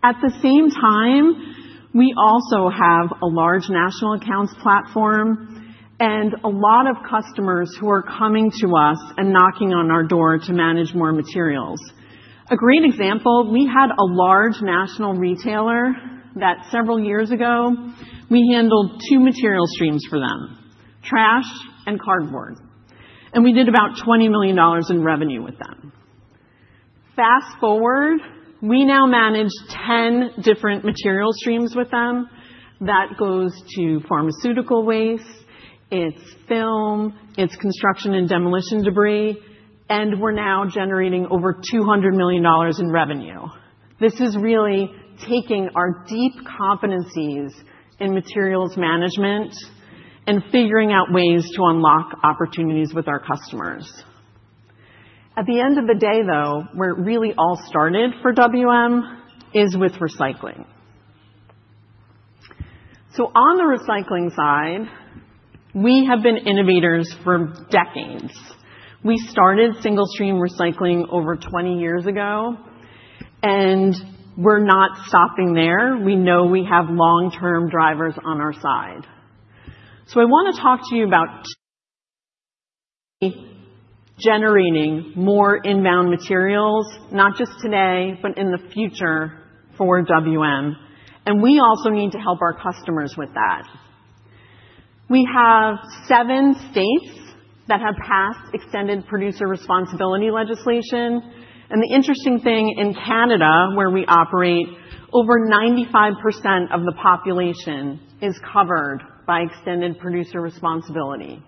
At the same time, we also have a large national accounts platform and a lot of customers who are coming to us and knocking on our door to manage more materials. A great example, we had a large national retailer that several years ago, we handled two material streams for them, trash and cardboard. We did about $20 million in revenue with them. Fast forward, we now manage 10 different material streams with them. That goes to pharmaceutical waste, it's film, it's construction and demolition debris, and we're now generating over $200 million in revenue. This is really taking our deep competencies in materials management and figuring out ways to unlock opportunities with our customers. At the end of the day, though, where it really all started for WM is with recycling. On the recycling side, we have been innovators for decades. We started single-stream recycling over 20 years ago, and we're not stopping there. We know we have long-term drivers on our side. I want to talk to you about generating more inbound materials, not just today, but in the future for WM. We also need to help our customers with that. We have seven states that have passed extended producer responsibility legislation. The interesting thing in Canada, where we operate, is over 95% of the population is covered by extended producer responsibility.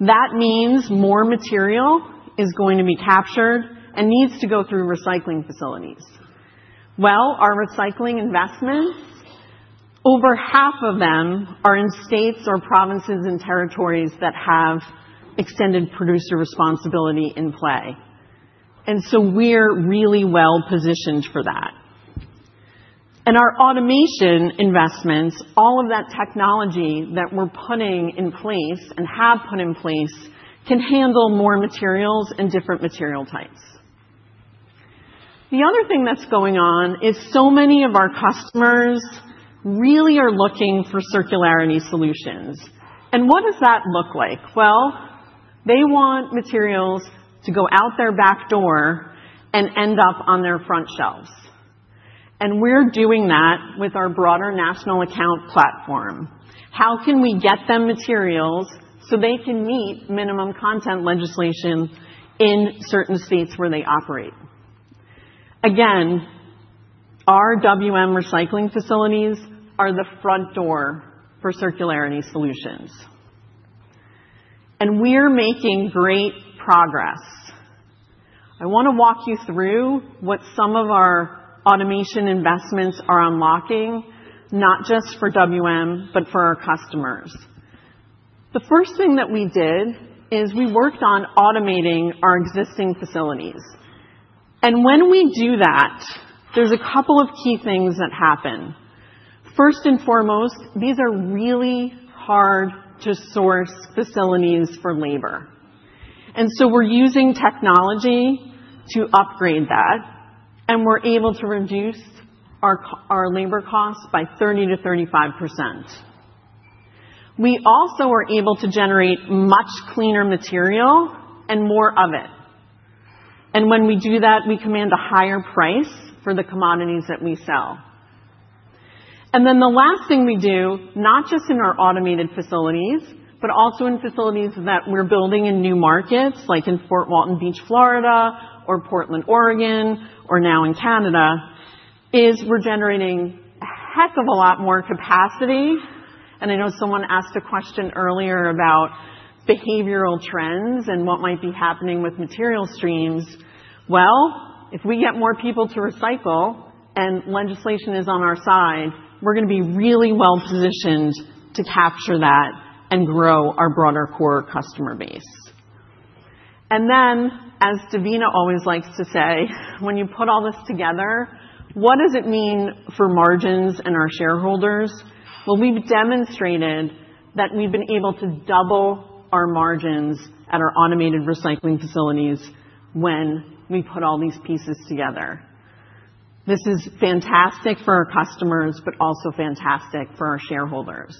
That means more material is going to be captured and needs to go through recycling facilities. Our recycling investments, over half of them are in states or provinces and territories that have extended producer responsibility in play. We are really well positioned for that. Our automation investments, all of that technology that we are putting in place and have put in place can handle more materials and different material types. The other thing that is going on is so many of our customers really are looking for circularity solutions. What does that look like? They want materials to go out their back door and end up on their front shelves. We are doing that with our broader national account platform. How can we get them materials so they can meet minimum content legislation in certain states where they operate? Again, our WM recycling facilities are the front door for circularity solutions. We are making great progress. I want to walk you through what some of our automation investments are unlocking, not just for WM, but for our customers. The first thing that we did is we worked on automating our existing facilities. When we do that, there are a couple of key things that happen. First and foremost, these are really hard-to-source facilities for labor. We are using technology to upgrade that, and we are able to reduce our labor costs by 30%-35%. We also are able to generate much cleaner material and more of it. When we do that, we command a higher price for the commodities that we sell. The last thing we do, not just in our automated facilities, but also in facilities that we are building in new markets, like in Fort Walton Beach, Florida, or Portland, Oregon, or now in Canada, is we are generating a heck of a lot more capacity. I know someone asked a question earlier about behavioral trends and what might be happening with material streams. If we get more people to recycle and legislation is on our side, we are going to be really well positioned to capture that and grow our broader core customer base. As Devina always likes to say, when you put all this together, what does it mean for margins and our shareholders? We have demonstrated that we have been able to double our margins at our automated recycling facilities when we put all these pieces together. This is fantastic for our customers, but also fantastic for our shareholders.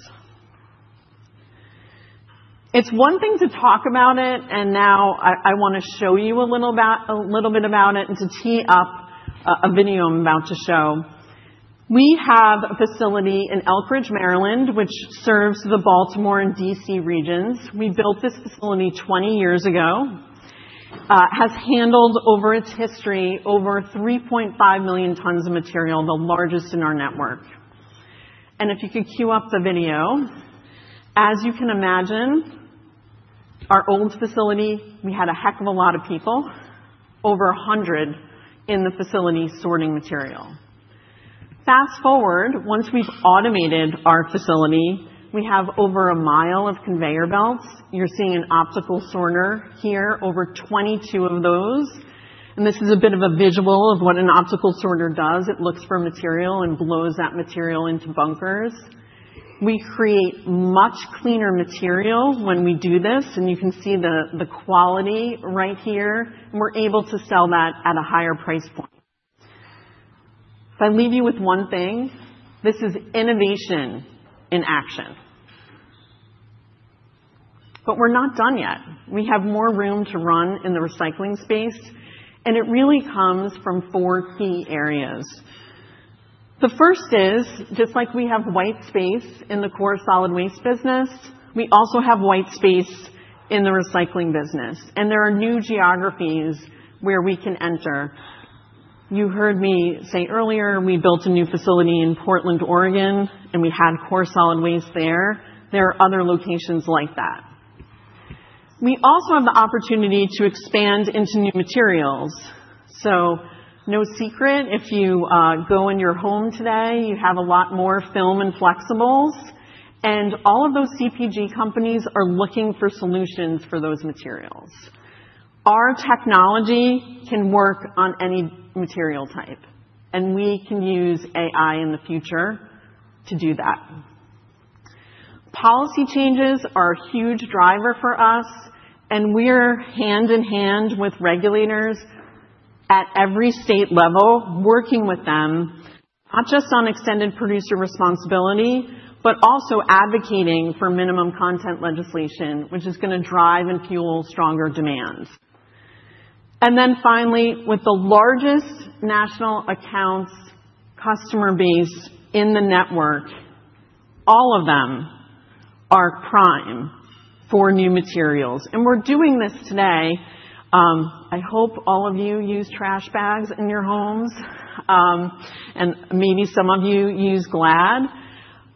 It's one thing to talk about it, and now I want to show you a little bit about it and to tee up a video I'm about to show. We have a facility in Elkridge, Maryland, which serves the Baltimore and DC regions. We built this facility 20 years ago. It has handled, over its history, over 3.5 million tons of material, the largest in our network. If you could queue up the video, as you can imagine, our old facility, we had a heck of a lot of people, over 100 in the facility sorting material. Fast forward, once we've automated our facility, we have over a mile of conveyor belts. You're seeing an optical sorter here, over 22 of those. This is a bit of a visual of what an optical sorter does. It looks for material and blows that material into bunkers. We create much cleaner material when we do this, and you can see the quality right here. We are able to sell that at a higher price point. If I leave you with one thing, this is innovation in action. We are not done yet. We have more room to run in the recycling space, and it really comes from four key areas. The first is, just like we have white space in the core solid waste business, we also have white space in the recycling business. There are new geographies where we can enter. You heard me say earlier, we built a new facility in Portland, Oregon, and we had core solid waste there. There are other locations like that. We also have the opportunity to expand into new materials. No secret, if you go in your home today, you have a lot more film and flexibles. All of those CPG companies are looking for solutions for those materials. Our technology can work on any material type, and we can use AI in the future to do that. Policy changes are a huge driver for us, and we are hand in hand with regulators at every state level, working with them, not just on extended producer responsibility, but also advocating for minimum content legislation, which is going to drive and fuel stronger demand. Finally, with the largest national accounts customer base in the network, all of them are prime for new materials. We are doing this today. I hope all of you use trash bags in your homes, and maybe some of you use GLAD.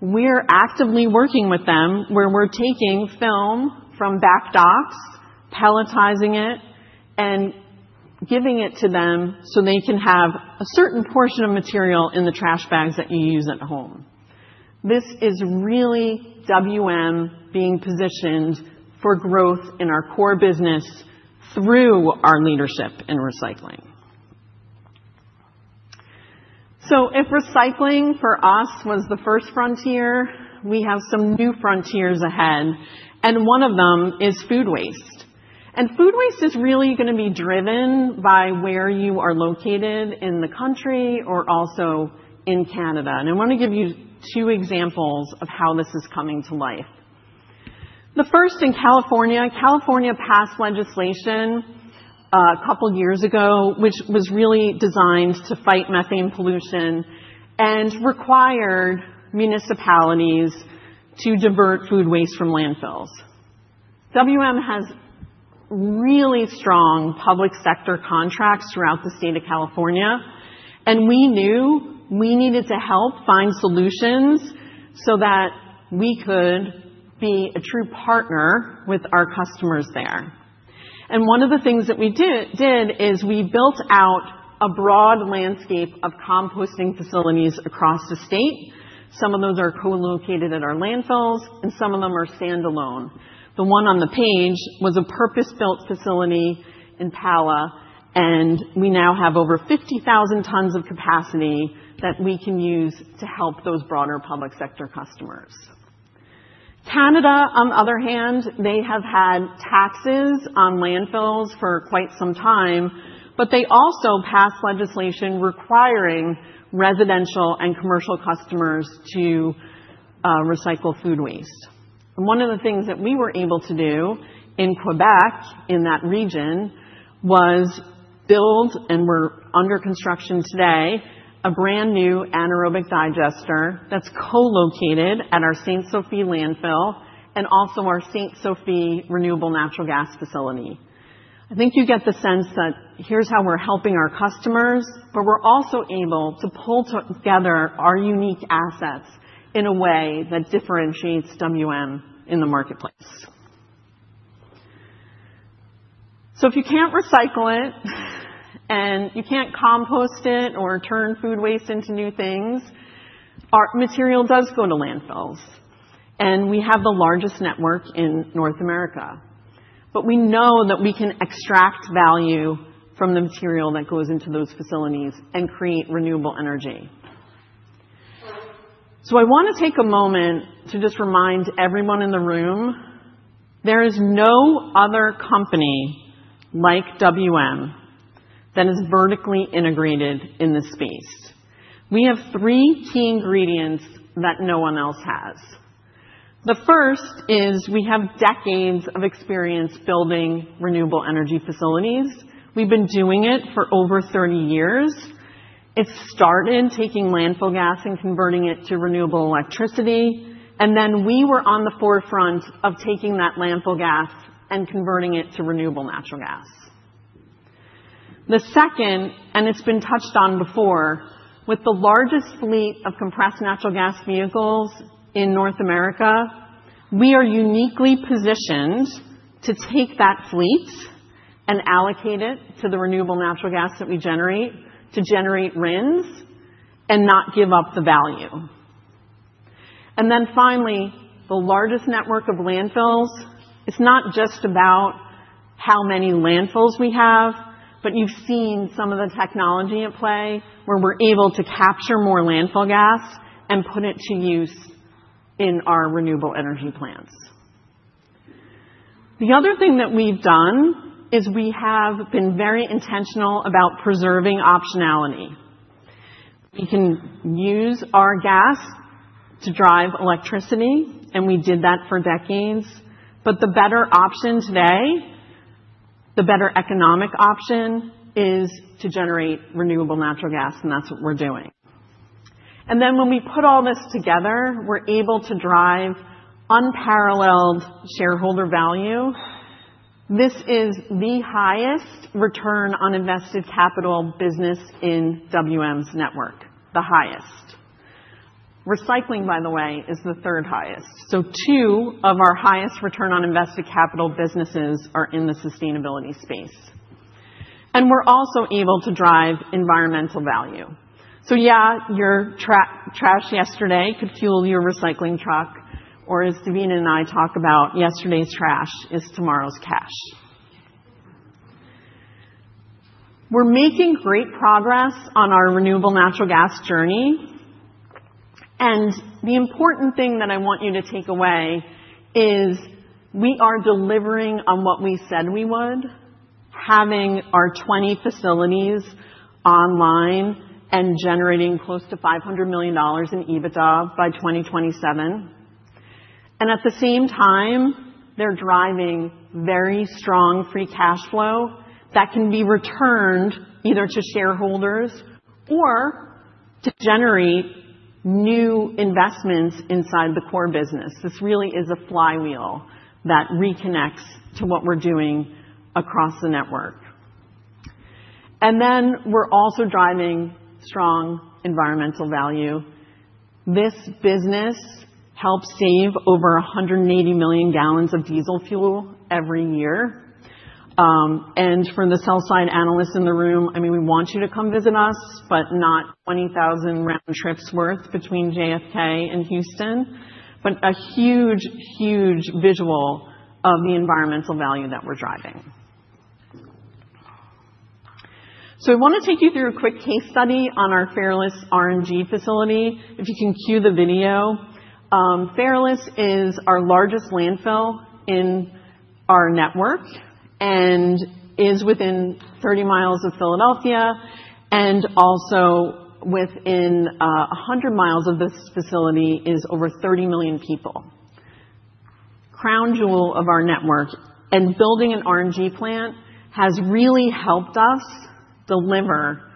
We're actively working with them where we're taking film from back docks, palletizing it, and giving it to them so they can have a certain portion of material in the trash bags that you use at home. This is really WM being positioned for growth in our core business through our leadership in recycling. If recycling for us was the first frontier, we have some new frontiers ahead. One of them is food waste. Food waste is really going to be driven by where you are located in the country or also in Canada. I want to give you two examples of how this is coming to life. The first in California, California passed legislation a couple of years ago, which was really designed to fight methane pollution and required municipalities to divert food waste from landfills. WM has really strong public sector contracts throughout the state of California, and we knew we needed to help find solutions so that we could be a true partner with our customers there. One of the things that we did is we built out a broad landscape of composting facilities across the state. Some of those are co-located at our landfills, and some of them are standalone. The one on the page was a purpose-built facility in Pala, and we now have over 50,000 tons of capacity that we can use to help those broader public sector customers. Canada, on the other hand, they have had taxes on landfills for quite some time, but they also passed legislation requiring residential and commercial customers to recycle food waste. One of the things that we were able to do in Quebec, in that region, was build, and we're under construction today, a brand new anaerobic digester that's co-located at our Sainte-Sophie landfill and also our Sainte-Sophie renewable natural gas facility. I think you get the sense that here's how we're helping our customers, but we're also able to pull together our unique assets in a way that differentiates WM in the marketplace. If you can't recycle it and you can't compost it or turn food waste into new things, our material does go to landfills. We have the largest network in North America. We know that we can extract value from the material that goes into those facilities and create renewable energy. I want to take a moment to just remind everyone in the room, there is no other company like WM that is vertically integrated in this space. We have three key ingredients that no one else has. The first is we have decades of experience building renewable energy facilities. We've been doing it for over 30 years. It started taking landfill gas and converting it to renewable electricity. We were on the forefront of taking that landfill gas and converting it to renewable natural gas. The second, and it's been touched on before, with the largest fleet of compressed natural gas vehicles in North America, we are uniquely positioned to take that fleet and allocate it to the renewable natural gas that we generate to generate RINs and not give up the value. Finally, the largest network of landfills. It's not just about how many landfills we have, but you've seen some of the technology at play where we're able to capture more landfill gas and put it to use in our renewable energy plants. The other thing that we've done is we have been very intentional about preserving optionality. We can use our gas to drive electricity, and we did that for decades. The better option today, the better economic option is to generate renewable natural gas, and that's what we're doing. When we put all this together, we're able to drive unparalleled shareholder value. This is the highest return on invested capital business in WM's network, the highest. Recycling, by the way, is the third highest. Two of our highest return on invested capital businesses are in the sustainability space. We're also able to drive environmental value. Yeah, your trash yesterday could fuel your recycling truck, or as Devina and I talk about, yesterday's trash is tomorrow's cash. We're making great progress on our renewable natural gas journey. The important thing that I want you to take away is we are delivering on what we said we would, having our 20 facilities online and generating close to $500 million in EBITDA by 2027. At the same time, they're driving very strong free cash flow that can be returned either to shareholders or to generate new investments inside the core business. This really is a flywheel that reconnects to what we're doing across the network. We're also driving strong environmental value. This business helps save over 180 million gallons of diesel fuel every year. For the sell-side analysts in the room, I mean, we want you to come visit us, but not 20,000 round trips worth between JFK and Houston, but a huge, huge visual of the environmental value that we're driving. I want to take you through a quick case study on our Fairless RNG facility. If you can queue the video. Fairless is our largest landfill in our network and is within 30 mi of Philadelphia, and also within 100 mi of this facility is over 30 million people. Crown jewel of our network and building an RNG plant has really helped us deliver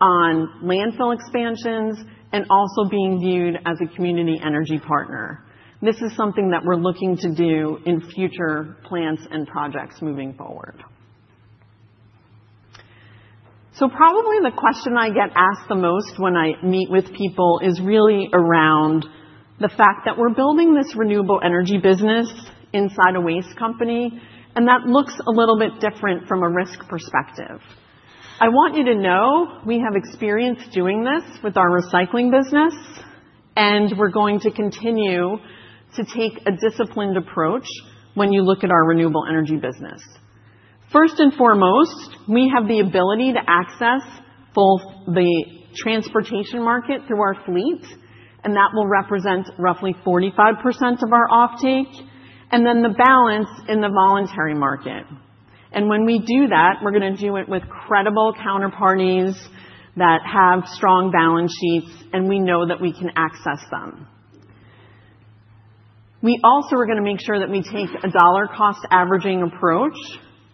on landfill expansions and also being viewed as a community energy partner. This is something that we're looking to do in future plants and projects moving forward. Probably the question I get asked the most when I meet with people is really around the fact that we're building this renewable energy business inside a waste company, and that looks a little bit different from a risk perspective. I want you to know we have experience doing this with our recycling business, and we're going to continue to take a disciplined approach when you look at our renewable energy business. First and foremost, we have the ability to access both the transportation market through our fleet, and that will represent roughly 45% of our offtake, and then the balance in the voluntary market. When we do that, we're going to do it with credible counterparties that have strong balance sheets, and we know that we can access them. We also are going to make sure that we take a dollar-cost averaging approach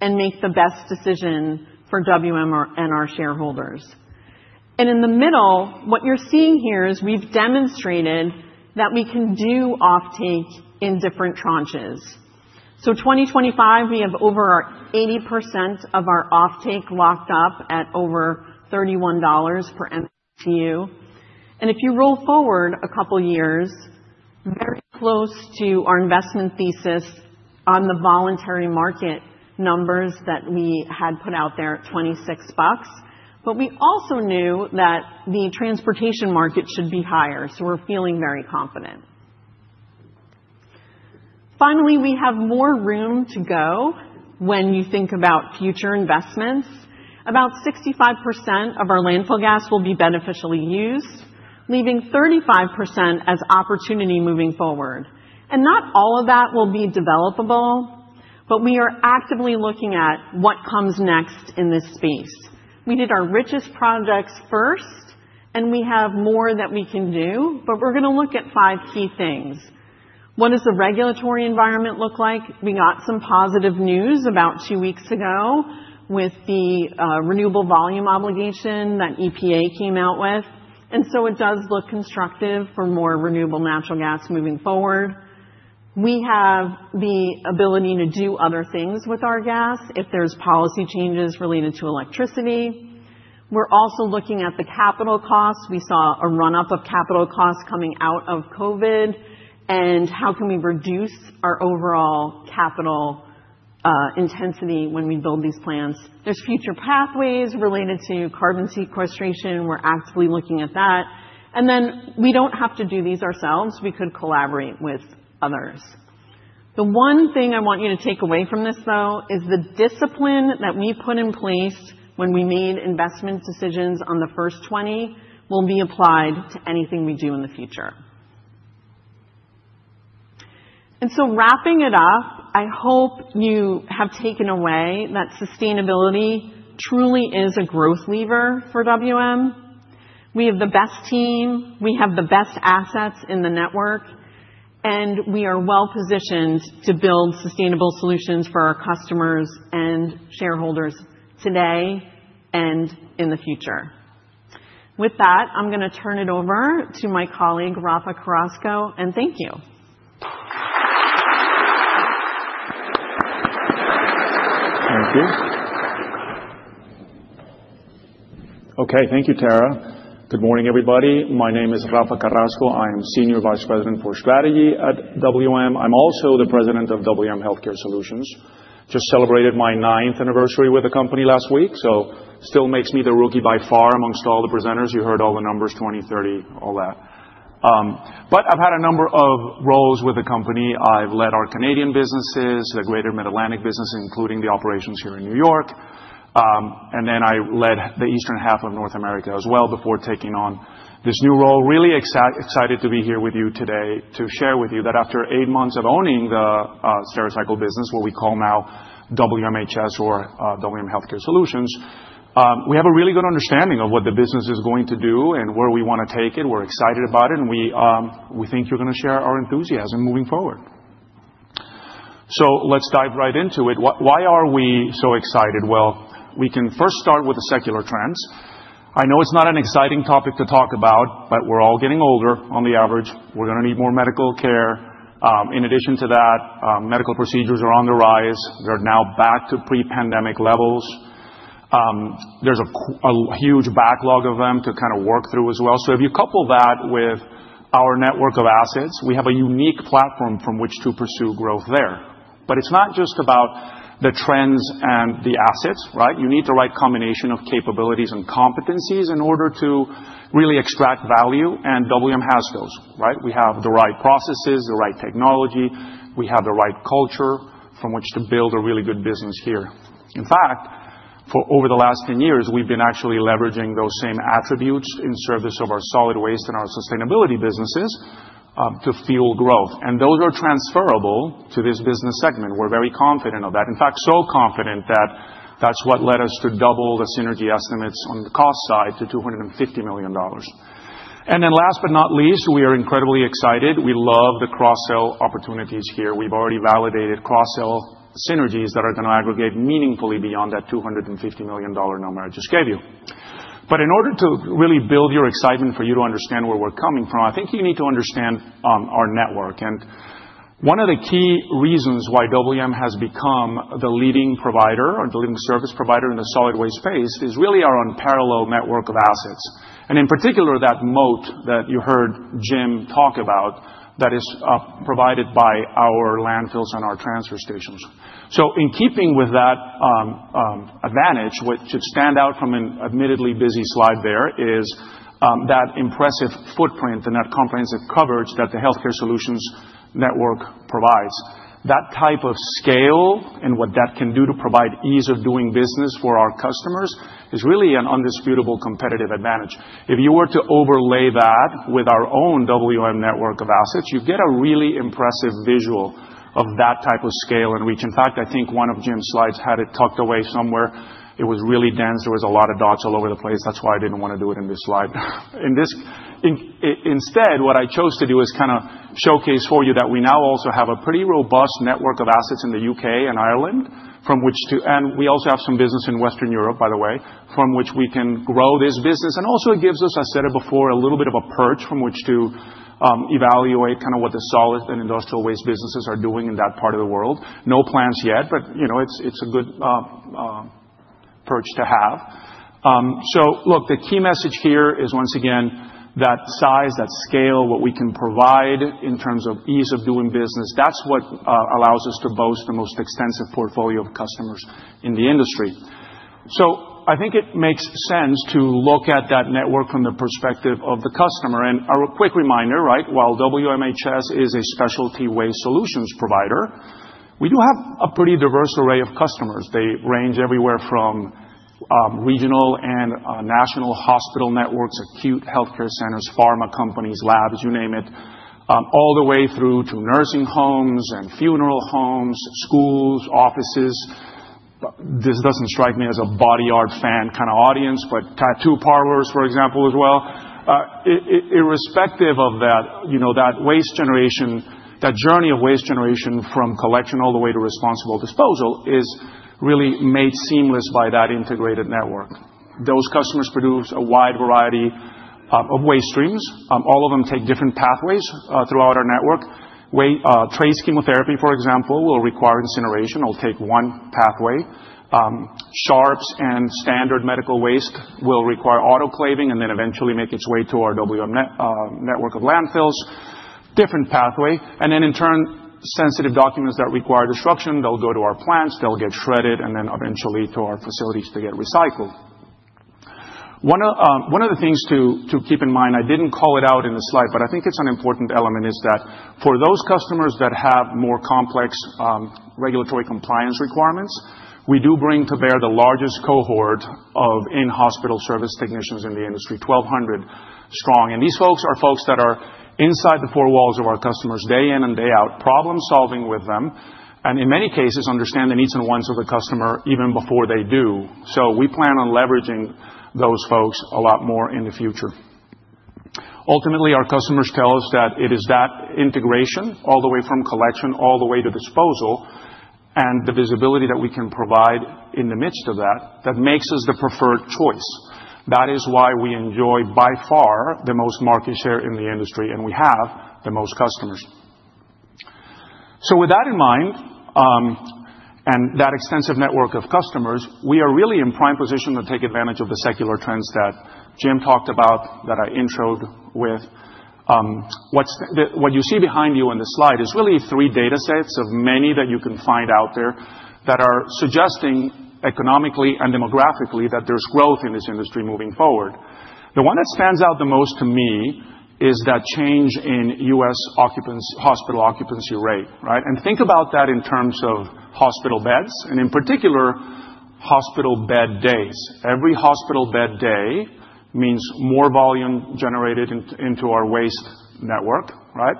and make the best decision for WM and our shareholders. In the middle, what you are seeing here is we have demonstrated that we can do offtake in different tranches. In 2025, we have over 80% of our offtake locked up at over $31 per MMBtu. If you roll forward a couple of years, very close to our investment thesis on the voluntary market numbers that we had put out there at $26, but we also knew that the transportation market should be higher, so we are feeling very confident. Finally, we have more room to go when you think about future investments. About 65% of our landfill gas will be beneficially used, leaving 35% as opportunity moving forward. Not all of that will be developable, but we are actively looking at what comes next in this space. We did our richest projects first, and we have more that we can do, but we're going to look at five key things. What does the regulatory environment look like? We got some positive news about two weeks ago with the renewable volume obligation that EPA came out with. It does look constructive for more renewable natural gas moving forward. We have the ability to do other things with our gas if there's policy changes related to electricity. We're also looking at the capital costs. We saw a run-up of capital costs coming out of COVID, and how can we reduce our overall capital intensity when we build these plants? There's future pathways related to carbon sequestration. We're actively looking at that. We do not have to do these ourselves. We could collaborate with others. The one thing I want you to take away from this, though, is the discipline that we put in place when we made investment decisions on the first 20 will be applied to anything we do in the future. Wrapping it up, I hope you have taken away that sustainability truly is a growth lever for WM. We have the best team. We have the best assets in the network, and we are well-positioned to build sustainable solutions for our customers and shareholders today and in the future. With that, I am going to turn it over to my colleague, Rafa Carrasco, and thank you. Thank you. Okay, thank you, Tara. Good morning, everybody. My name is Rafa Carrasco. I am Senior Vice President for Strategy at WM. I'm also the President of WM Healthcare Solutions. Just celebrated my ninth anniversary with the company last week, so still makes me the rookie by far amongst all the presenters. You heard all the numbers, 20, 30, all that. I've had a number of roles with the company. I've led our Canadian businesses, the greater Mid-Atlantic business, including the operations here in New York. I led the eastern half of North America as well before taking on this new role. Really excited to be here with you today to share with you that after eight months of owning the Stericycle business, what we call now WMHS or WM Healthcare Solutions, we have a really good understanding of what the business is going to do and where we want to take it. We're excited about it, and we think you're going to share our enthusiasm moving forward. Let's dive right into it. Why are we so excited? We can first start with the secular trends. I know it's not an exciting topic to talk about, but we're all getting older. On the average, we're going to need more medical care. In addition to that, medical procedures are on the rise. They're now back to pre-pandemic levels. There's a huge backlog of them to kind of work through as well. If you couple that with our network of assets, we have a unique platform from which to pursue growth there. It's not just about the trends and the assets, right? You need the right combination of capabilities and competencies in order to really extract value, and WM has those, right? We have the right processes, the right technology. We have the right culture from which to build a really good business here. In fact, for over the last 10 years, we've been actually leveraging those same attributes in service of our solid waste and our sustainability businesses to fuel growth. Those are transferable to this business segment. We're very confident of that. In fact, so confident that that's what led us to double the synergy estimates on the cost side to $250 million. Last but not least, we are incredibly excited. We love the cross-sale opportunities here. We've already validated cross-sale synergies that are going to aggregate meaningfully beyond that $250 million number I just gave you. In order to really build your excitement for you to understand where we're coming from, I think you need to understand our network. One of the key reasons why WM has become the leading provider or the leading service provider in the solid waste space is really our unparalleled network of assets. In particular, that moat that you heard Jim talk about that is provided by our landfills and our transfer stations. In keeping with that advantage, what should stand out from an admittedly busy slide there is that impressive footprint and that comprehensive coverage that the Healthcare Solutions Network provides. That type of scale and what that can do to provide ease of doing business for our customers is really an undisputable competitive advantage. If you were to overlay that with our own WM network of assets, you get a really impressive visual of that type of scale and reach. In fact, I think one of Jim's slides had it tucked away somewhere. It was really dense. There was a lot of dots all over the place. That's why I didn't want to do it in this slide. Instead, what I chose to do is kind of showcase for you that we now also have a pretty robust network of assets in the U.K. and Ireland, from which to, and we also have some business in Western Europe, by the way, from which we can grow this business. It also gives us, I said it before, a little bit of a perch from which to evaluate kind of what the solid and industrial waste businesses are doing in that part of the world. No plans yet, but it's a good perch to have. Look, the key message here is once again that size, that scale, what we can provide in terms of ease of doing business, that's what allows us to boast the most extensive portfolio of customers in the industry. I think it makes sense to look at that network from the perspective of the customer. A quick reminder, right? While WMHS is a specialty waste solutions provider, we do have a pretty diverse array of customers. They range everywhere from regional and national hospital networks, acute healthcare centers, pharma companies, labs, you name it, all the way through to nursing homes and funeral homes, schools, offices. This doesn't strike me as a body art fan kind of audience, but tattoo parlors, for example, as well. Irrespective of that, that waste generation, that journey of waste generation from collection all the way to responsible disposal is really made seamless by that integrated network. Those customers produce a wide variety of waste streams. All of them take different pathways throughout our network. Trace chemotherapy, for example, will require incineration. It will take one pathway. Sharps and standard medical waste will require autoclaving and then eventually make its way to our WM network of landfills. Different pathway. In turn, sensitive documents that require destruction, they will go to our plants, they will get shredded, and then eventually to our facilities to get recycled. One of the things to keep in mind, I didn't call it out in the slide, but I think it's an important element, is that for those customers that have more complex regulatory compliance requirements, we do bring to bear the largest cohort of in-hospital service technicians in the industry, 1,200 strong. These folks are inside the four walls of our customers day in and day out, problem-solving with them, and in many cases, understand the needs and wants of the customer even before they do. We plan on leveraging those folks a lot more in the future. Ultimately, our customers tell us that it is that integration all the way from collection all the way to disposal and the visibility that we can provide in the midst of that that makes us the preferred choice. That is why we enjoy by far the most market share in the industry and we have the most customers. With that in mind and that extensive network of customers, we are really in prime position to take advantage of the secular trends that Jim talked about that I introed with. What you see behind you on the slide is really three data sets of many that you can find out there that are suggesting economically and demographically that there is growth in this industry moving forward. The one that stands out the most to me is that change in U.S. hospital occupancy rate, right? Think about that in terms of hospital beds and in particular hospital bed days. Every hospital bed day means more volume generated into our waste network, right?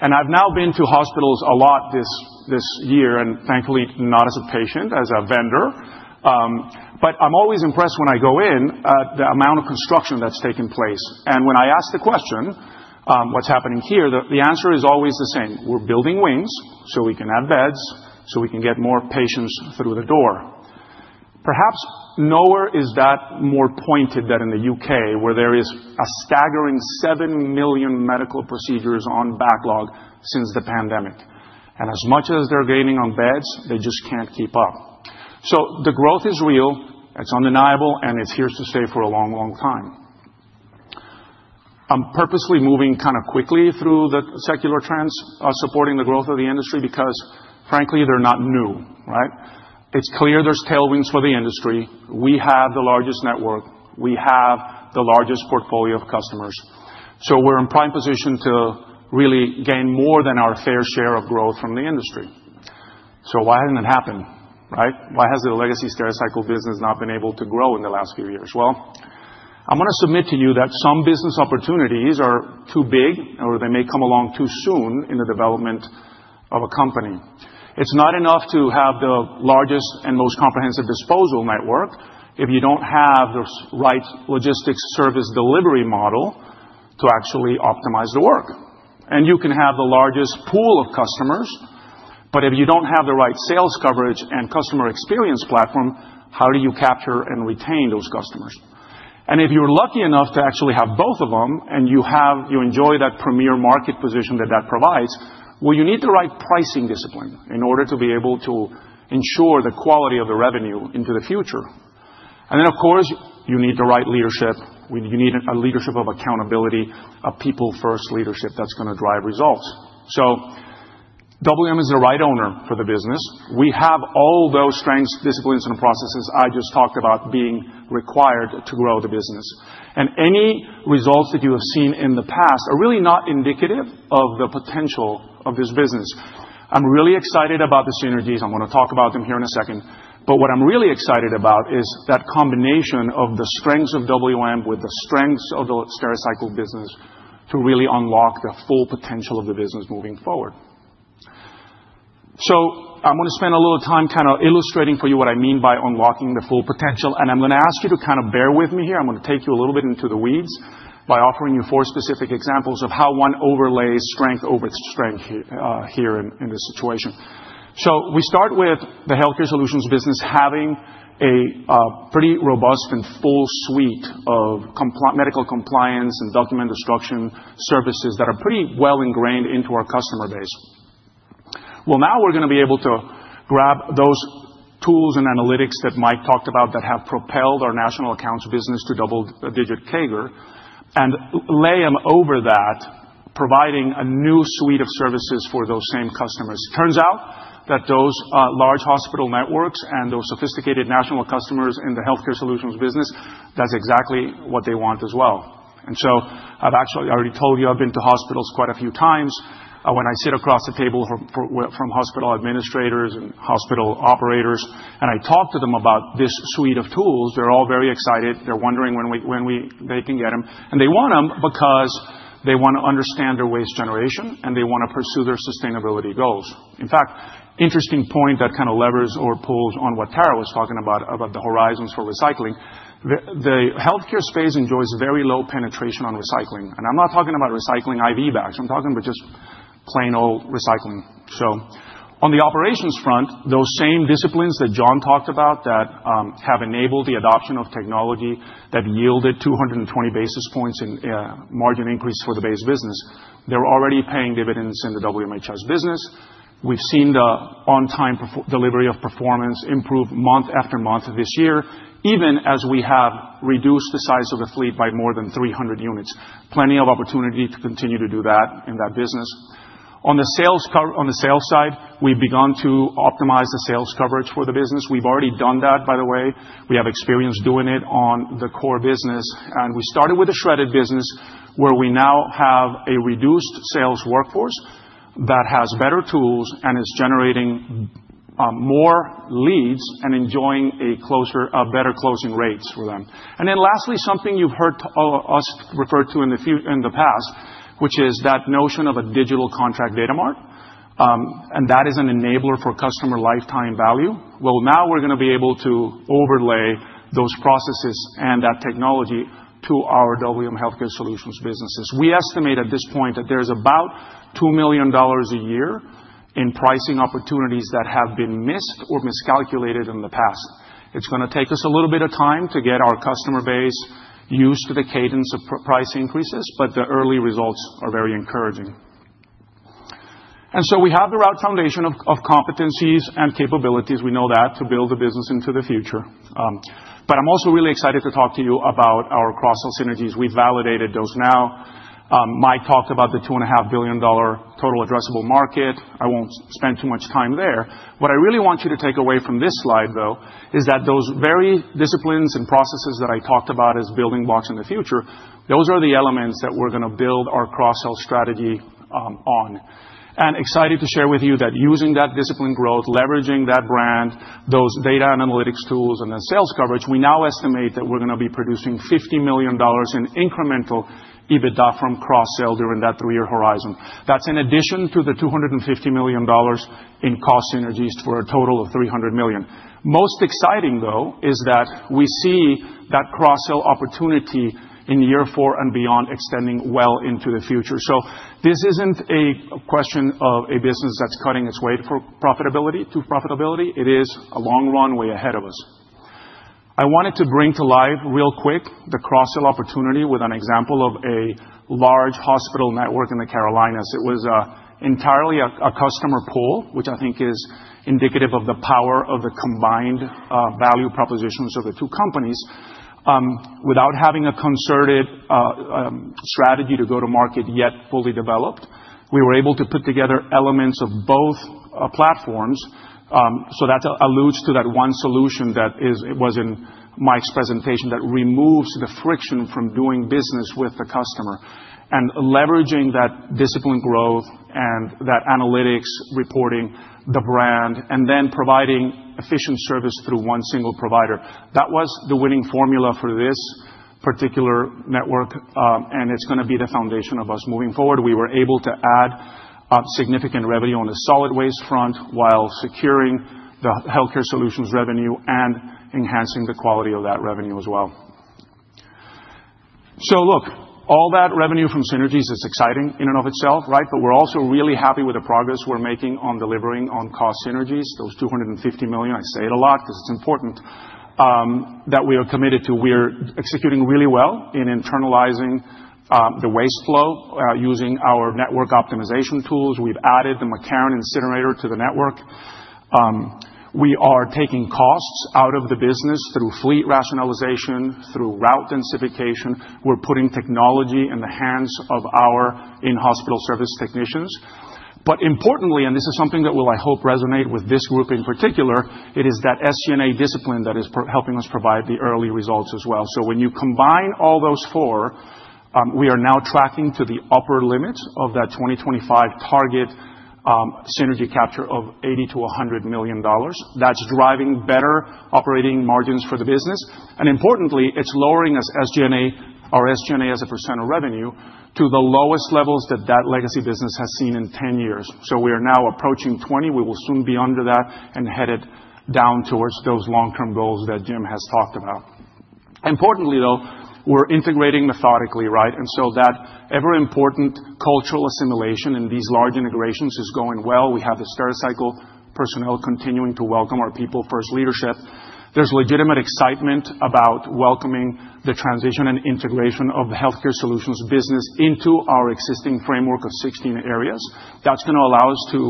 I've now been to hospitals a lot this year and thankfully not as a patient, as a vendor, but I'm always impressed when I go in at the amount of construction that's taken place. When I ask the question, what's happening here, the answer is always the same. We're building wings so we can have beds, so we can get more patients through the door. Perhaps nowhere is that more pointed than in the U.K., where there is a staggering 7 million medical procedures on backlog since the pandemic. As much as they're gaining on beds, they just can't keep up. The growth is real. It's undeniable, and it's here to stay for a long, long time. I'm purposely moving kind of quickly through the secular trends supporting the growth of the industry because, frankly, they're not new, right? It's clear there's tailwinds for the industry. We have the largest network. We have the largest portfolio of customers. We are in prime position to really gain more than our fair share of growth from the industry. Why has it not happened, right? Why has the legacy Stericycle business not been able to grow in the last few years? I am going to submit to you that some business opportunities are too big or they may come along too soon in the development of a company. It is not enough to have the largest and most comprehensive disposal network if you do not have the right logistics service delivery model to actually optimize the work. You can have the largest pool of customers, but if you do not have the right sales coverage and customer experience platform, how do you capture and retain those customers? If you're lucky enough to actually have both of them and you enjoy that premier market position that that provides, you need the right pricing discipline in order to be able to ensure the quality of the revenue into the future. Of course, you need the right leadership. You need a leadership of accountability, a people-first leadership that's going to drive results. WM is the right owner for the business. We have all those strengths, disciplines, and processes I just talked about being required to grow the business. Any results that you have seen in the past are really not indicative of the potential of this business. I'm really excited about the synergies. I'm going to talk about them here in a second. What I'm really excited about is that combination of the strengths of WM with the strengths of the Stericycle business to really unlock the full potential of the business moving forward. I'm going to spend a little time kind of illustrating for you what I mean by unlocking the full potential. I'm going to ask you to kind of bear with me here. I'm going to take you a little bit into the weeds by offering you four specific examples of how one overlays strength over strength here in this situation. We start with the Healthcare Solutions business having a pretty robust and full suite of medical compliance and document destruction services that are pretty well ingrained into our customer base. Now we're going to be able to grab those tools and analytics that Mike talked about that have propelled our national accounts business to double-digit CAGR and lay them over that, providing a new suite of services for those same customers. It turns out that those large hospital networks and those sophisticated national customers in the Healthcare Solutions business, that's exactly what they want as well. I've actually already told you I've been to hospitals quite a few times. When I sit across the table from hospital administrators and hospital operators, and I talk to them about this suite of tools, they're all very excited. They're wondering when they can get them. They want them because they want to understand their waste generation and they want to pursue their sustainability goals. In fact, interesting point that kind of levers or pulls on what Tara was talking about, about the horizons for recycling. The healthcare space enjoys very low penetration on recycling. And I'm not talking about recycling IV bags. I'm talking about just plain old recycling. On the operations front, those same disciplines that John talked about that have enabled the adoption of technology that yielded 220 basis points in margin increase for the base business, they're already paying dividends in the WMHS business. We've seen the on-time delivery of performance improve month after month this year, even as we have reduced the size of the fleet by more than 300 units. Plenty of opportunity to continue to do that in that business. On the sales side, we've begun to optimize the sales coverage for the business. We've already done that, by the way. We have experience doing it on the core business. We started with a shredded business where we now have a reduced sales workforce that has better tools and is generating more leads and enjoying better closing rates for them. Lastly, something you've heard us refer to in the past, which is that notion of a digital contract data mart. That is an enabler for customer lifetime value. Now we're going to be able to overlay those processes and that technology to our WM Healthcare Solutions businesses. We estimate at this point that there's about $2 million a year in pricing opportunities that have been missed or miscalculated in the past. It's going to take us a little bit of time to get our customer base used to the cadence of price increases, but the early results are very encouraging. We have the right foundation of competencies and capabilities. We know that to build the business into the future. I'm also really excited to talk to you about our cross-sell synergies. We've validated those now. Mike talked about the $2.5 billion total addressable market. I won't spend too much time there. What I really want you to take away from this slide, though, is that those very disciplines and processes that I talked about as building blocks in the future, those are the elements that we're going to build our cross-sell strategy on. I'm excited to share with you that using that discipline growth, leveraging that brand, those data and analytics tools, and the sales coverage, we now estimate that we're going to be producing $50 million in incremental EBITDA from cross-sell during that three-year horizon. That's in addition to the $250 million in cost synergies for a total of $300 million. Most exciting, though, is that we see that cross-sell opportunity in year four and beyond extending well into the future. This isn't a question of a business that's cutting its way to profitability. It is a long runway ahead of us. I wanted to bring to life real quick the cross-sell opportunity with an example of a large hospital network in the Carolinas. It was entirely a customer pool, which I think is indicative of the power of the combined value propositions of the two companies. Without having a concerted strategy to go to market yet fully developed, we were able to put together elements of both platforms. That alludes to that one solution that was in Mike's presentation that removes the friction from doing business with the customer and leveraging that discipline growth and that analytics reporting, the brand, and then providing efficient service through one single provider. That was the winning formula for this particular network, and it's going to be the foundation of us moving forward. We were able to add significant revenue on the solid waste front while securing the healthcare solutions revenue and enhancing the quality of that revenue as well. Look, all that revenue from synergies, it's exciting in and of itself, right? We are also really happy with the progress we're making on delivering on cost synergies, those $250 million. I say it a lot because it's important that we are committed to. We're executing really well in internalizing the waste flow using our network optimization tools. We've added the McCarran incinerator to the network. We are taking costs out of the business through fleet rationalization, through route densification. We're putting technology in the hands of our in-hospital service technicians. Importantly, and this is something that will, I hope, resonate with this group in particular, it is that SG&A discipline that is helping us provide the early results as well. When you combine all those four, we are now tracking to the upper limits of that 2025 target synergy capture of $80 million-$100 million. That's driving better operating margins for the business. Importantly, it's lowering our SG&A as a percent of revenue to the lowest levels that that legacy business has seen in 10 years. We are now approaching 20. We will soon be under that and headed down towards those long-term goals that Jim has talked about. Importantly, though, we're integrating methodically, right? And so that ever-important cultural assimilation in these large integrations is going well. We have the Stericycle personnel continuing to welcome our people-first leadership. There's legitimate excitement about welcoming the transition and integration of the healthcare solutions business into our existing framework of 16 areas. That's going to allow us to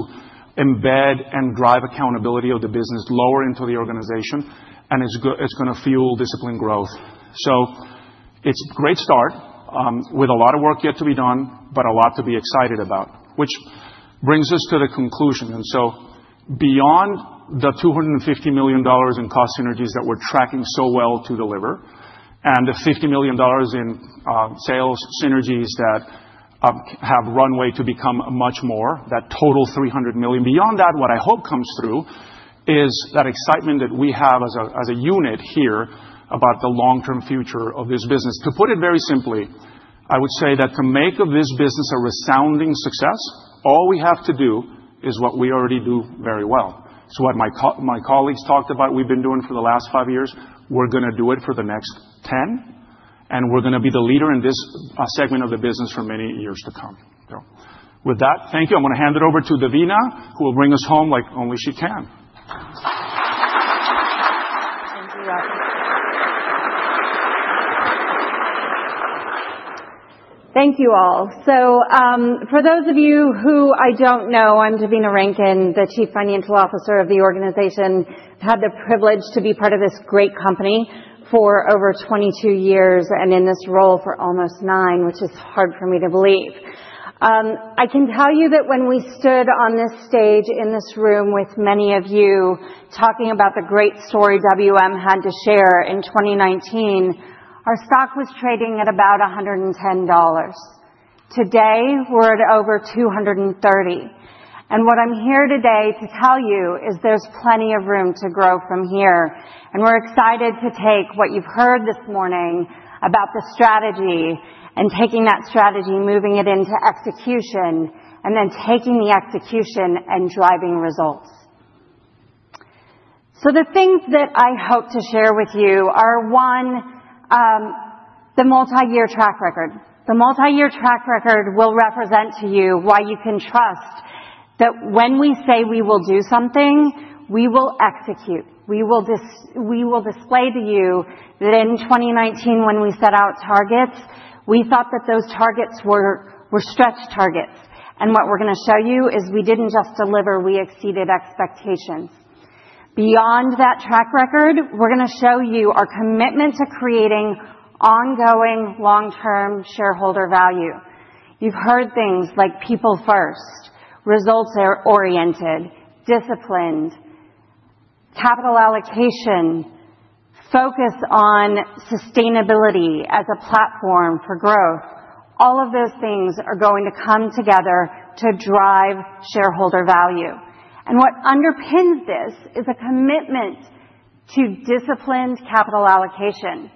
embed and drive accountability of the business lower into the organization, and it's going to fuel discipline growth. It's a great start with a lot of work yet to be done, but a lot to be excited about, which brings us to the conclusion. Beyond the $250 million in cost synergies that we're tracking so well to deliver and the $50 million in sales synergies that have runway to become much more, that total $300 million. Beyond that, what I hope comes through is that excitement that we have as a unit here about the long-term future of this business. To put it very simply, I would say that to make this business a resounding success, all we have to do is what we already do very well. It's what my colleagues talked about we've been doing for the last five years. We're going to do it for the next 10, and we're going to be the leader in this segment of the business for many years to come. Thank you. I'm going to hand it over to Devina, who will bring us home like only she can. Thank you all. For those of you who I don't know, I'm Devina Renkin, the Chief Financial Officer of the organization. I've had the privilege to be part of this great company for over 22 years and in this role for almost nine, which is hard for me to believe. I can tell you that when we stood on this stage in this room with many of you talking about the great story WM had to share in 2019, our stock was trading at about $110. Today, we're at over $230. What I'm here today to tell you is there's plenty of room to grow from here. We're excited to take what you've heard this morning about the strategy and taking that strategy, moving it into execution, and then taking the execution and driving results. The things that I hope to share with you are, one, the multi-year track record. The multi-year track record will represent to you why you can trust that when we say we will do something, we will execute. We will display to you that in 2019, when we set out targets, we thought that those targets were stretch targets. What we're going to show you is we didn't just deliver; we exceeded expectations. Beyond that track record, we're going to show you our commitment to creating ongoing long-term shareholder value. You've heard things like people-first, results-oriented, disciplined, capital allocation, focus on sustainability as a platform for growth. All of those things are going to come together to drive shareholder value. What underpins this is a commitment to disciplined capital allocation.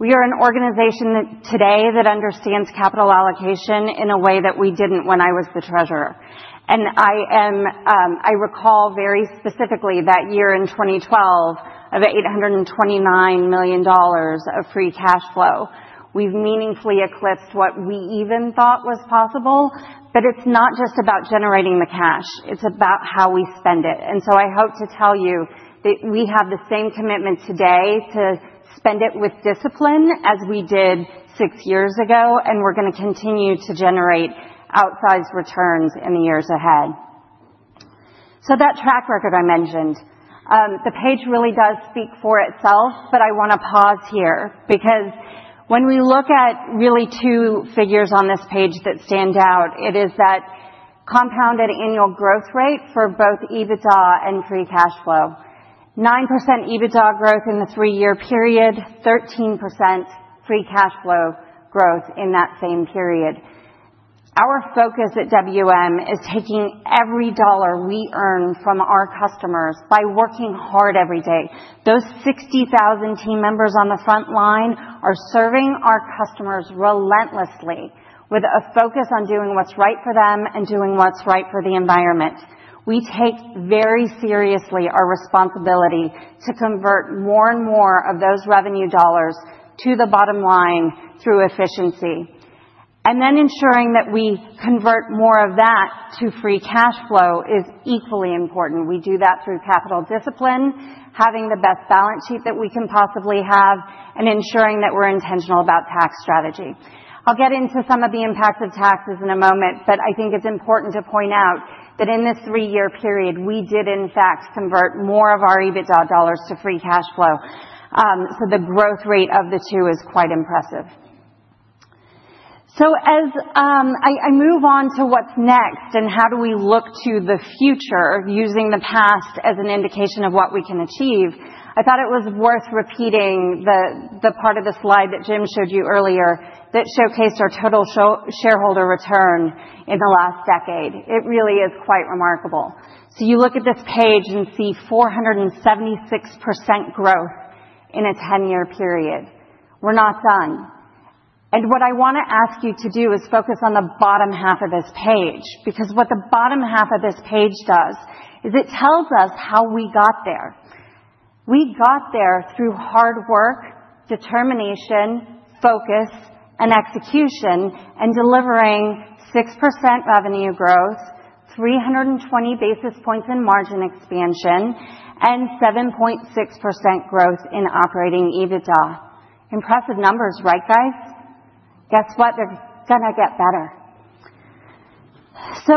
We are an organization today that understands capital allocation in a way that we didn't when I was the treasurer. I recall very specifically that year in 2012 of $829 million of free cash flow. We've meaningfully eclipsed what we even thought was possible, but it's not just about generating the cash. It's about how we spend it. I hope to tell you that we have the same commitment today to spend it with discipline as we did six years ago, and we're going to continue to generate outsized returns in the years ahead. That track record I mentioned, the page really does speak for itself, but I want to pause here because when we look at really two figures on this page that stand out, it is that compounded annual growth rate for both EBITDA and free cash flow: 9% EBITDA growth in the three-year period, 13% free cash flow growth in that same period. Our focus at WM is taking every dollar we earn from our customers by working hard every day. Those 60,000 team members on the front line are serving our customers relentlessly with a focus on doing what's right for them and doing what's right for the environment. We take very seriously our responsibility to convert more and more of those revenue dollars to the bottom line through efficiency. We do that through capital discipline, having the best balance sheet that we can possibly have, and ensuring that we're intentional about tax strategy. I'll get into some of the impacts of taxes in a moment, but I think it's important to point out that in this three-year period, we did, in fact, convert more of our EBITDA dollars to free cash flow. The growth rate of the two is quite impressive. As I move on to what's next and how do we look to the future using the past as an indication of what we can achieve, I thought it was worth repeating the part of the slide that Jim showed you earlier that showcased our total shareholder return in the last decade. It really is quite remarkable. You look at this page and see 476% growth in a 10-year period. We're not done. What I want to ask you to do is focus on the bottom half of this page because what the bottom half of this page does is it tells us how we got there. We got there through hard work, determination, focus, and execution and delivering 6% revenue growth, 320 basis points in margin expansion, and 7.6% growth in operating EBITDA. Impressive numbers, right, guys? Guess what? They're going to get better.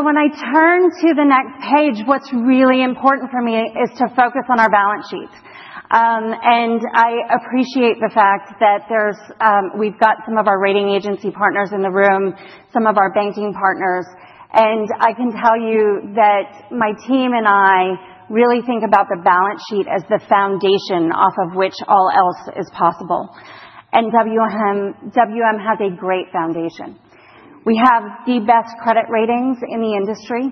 When I turn to the next page, what's really important for me is to focus on our balance sheet. I appreciate the fact that we've got some of our rating agency partners in the room, some of our banking partners. I can tell you that my team and I really think about the balance sheet as the foundation off of which all else is possible. WM has a great foundation. We have the best credit ratings in the industry.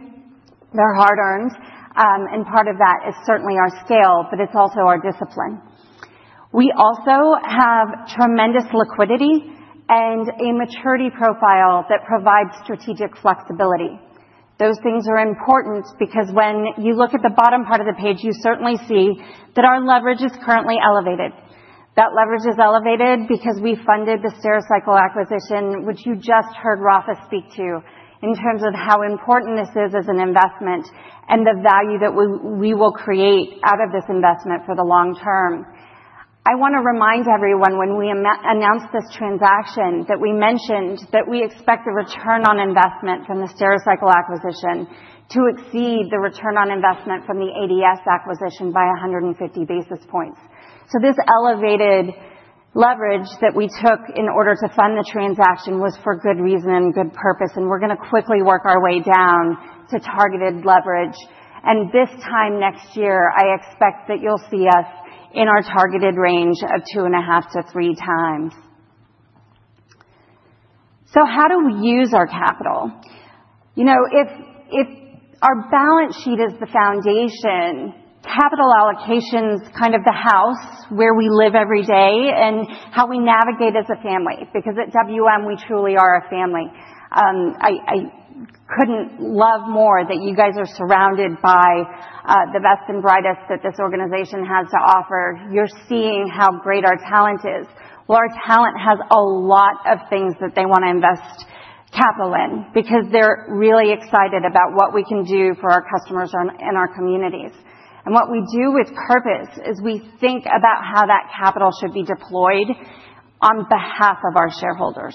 They're hard-earned, and part of that is certainly our scale, but it's also our discipline. We also have tremendous liquidity and a maturity profile that provides strategic flexibility. Those things are important because when you look at the bottom part of the page, you certainly see that our leverage is currently elevated. That leverage is elevated because we funded the Stericycle acquisition, which you just heard Rafa speak to, in terms of how important this is as an investment and the value that we will create out of this investment for the long term. I want to remind everyone when we announced this transaction that we mentioned that we expect the return on investment from the Stericycle acquisition to exceed the return on investment from the ADS acquisition by 150 basis points. This elevated leverage that we took in order to fund the transaction was for good reason and good purpose, and we're going to quickly work our way down to targeted leverage. This time next year, I expect that you'll see us in our targeted range of two and a half to three times. How do we use our capital? You know, if our balance sheet is the foundation, capital allocation's kind of the house where we live every day and how we navigate as a family because at WM, we truly are a family. I couldn't love more that you guys are surrounded by the best and brightest that this organization has to offer. You're seeing how great our talent is. Our talent has a lot of things that they want to invest capital in because they're really excited about what we can do for our customers and our communities. What we do with purpose is we think about how that capital should be deployed on behalf of our shareholders.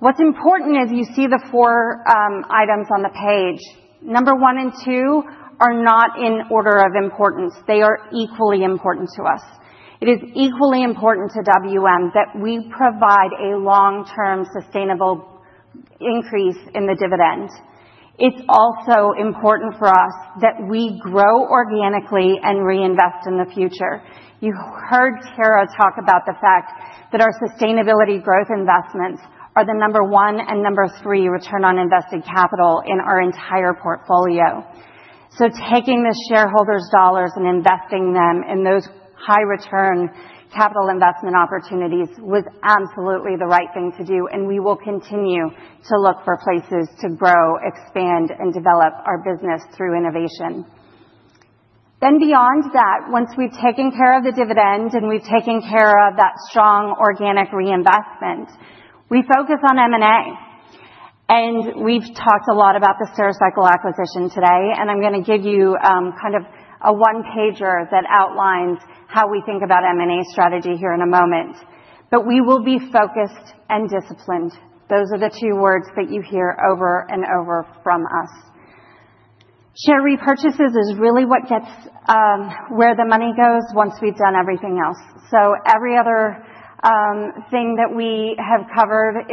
What's important is you see the four items on the page. Number one and two are not in order of importance. They are equally important to us. It is equally important to WM that we provide a long-term sustainable increase in the dividend. It is also important for us that we grow organically and reinvest in the future. You heard Tara talk about the fact that our sustainability growth investments are the number one and number three return on invested capital in our entire portfolio. Taking the shareholders' dollars and investing them in those high-return capital investment opportunities was absolutely the right thing to do, and we will continue to look for places to grow, expand, and develop our business through innovation. Beyond that, once we have taken care of the dividend and we have taken care of that strong organic reinvestment, we focus on M&A. We have talked a lot about the Stericycle acquisition today, and I am going to give you kind of a one-pager that outlines how we think about M&A strategy here in a moment. We will be focused and disciplined. Those are the two words that you hear over and over from us. Share repurchases is really what gets where the money goes once we've done everything else. Every other thing that we have covered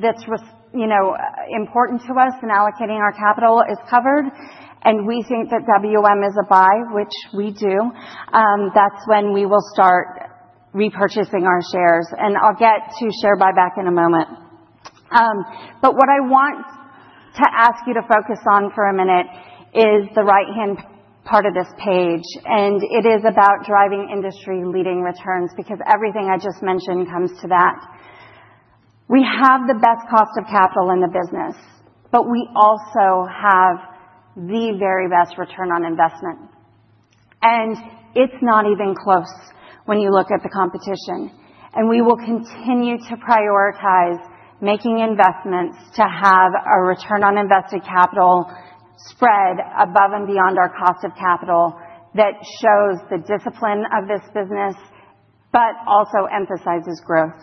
that's important to us in allocating our capital is covered, and we think that WM is a buy, which we do. That's when we will start repurchasing our shares. I'll get to share buyback in a moment. What I want to ask you to focus on for a minute is the right-hand part of this page, and it is about driving industry-leading returns because everything I just mentioned comes to that. We have the best cost of capital in the business, but we also have the very best return on investment. It's not even close when you look at the competition. We will continue to prioritize making investments to have a return on invested capital spread above and beyond our cost of capital that shows the discipline of this business, but also emphasizes growth.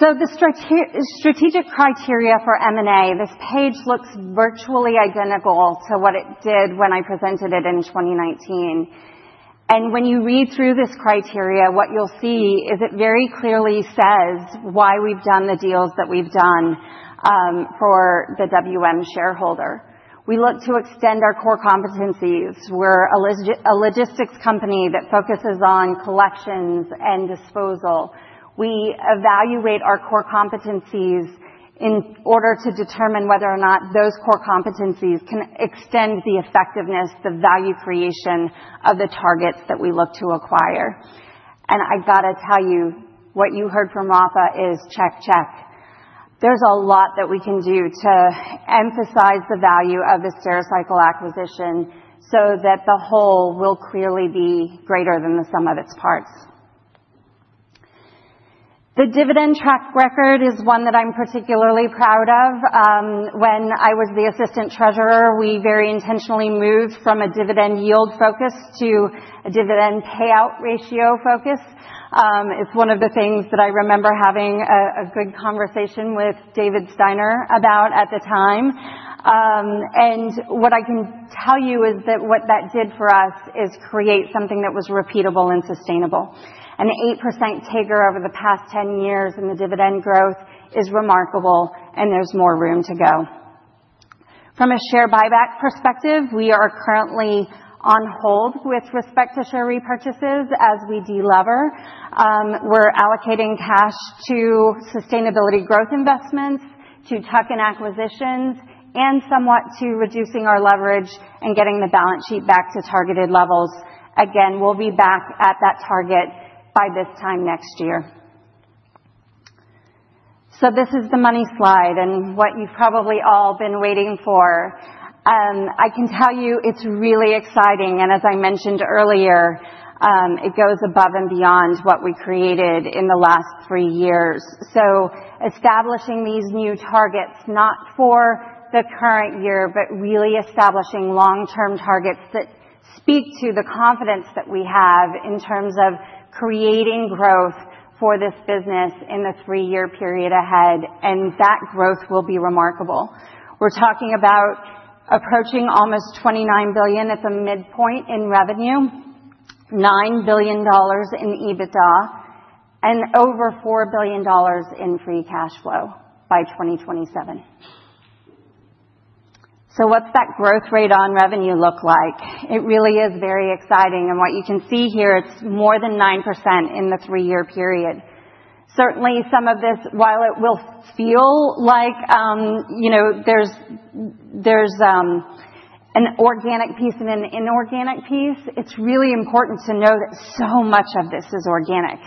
The strategic criteria for M&A, this page looks virtually identical to what it did when I presented it in 2019. When you read through this criteria, what you'll see is it very clearly says why we've done the deals that we've done for the WM shareholder. We look to extend our core competencies. We're a logistics company that focuses on collection and disposal. We evaluate our core competencies in order to determine whether or not those core competencies can extend the effectiveness, the value creation of the targets that we look to acquire. I got to tell you, what you heard from Rafa is check, check. There's a lot that we can do to emphasize the value of the Stericycle acquisition so that the whole will clearly be greater than the sum of its parts. The dividend track record is one that I'm particularly proud of. When I was the Assistant Treasurer, we very intentionally moved from a dividend yield focus to a dividend payout ratio focus. It's one of the things that I remember having a good conversation with David Steiner about at the time. What I can tell you is that what that did for us is create something that was repeatable and sustainable. An 8% CAGR over the past 10 years in the dividend growth is remarkable, and there's more room to go. From a share buyback perspective, we are currently on hold with respect to share repurchases as we delever. We're allocating cash to sustainability growth investments, to tuck-in acquisitions, and somewhat to reducing our leverage and getting the balance sheet back to targeted levels. Again, we'll be back at that target by this time next year. This is the money slide and what you've probably all been waiting for. I can tell you it's really exciting. As I mentioned earlier, it goes above and beyond what we created in the last three years. Establishing these new targets, not for the current year, but really establishing long-term targets that speak to the confidence that we have in terms of creating growth for this business in the three-year period ahead. That growth will be remarkable. We're talking about approaching almost $29 billion at the midpoint in revenue, $9 billion in EBITDA, and over $4 billion in free cash flow by 2027. What's that growth rate on revenue look like? It really is very exciting. What you can see here, it's more than 9% in the three-year period. Certainly, some of this, while it will feel like there's an organic piece and an inorganic piece, it's really important to know that so much of this is organic.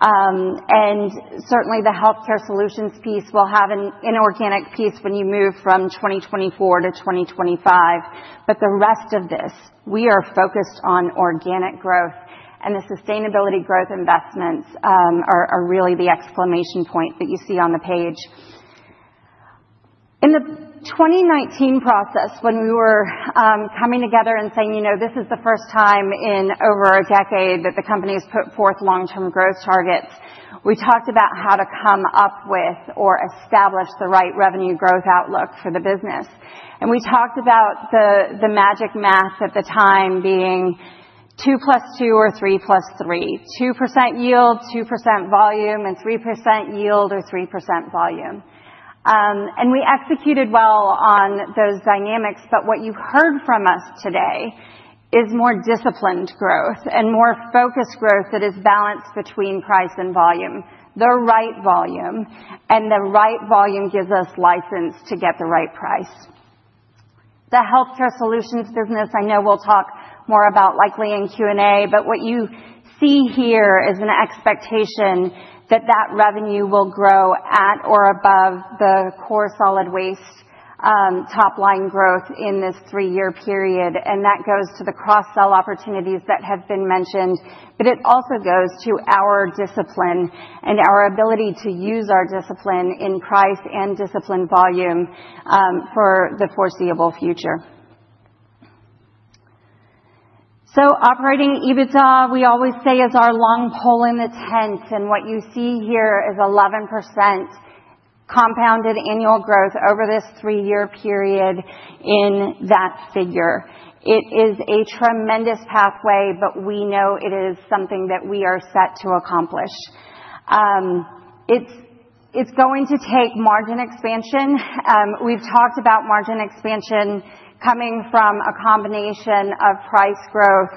Certainly, the healthcare solutions piece will have an inorganic piece when you move from 2024-2025. The rest of this, we are focused on organic growth, and the sustainability growth investments are really the exclamation point that you see on the page. In the 2019 process, when we were coming together and saying, you know, this is the first time in over a decade that the company has put forth long-term growth targets, we talked about how to come up with or establish the right revenue growth outlook for the business. We talked about the magic math at the time being 2 plus 2 or 3 plus 3, 2% yield, 2% volume, and 3% yield or 3% volume. We executed well on those dynamics, but what you heard from us today is more disciplined growth and more focused growth that is balanced between price and volume, the right volume, and the right volume gives us license to get the right price. The healthcare solutions business, I know we'll talk more about likely in Q&A, but what you see here is an expectation that that revenue will grow at or above the core solid waste top-line growth in this three-year period. That goes to the cross-sell opportunities that have been mentioned, but it also goes to our discipline and our ability to use our discipline in price and discipline volume for the foreseeable future. Operating EBITDA, we always say, is our long pole in the tent, and what you see here is 11% compounded annual growth over this three-year period in that figure. It is a tremendous pathway, but we know it is something that we are set to accomplish. It's going to take margin expansion. We've talked about margin expansion coming from a combination of price growth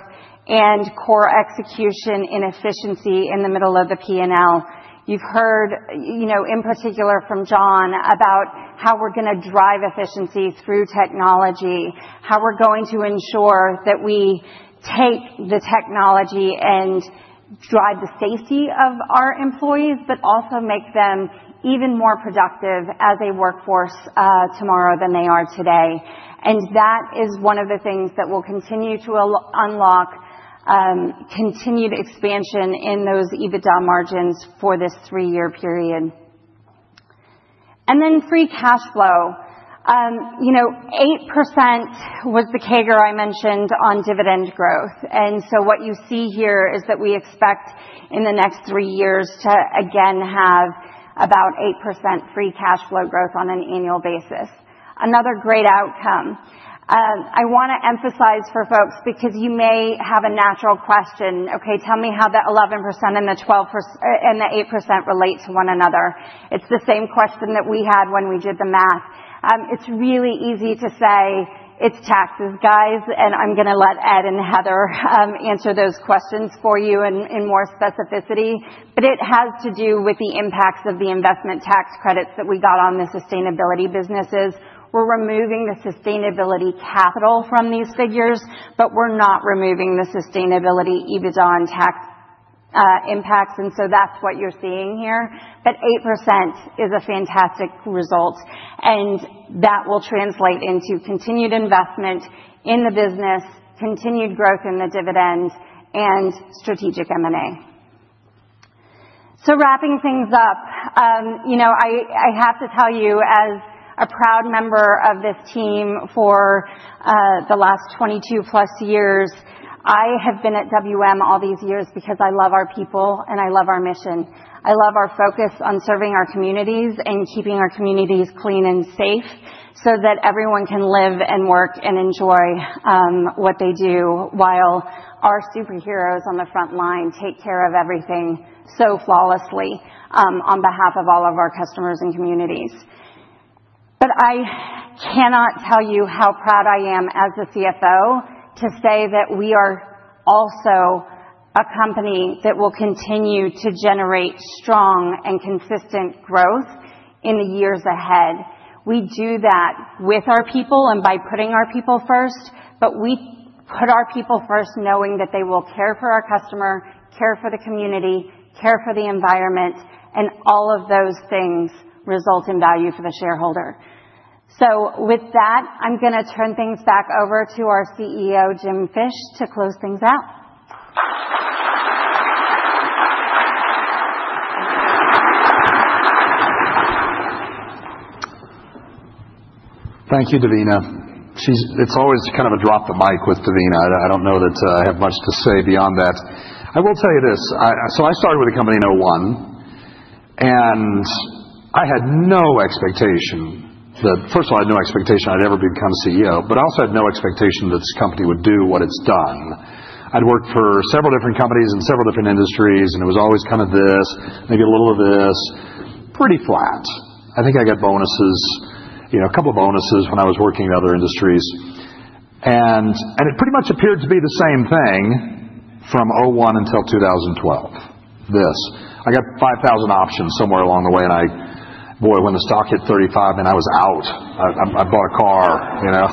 and core execution inefficiency in the middle of the P&L. You've heard, you know, in particular from John about how we're going to drive efficiency through technology, how we're going to ensure that we take the technology and drive the safety of our employees, but also make them even more productive as a workforce tomorrow than they are today. That is one of the things that will continue to unlock continued expansion in those EBITDA margins for this three-year period. Then free cash flow. You know, 8% was the tagger I mentioned on dividend growth. What you see here is that we expect in the next three years to again have about 8% free cash flow growth on an annual basis. Another great outcome. I want to emphasize for folks because you may have a natural question, okay, tell me how the 11% and the 8% relate to one another. It's the same question that we had when we did the math. It's really easy to say it's taxes, guys, and I'm going to let Ed and Heather answer those questions for you in more specificity. But it has to do with the impacts of the investment tax credits that we got on the sustainability businesses. We're removing the sustainability capital from these figures, but we're not removing the sustainability EBITDA and tax impacts. And so that's what you're seeing here. 8% is a fantastic result, and that will translate into continued investment in the business, continued growth in the dividend, and strategic M&A. Wrapping things up, you know, I have to tell you, as a proud member of this team for the last 22 plus years, I have been at WM all these years because I love our people and I love our mission. I love our focus on serving our communities and keeping our communities clean and safe so that everyone can live and work and enjoy what they do while our superheroes on the front line take care of everything so flawlessly on behalf of all of our customers and communities. I cannot tell you how proud I am as the CFO to say that we are also a company that will continue to generate strong and consistent growth in the years ahead. We do that with our people and by putting our people first, but we put our people first knowing that they will care for our customer, care for the community, care for the environment, and all of those things result in value for the shareholder. With that, I'm going to turn things back over to our CEO, Jim Fish, to close things out. Thank you, Devina. It's always kind of a drop the mic with Devina. I don't know that I have much to say beyond that. I will tell you this. I started with the company in 2001, and I had no expectation that, first of all, I had no expectation I'd ever become CEO, but I also had no expectation that this company would do what it's done. I'd worked for several different companies in several different industries, and it was always kind of this, maybe a little of this, pretty flat. I think I got bonuses, you know, a couple of bonuses when I was working in other industries. And it pretty much appeared to be the same thing from 2001 until 2012. This. I got 5,000 options somewhere along the way, and I, boy, when the stock hit $35, man, I was out. I bought a car, you know,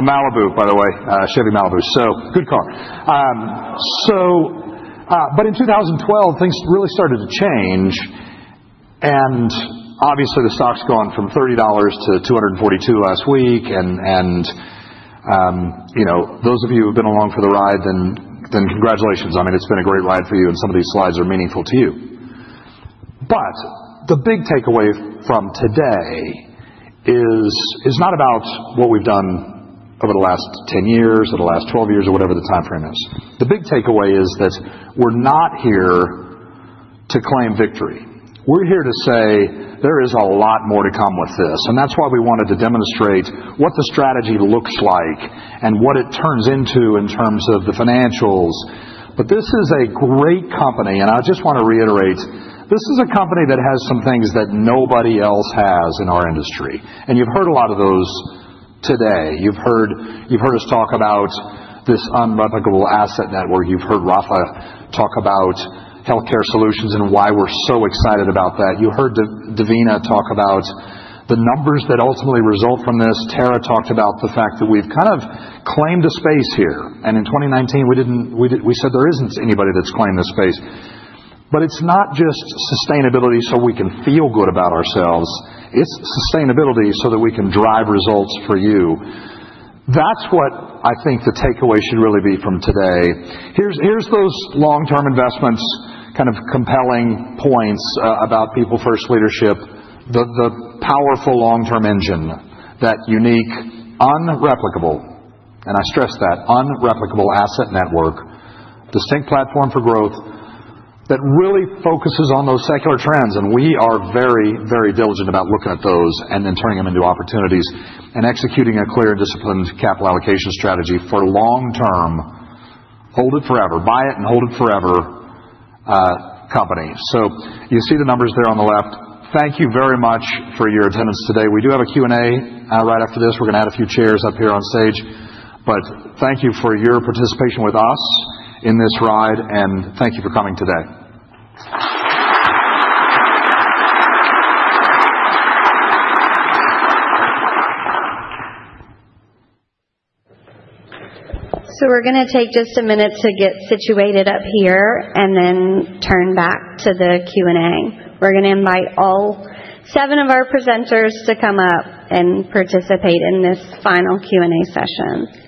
a Malibu, by the way, Chevy Malibu, so good car. In 2012, things really started to change. Obviously, the stock's gone from $30 to $242 last week. Those of you who have been along for the ride, then congratulations. I mean, it's been a great ride for you, and some of these slides are meaningful to you. The big takeaway from today is not about what we've done over the last 10 years, or the last 12 years, or whatever the timeframe is. The big takeaway is that we're not here to claim victory. We're here to say there is a lot more to come with this. That's why we wanted to demonstrate what the strategy looks like and what it turns into in terms of the financials. This is a great company. I just want to reiterate, this is a company that has some things that nobody else has in our industry. You have heard a lot of those today. You have heard us talk about this unreplicable asset network. You have heard Rafa talk about healthcare solutions and why we are so excited about that. You heard Devina talk about the numbers that ultimately result from this. Tara talked about the fact that we have kind of claimed a space here. In 2019, we said there is not anybody that has claimed a space. It is not just sustainability so we can feel good about ourselves. It is sustainability so that we can drive results for you. That is what I think the takeaway should really be from today. Here's those long-term investments, kind of compelling points about people-first leadership, the powerful long-term engine, that unique, unreplicable, and I stress that, unreplicable asset network, distinct platform for growth that really focuses on those secular trends. We are very, very diligent about looking at those and then turning them into opportunities and executing a clear and disciplined capital allocation strategy for long-term, hold it forever, buy it and hold it forever company. You see the numbers there on the left. Thank you very much for your attendance today. We do have a Q&A right after this. We are going to add a few chairs up here on stage. Thank you for your participation with us in this ride, and thank you for coming today. We're going to take just a minute to get situated up here and then turn back to the Q&A. We're going to invite all seven of our presenters to come up and participate in this final Q&A session.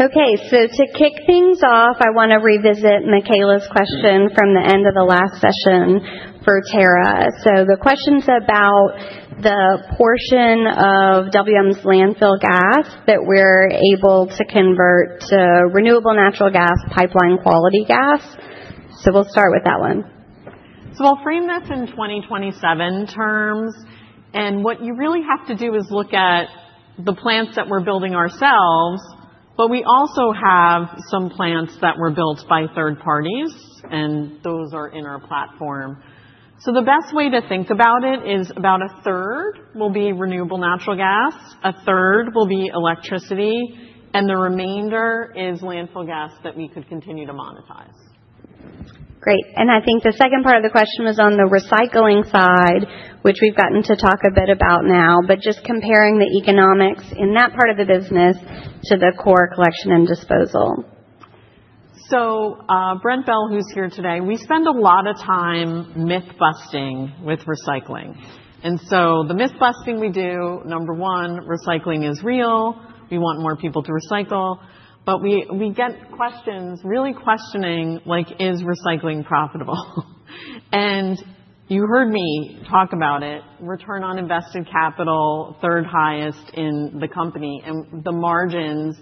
Okay, to kick things off, I want to revisit Michaela's question from the end of the last session for Tara. The question's about the portion of WM's landfill gas that we're able to convert to renewable natural gas pipeline quality gas. We'll start with that one. We'll frame this in 2027 terms. What you really have to do is look at the plants that we're building ourselves, but we also have some plants that were built by third parties, and those are in our platform. The best way to think about it is about a third will be renewable natural gas, a third will be electricity, and the remainder is landfill gas that we could continue to monetize. Great. I think the second part of the question was on the recycling side, which we've gotten to talk a bit about now, but just comparing the economics in that part of the business to the core collection and disposal. Brent Bell, who's here today, we spend a lot of time myth-busting with recycling. The myth-busting we do, number one, recycling is real. We want more people to recycle. We get questions, really questioning, like, is recycling profitable? You heard me talk about it, return on invested capital, third highest in the company, and the margins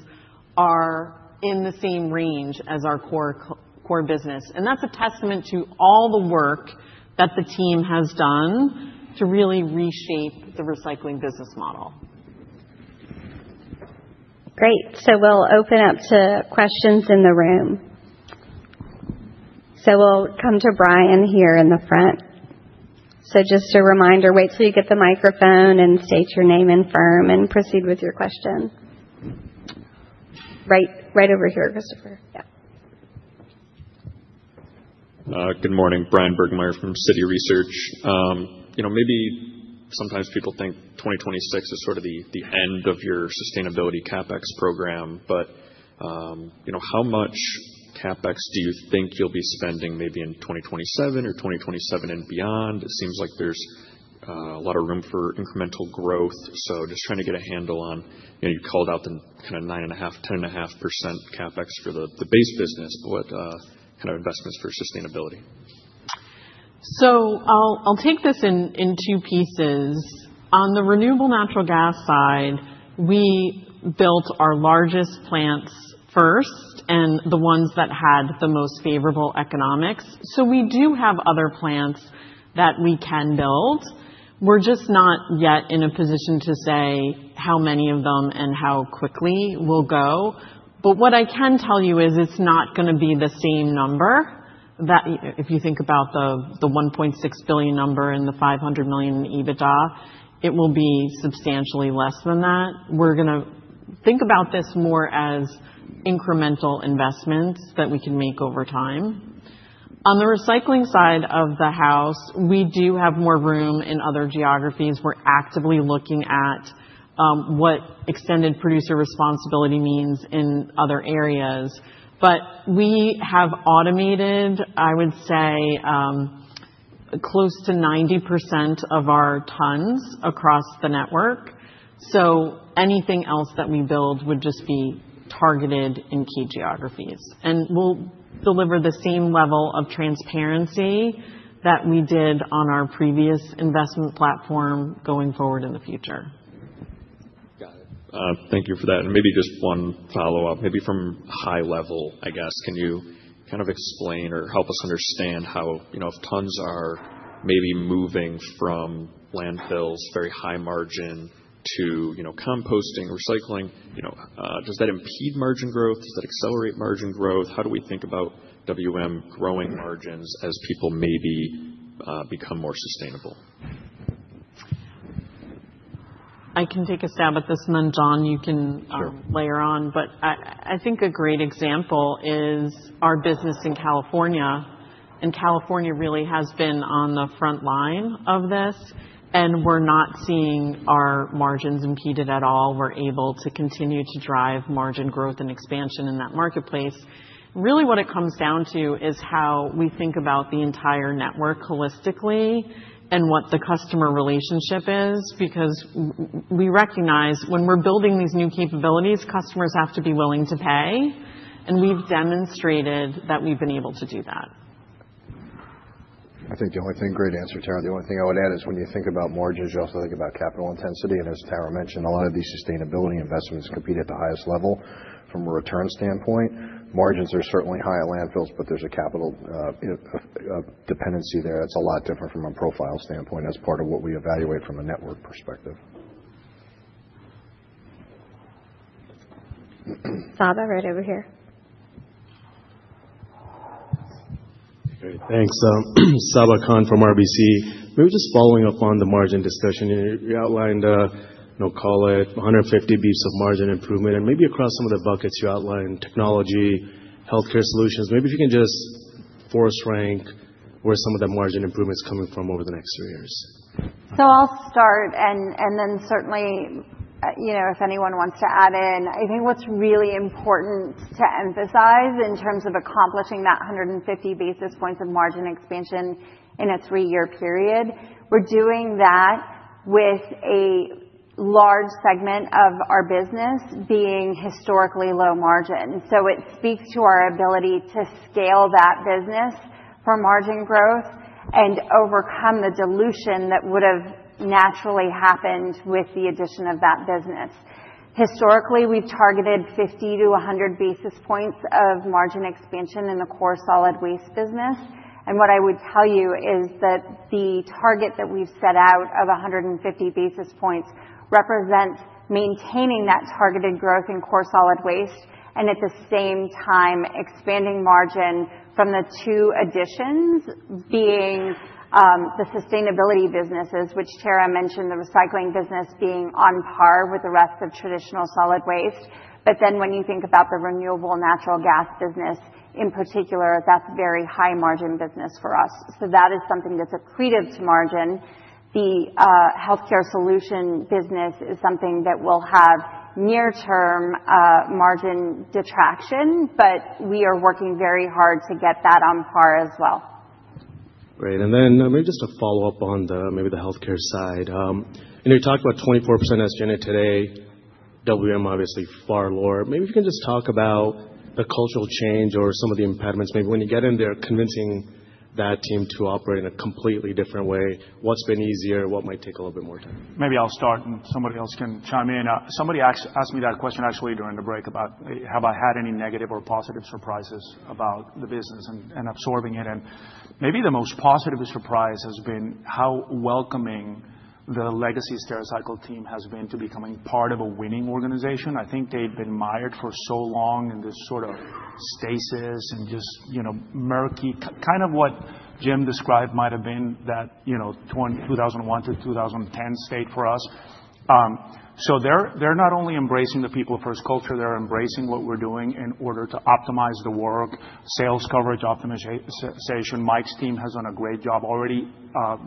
are in the same range as our core business. That is a testament to all the work that the team has done to really reshape the recycling business model. Great. We'll open up to questions in the room. We'll come to Brian here in the front. Just a reminder, wait till you get the microphone and state your name and firm and proceed with your question. Right over here, Christopher. Yeah. Good morning, Bryan Burgmeier from Citi Research. You know, maybe sometimes people think 2026 is sort of the end of your sustainability CapEx program, but you know, how much CapEx do you think you'll be spending maybe in 2027 or 2027 and beyond? It seems like there's a lot of room for incremental growth. So just trying to get a handle on, you know, you called out the kind of 9.5%-10.5% CapEx for the base business, but what kind of investments for sustainability? I'll take this in two pieces. On the renewable natural gas side, we built our largest plants first and the ones that had the most favorable economics. We do have other plants that we can build. We're just not yet in a position to say how many of them and how quickly we'll go. What I can tell you is it's not going to be the same number. If you think about the $1.6 billion number and the $500 million in EBITDA, it will be substantially less than that. We're going to think about this more as incremental investments that we can make over time. On the recycling side of the house, we do have more room in other geographies. We're actively looking at what extended producer responsibility means in other areas. We have automated, I would say, close to 90% of our tons across the network. Anything else that we build would just be targeted in key geographies. We will deliver the same level of transparency that we did on our previous investment platform going forward in the future. Got it. Thank you for that. Maybe just one follow-up, maybe from high level, I guess, can you kind of explain or help us understand how, you know, if tons are maybe moving from landfills, very high margin, to, you know, composting, recycling, you know, does that impede margin growth? Does that accelerate margin growth? How do we think about WM growing margins as people maybe become more sustainable? I can take a stab at this one, John. You can layer on. I think a great example is our business in California. California really has been on the front line of this, and we're not seeing our margins impeded at all. We're able to continue to drive margin growth and expansion in that marketplace. Really, what it comes down to is how we think about the entire network holistically and what the customer relationship is, because we recognize when we're building these new capabilities, customers have to be willing to pay. We've demonstrated that we've been able to do that. I think the only thing, great answer, Tara. The only thing I would add is when you think about margins, you also think about capital intensity. As Tara mentioned, a lot of these sustainability investments compete at the highest level from a return standpoint. Margins are certainly high at landfills, but there is a capital dependency there that is a lot different from a profile standpoint as part of what we evaluate from a network perspective. Sabahat right over here. Great. Thanks. Sabahat Khan from RBC. Maybe just following up on the margin discussion. You outlined, I'll call it, 150 basis points of margin improvement. And maybe across some of the buckets you outlined, technology, healthcare solutions, maybe if you can just force rank where some of that margin improvement is coming from over the next three years. I'll start, and then certainly, you know, if anyone wants to add in, I think what's really important to emphasize in terms of accomplishing that 150 basis points of margin expansion in a three-year period, we're doing that with a large segment of our business being historically low margin. It speaks to our ability to scale that business for margin growth and overcome the dilution that would have naturally happened with the addition of that business. Historically, we've targeted 50-100 basis points of margin expansion in the core solid waste business. What I would tell you is that the target that we've set out of 150 basis points represents maintaining that targeted growth in core solid waste and at the same time expanding margin from the two additions being the sustainability businesses, which Tara mentioned, the recycling business being on par with the rest of traditional solid waste. When you think about the renewable natural gas business in particular, that's a very high margin business for us. That is something that's accretive to margin. The healthcare solution business is something that will have near-term margin detraction, but we are working very hard to get that on par as well. Great. Maybe just a follow-up on maybe the healthcare side. You talked about 24% as genetic today, WM obviously far lower. Maybe if you can just talk about the cultural change or some of the impediments, maybe when you get in there convincing that team to operate in a completely different way, what's been easier, what might take a little bit more time? Maybe I'll start and somebody else can chime in. Somebody asked me that question actually during the break about have I had any negative or positive surprises about the business and absorbing it. Maybe the most positive surprise has been how welcoming the legacy Stericycle team has been to becoming part of a winning organization. I think they've been mired for so long in this sort of stasis and just, you know, murky, kind of what Jim described might have been that, you know, 2001 to 2010 state for us. They're not only embracing the people-first culture, they're embracing what we're doing in order to optimize the work, sales coverage optimization. Mike's team has done a great job already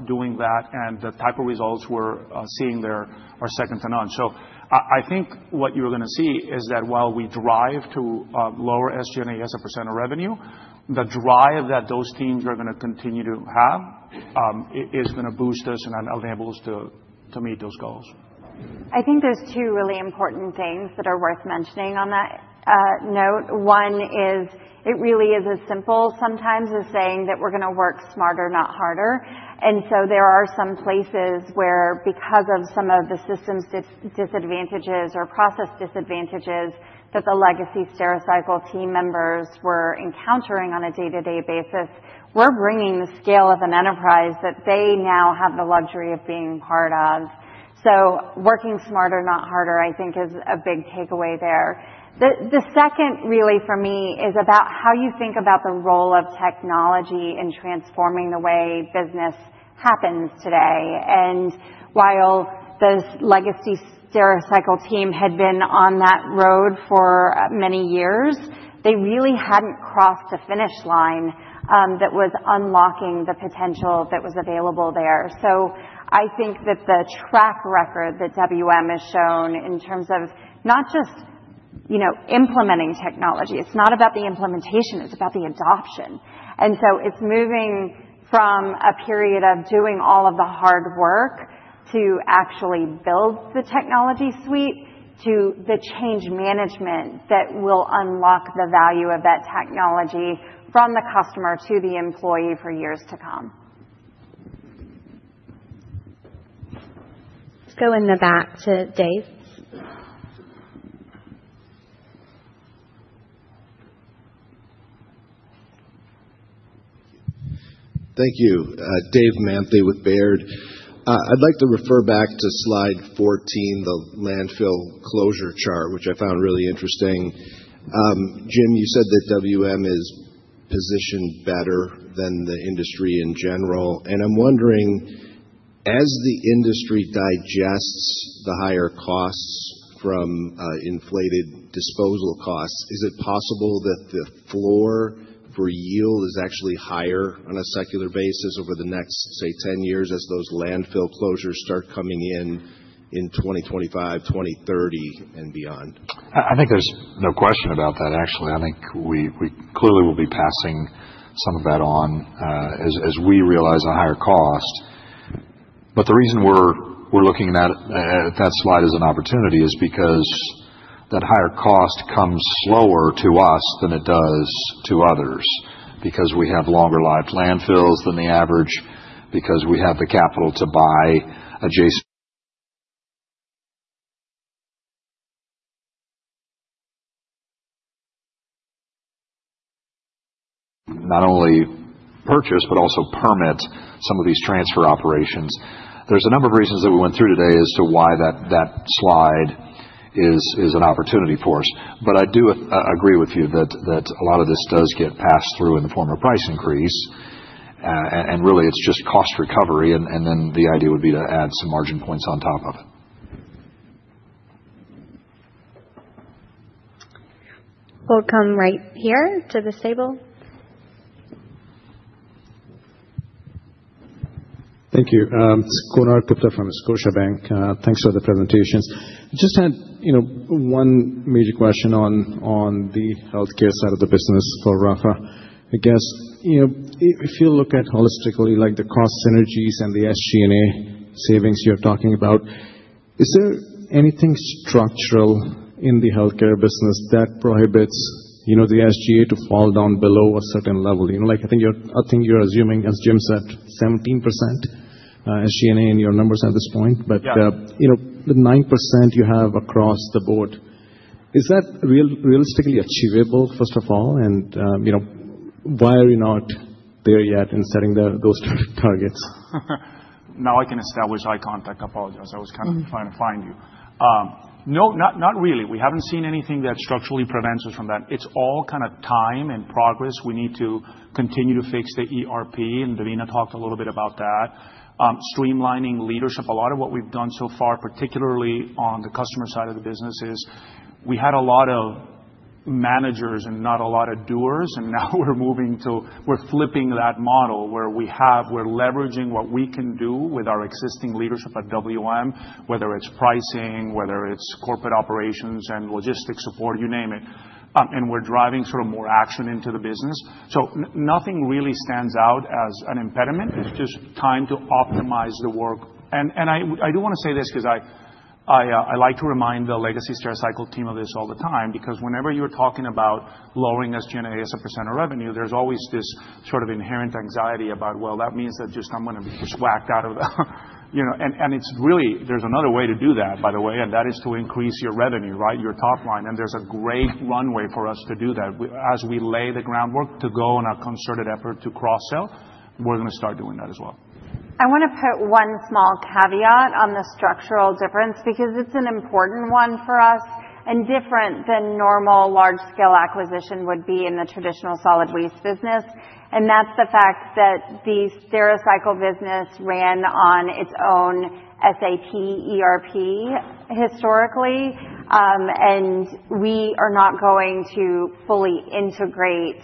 doing that, and the type of results we're seeing there are second to none. I think what you're going to see is that while we drive to lower SG&A as percent of revenue, the drive that those teams are going to continue to have is going to boost us and enable us to meet those goals. I think there's two really important things that are worth mentioning on that note. One is it really is as simple sometimes as saying that we're going to work smarter, not harder. There are some places where, because of some of the systems disadvantages or process disadvantages that the legacy Stericycle team members were encountering on a day-to-day basis, we're bringing the scale of an enterprise that they now have the luxury of being part of. Working smarter, not harder, I think is a big takeaway there. The second really for me is about how you think about the role of technology in transforming the way business happens today. While the legacy Stericycle team had been on that road for many years, they really hadn't crossed the finish line that was unlocking the potential that was available there. I think that the track record that WM has shown in terms of not just, you know, implementing technology, it's not about the implementation, it's about the adoption. It's moving from a period of doing all of the hard work to actually build the technology suite to the change management that will unlock the value of that technology from the customer to the employee for years to come. Let's go in the back to Dave. Thank you. Dave Manthey with Baird. I'd like to refer back to slide 14, the landfill closure chart, which I found really interesting. Jim, you said that WM is positioned better than the industry in general. I'm wondering, as the industry digests the higher costs from inflated disposal costs, is it possible that the floor for yield is actually higher on a secular basis over the next, say, 10 years as those landfill closures start coming in in 2025, 2030, and beyond? I think there's no question about that, actually. I think we clearly will be passing some of that on as we realize a higher cost. The reason we're looking at that slide as an opportunity is because that higher cost comes slower to us than it does to others, because we have longer-lived landfills than the average, because we have the capital to buy adjacent not only purchase, but also permit some of these transfer operations. There are a number of reasons that we went through today as to why that slide is an opportunity for us. I do agree with you that a lot of this does get passed through in the form of price increase. Really, it's just cost recovery. The idea would be to add some margin points on top of it. We'll come right here to this table. Thank you. It's Konark Gupta from Scotiabank. Thanks for the presentations. I just had, you know, one major question on the healthcare side of the business for Rafa. I guess, you know, if you look at holistically, like the cost synergies and the SG&A savings you're talking about, is there anything structural in the healthcare business that prohibits, you know, the SG&A to fall down below a certain level? You know, like I think you're assuming, as Jim said, 17% SG&A in your numbers at this point, but, you know, the 9% you have across the board. Is that realistically achievable, first of all? You know, why are you not there yet in setting those targets? Now I can establish eye contact. I apologize. I was kind of trying to find you. No, not really. We have not seen anything that structurally prevents us from that. It is all kind of time and progress. We need to continue to fix the ERP, and Davina talked a little bit about that. Streamlining leadership, a lot of what we have done so far, particularly on the customer side of the business, is we had a lot of managers and not a lot of doers, and now we are moving to, we are flipping that model where we have, we are leveraging what we can do with our existing leadership at WM, whether it is pricing, whether it is corporate operations and logistics support, you name it. We are driving sort of more action into the business. Nothing really stands out as an impediment. It is just time to optimize the work. I do want to say this because I like to remind the legacy Stericycle team of this all the time, because whenever you're talking about lowering SG&A as a percent of revenue, there's always this sort of inherent anxiety about, well, that means that just I'm going to be swacked out of the, you know, and it's really, there's another way to do that, by the way, and that is to increase your revenue, right, your top line. There's a great runway for us to do that. As we lay the groundwork to go on a concerted effort to cross-sell, we're going to start doing that as well. I want to put one small caveat on the structural difference, because it's an important one for us and different than normal large-scale acquisition would be in the traditional solid waste business. That's the fact that the Stericycle business ran on its own SAP ERP historically, and we are not going to fully integrate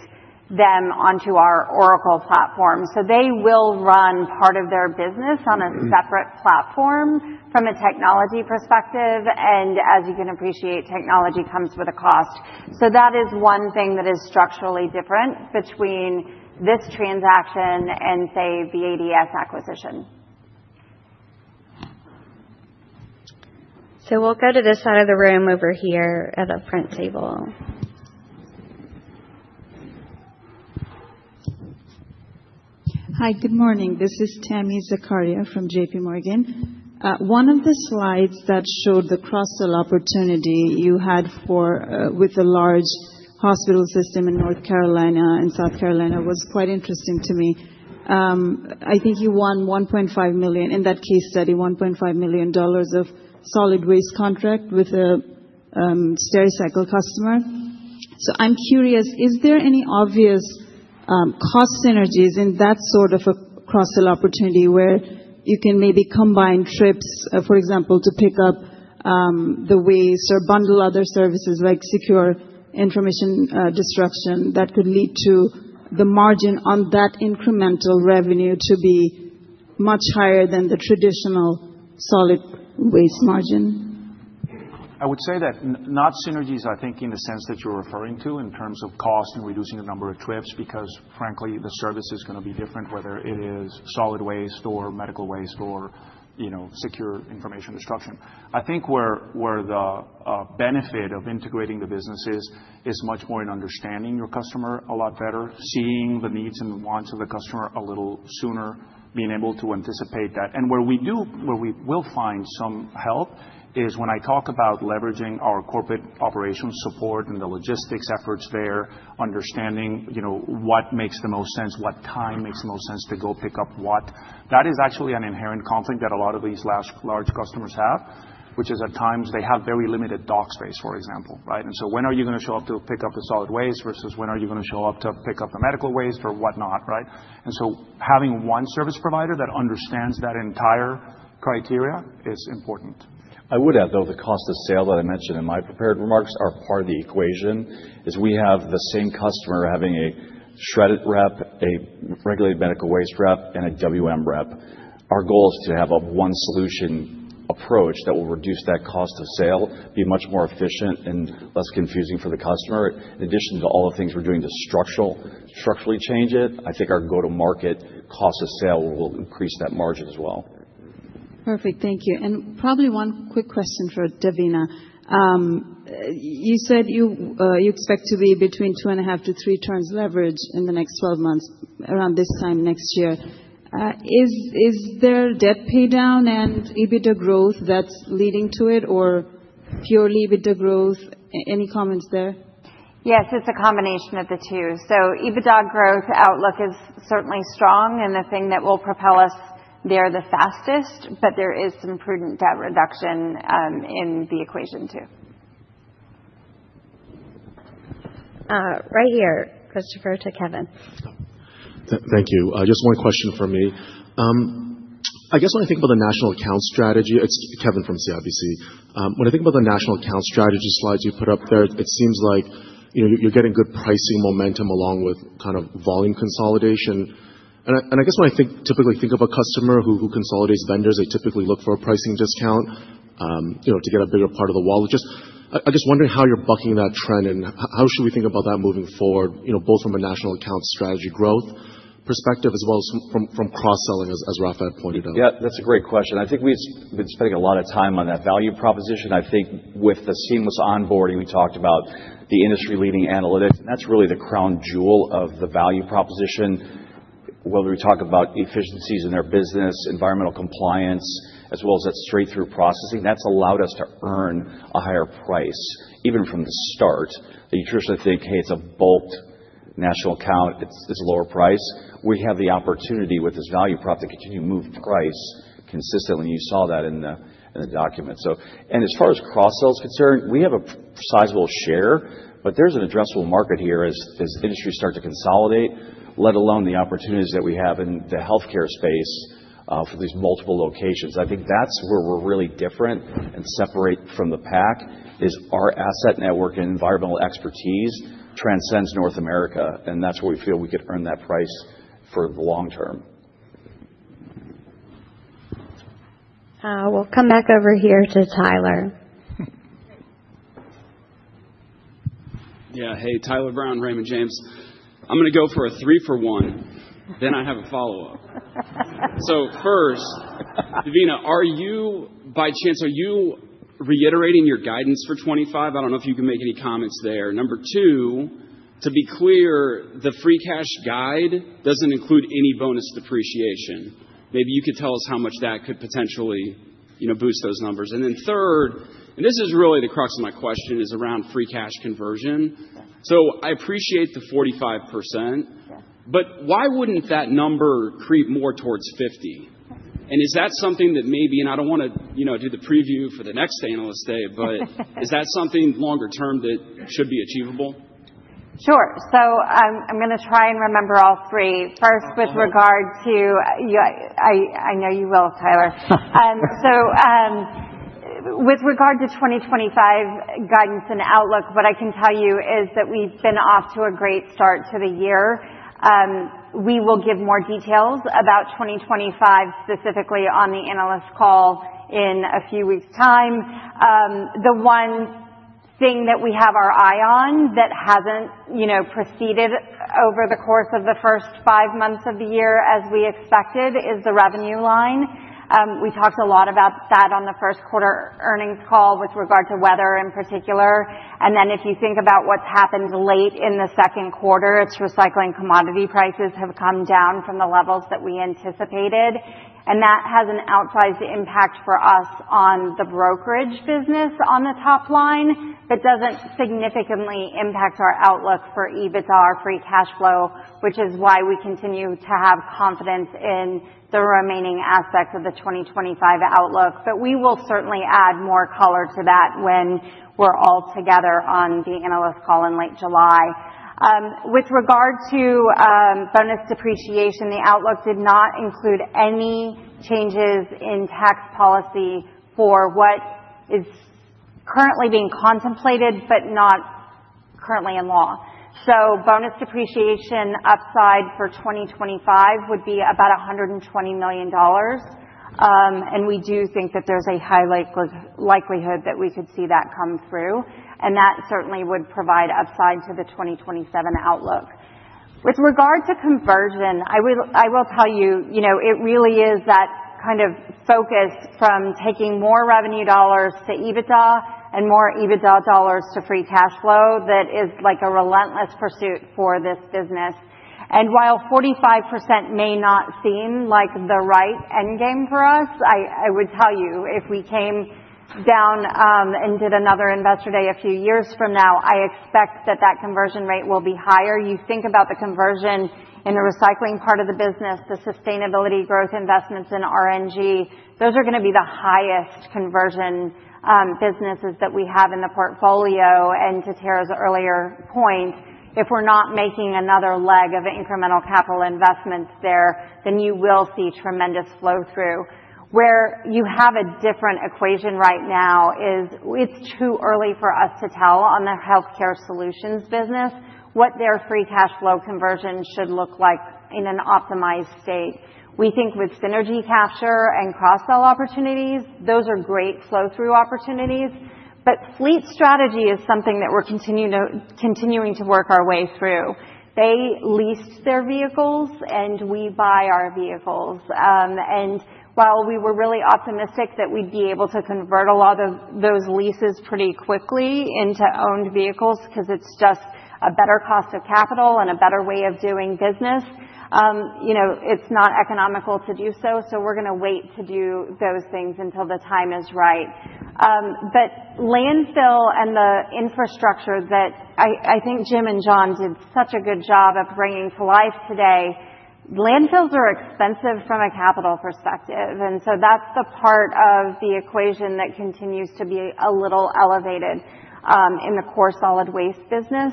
them onto our Oracle platform. They will run part of their business on a separate platform from a technology perspective. As you can appreciate, technology comes with a cost. That is one thing that is structurally different between this transaction and, say, the ADS acquisition. We'll go to this side of the room over here at the front table. Hi, good morning. This is Tami Zakaria from JPMorgan. One of the slides that showed the cross-sell opportunity you had with the large hospital system in North Carolina and South Carolina was quite interesting to me. I think you won $1.5 million in that case study, $1.5 million of solid waste contract with a Stericycle customer. I am curious, is there any obvious cost synergies in that sort of a cross-sell opportunity where you can maybe combine trips, for example, to pick up the waste or bundle other services like secure information destruction that could lead to the margin on that incremental revenue to be much higher than the traditional solid waste margin? I would say that not synergies, I think, in the sense that you're referring to in terms of cost and reducing the number of trips, because frankly, the service is going to be different, whether it is solid waste or medical waste or, you know, secure information destruction. I think where the benefit of integrating the business is, is much more in understanding your customer a lot better, seeing the needs and wants of the customer a little sooner, being able to anticipate that. Where we do, where we will find some help is when I talk about leveraging our corporate operations support and the logistics efforts there, understanding, you know, what makes the most sense, what time makes the most sense to go pick up what. That is actually an inherent conflict that a lot of these large customers have, which is at times they have very limited dock space, for example, right? At times, when are you going to show up to pick up the solid waste versus when are you going to show up to pick up the medical waste or whatnot, right? Having one service provider that understands that entire criteria is important. I would add, though, the cost of sale that I mentioned in my prepared remarks are part of the equation is we have the same customer having a shredded rep, a regulated medical waste rep, and a WM rep. Our goal is to have a one-solution approach that will reduce that cost of sale, be much more efficient, and less confusing for the customer. In addition to all the things we're doing to structurally change it, I think our go-to-market cost of sale will increase that margin as well. Perfect. Thank you. Probably one quick question for Devina. You said you expect to be between two and a half to three turns leveraged in the next 12 months, around this time next year. Is there debt paydown and EBITDA growth that's leading to it, or purely EBITDA growth? Any comments there? Yes, it's a combination of the two. EBITDA growth outlook is certainly strong, and the thing that will propel us there the fastest, but there is some prudent debt reduction in the equation too. Right here, Christopher to Kevin. Thank you. Just one question from me. I guess when I think about the national account strategy, it's Kevin from CIBC. When I think about the national account strategy slides you put up there, it seems like, you know, you're getting good pricing momentum along with kind of volume consolidation. And I guess when I typically think of a customer who consolidates vendors, they typically look for a pricing discount, you know, to get a bigger part of the wallet. Just, I guess, wondering how you're bucking that trend and how should we think about that moving forward, you know, both from a national account strategy growth perspective as well as from cross-selling, as Rafa pointed out. Yeah, that's a great question. I think we've been spending a lot of time on that value proposition. I think with the seamless onboarding, we talked about the industry-leading analytics, and that's really the crown jewel of the value proposition. Whether we talk about efficiencies in their business, environmental compliance, as well as that straight-through processing, that's allowed us to earn a higher price even from the start. You traditionally think, hey, it's a bulked national account, it's a lower price. We have the opportunity with this value prop to continue to move price consistently. You saw that in the document. As far as cross-sell is concerned, we have a sizable share, but there's an addressable market here as industries start to consolidate, let alone the opportunities that we have in the healthcare space for these multiple locations. I think that's where we're really different and separate from the pack is our asset network and environmental expertise transcends North America, and that's where we feel we could earn that price for the long term. We'll come back over here to Tyler. Yeah, hey, Tyler Brown, Raymond James. I'm going to go for a three for one, then I have a follow-up. First, Devina, are you, by chance, are you reiterating your guidance for 2025? I don't know if you can make any comments there. Number two, to be clear, the free cash guide doesn't include any bonus depreciation. Maybe you could tell us how much that could potentially, you know, boost those numbers. Then third, and this is really the crux of my question, is around free cash conversion. I appreciate the 45%, but why wouldn't that number creep more towards 50%? Is that something that maybe, and I don't want to, you know, do the preview for the next analyst day, but is that something longer term that should be achievable? Sure. I'm going to try and remember all three. First, with regard to, I know you will, Tyler. With regard to 2025 guidance and outlook, what I can tell you is that we've been off to a great start to the year. We will give more details about 2025 specifically on the analyst call in a few weeks' time. The one thing that we have our eye on that hasn't, you know, proceeded over the course of the first five months of the year, as we expected, is the revenue line. We talked a lot about that on the first quarter earnings call with regard to weather in particular. If you think about what's happened late in the second quarter, it's recycling commodity prices have come down from the levels that we anticipated. That has an outsized impact for us on the brokerage business on the top line, but does not significantly impact our outlook for EBITDA, our free cash flow, which is why we continue to have confidence in the remaining aspects of the 2025 outlook. We will certainly add more color to that when we are all together on the analyst call in late July. With regard to bonus depreciation, the outlook did not include any changes in tax policy for what is currently being contemplated, but not currently in law. Bonus depreciation upside for 2025 would be about $120 million. We do think that there is a high likelihood that we could see that come through. That certainly would provide upside to the 2027 outlook. With regard to conversion, I will tell you, you know, it really is that kind of focus from taking more revenue dollars to EBITDA and more EBITDA dollars to free cash flow that is like a relentless pursuit for this business. While 45% may not seem like the right end game for us, I would tell you if we came down and did another investor day a few years from now, I expect that that conversion rate will be higher. You think about the conversion in the recycling part of the business, the sustainability growth investments in RNG, those are going to be the highest conversion businesses that we have in the portfolio. To Tara's earlier point, if we're not making another leg of incremental capital investments there, then you will see tremendous flow through. Where you have a different equation right now is it's too early for us to tell on the healthcare solutions business what their free cash flow conversion should look like in an optimized state. We think with synergy capture and cross-sell opportunities, those are great flow-through opportunities. But fleet strategy is something that we're continuing to work our way through. They leased their vehicles, and we buy our vehicles. And while we were really optimistic that we'd be able to convert a lot of those leases pretty quickly into owned vehicles because it's just a better cost of capital and a better way of doing business, you know, it's not economical to do so. So we're going to wait to do those things until the time is right. Landfill and the infrastructure that I think Jim and John did such a good job of bringing to life today, landfills are expensive from a capital perspective. That is the part of the equation that continues to be a little elevated in the core solid waste business.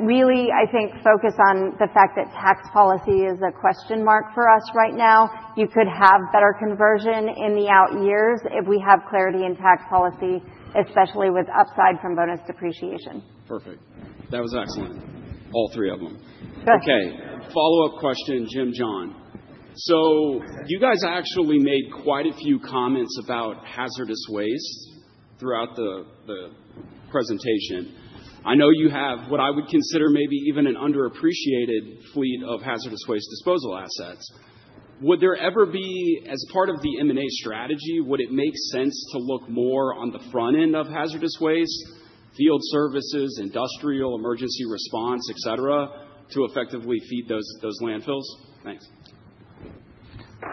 Really, I think focus on the fact that tax policy is a question mark for us right now. You could have better conversion in the out years if we have clarity in tax policy, especially with upside from bonus depreciation. Perfect. That was excellent. All three of them. Okay. Follow-up question, Jim, John. You guys actually made quite a few comments about hazardous waste throughout the presentation. I know you have what I would consider maybe even an underappreciated fleet of hazardous waste disposal assets. Would there ever be, as part of the M&A strategy, would it make sense to look more on the front end of hazardous waste, field services, industrial, emergency response, et cetera, to effectively feed those landfills? Thanks.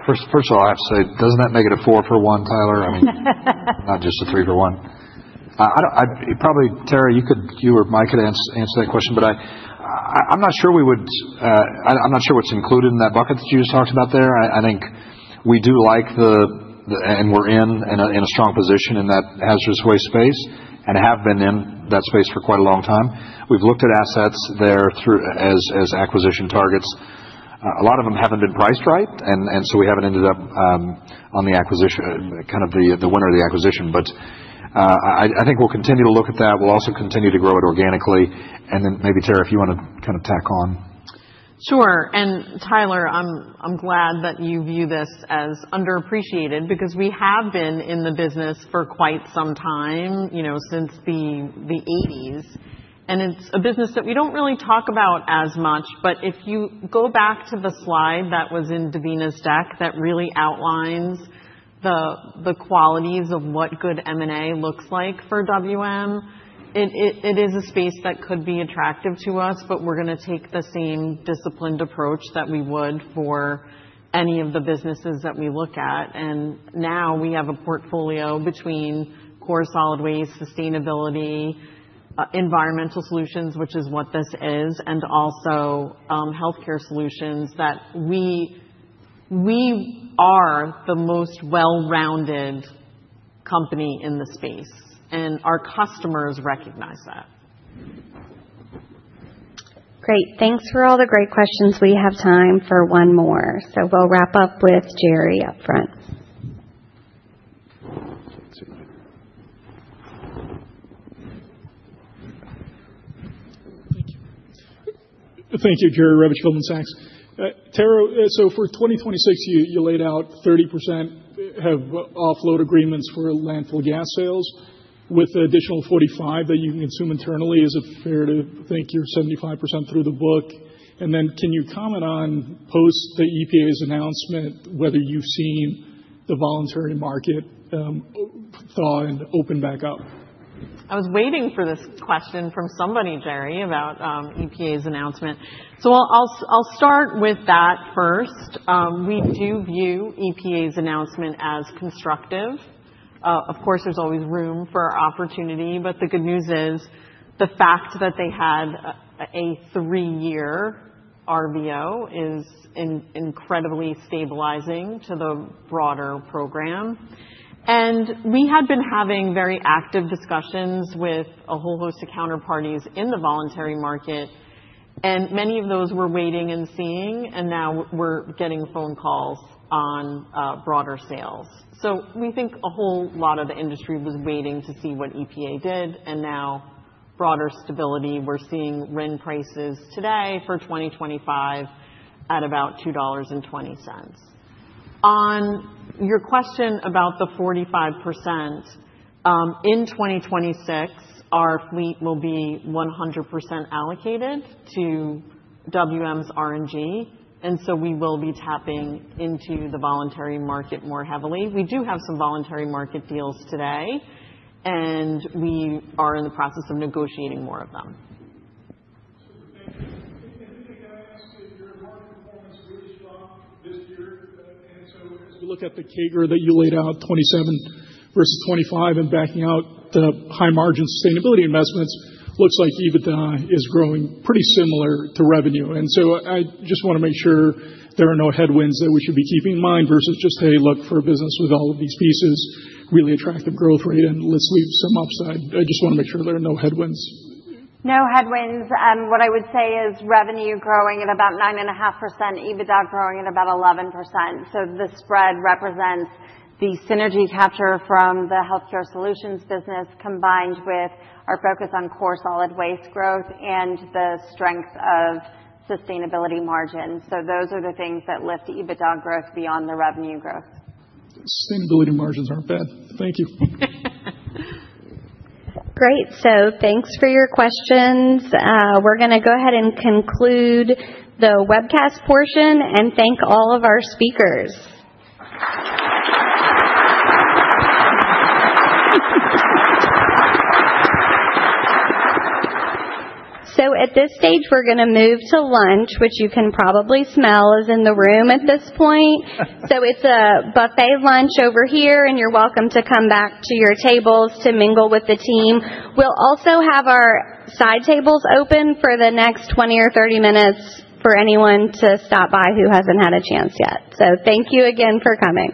First of all, I have to say, doesn't that make it a four for one, Tyler? I mean, not just a three for one. Probably, Tara, you or Mike could answer that question, but I'm not sure we would, I'm not sure what's included in that bucket that you just talked about there. I think we do like the, and we're in a strong position in that hazardous waste space and have been in that space for quite a long time. We've looked at assets there as acquisition targets. A lot of them haven't been priced right, and so we haven't ended up on the acquisition, kind of the winner of the acquisition. I think we'll continue to look at that. We'll also continue to grow it organically. And then maybe, Tara, if you want to kind of tack on. Sure. Tyler, I'm glad that you view this as underappreciated because we have been in the business for quite some time, you know, since the 1980s. It is a business that we do not really talk about as much, but if you go back to the slide that was in Devina's deck that really outlines the qualities of what good M&A looks like for WM, it is a space that could be attractive to us, but we are going to take the same disciplined approach that we would for any of the businesses that we look at. Now we have a portfolio between core solid waste, sustainability, environmental solutions, which is what this is, and also healthcare solutions that we are the most well-rounded company in the space. Our customers recognize that. Great. Thanks for all the great questions. We have time for one more. We'll wrap up with Jerry up front. Thank you, Jerry Revich, Goldman Sachs. Tara, so for 2026, you laid out 30% have offload agreements for landfill gas sales with the additional 45% that you can consume internally. Is it fair to think you're 75% through the book? And then can you comment on post the EPA's announcement, whether you've seen the voluntary market thaw and open back up? I was waiting for this question from somebody, Jerry, about EPA's announcement. I will start with that first. We do view EPA's announcement as constructive. Of course, there is always room for opportunity, but the good news is the fact that they had a three-year RVO is incredibly stabilizing to the broader program. We had been having very active discussions with a whole host of counterparties in the voluntary market, and many of those were waiting and seeing, and now we are getting phone calls on broader sales. We think a whole lot of the industry was waiting to see what EPA did, and now broader stability. We are seeing RIN prices today for 2025 at about $2.20. On your question about the 45%, in 2026, our fleet will be 100% allocated to WM's RNG, and we will be tapping into the voluntary market more heavily. We do have some voluntary market deals today, and we are in the process of negotiating more of them. I think I asked that your market performance really strong this year. As we look at the CAGR that you laid out, 2027 versus 2025, and backing out the high margin sustainability investments, looks like EBITDA is growing pretty similar to revenue. I just want to make sure there are no headwinds that we should be keeping in mind versus just, hey, look for a business with all of these pieces, really attractive growth rate, and let's leave some upside. I just want to make sure there are no headwinds. No headwinds. What I would say is revenue growing at about 9.5%, EBITDA growing at about 11%. The spread represents the synergy capture from the healthcare solutions business combined with our focus on core solid waste growth and the strength of sustainability margins. Those are the things that lift EBITDA growth beyond the revenue growth. Sustainability margins aren't bad. Thank you. Great. Thanks for your questions. We're going to go ahead and conclude the webcast portion and thank all of our speakers. At this stage, we're going to move to lunch, which you can probably smell is in the room at this point. It is a buffet lunch over here, and you're welcome to come back to your tables to mingle with the team. We'll also have our side tables open for the next 20 or 30 minutes for anyone to stop by who hasn't had a chance yet. Thank you again for coming.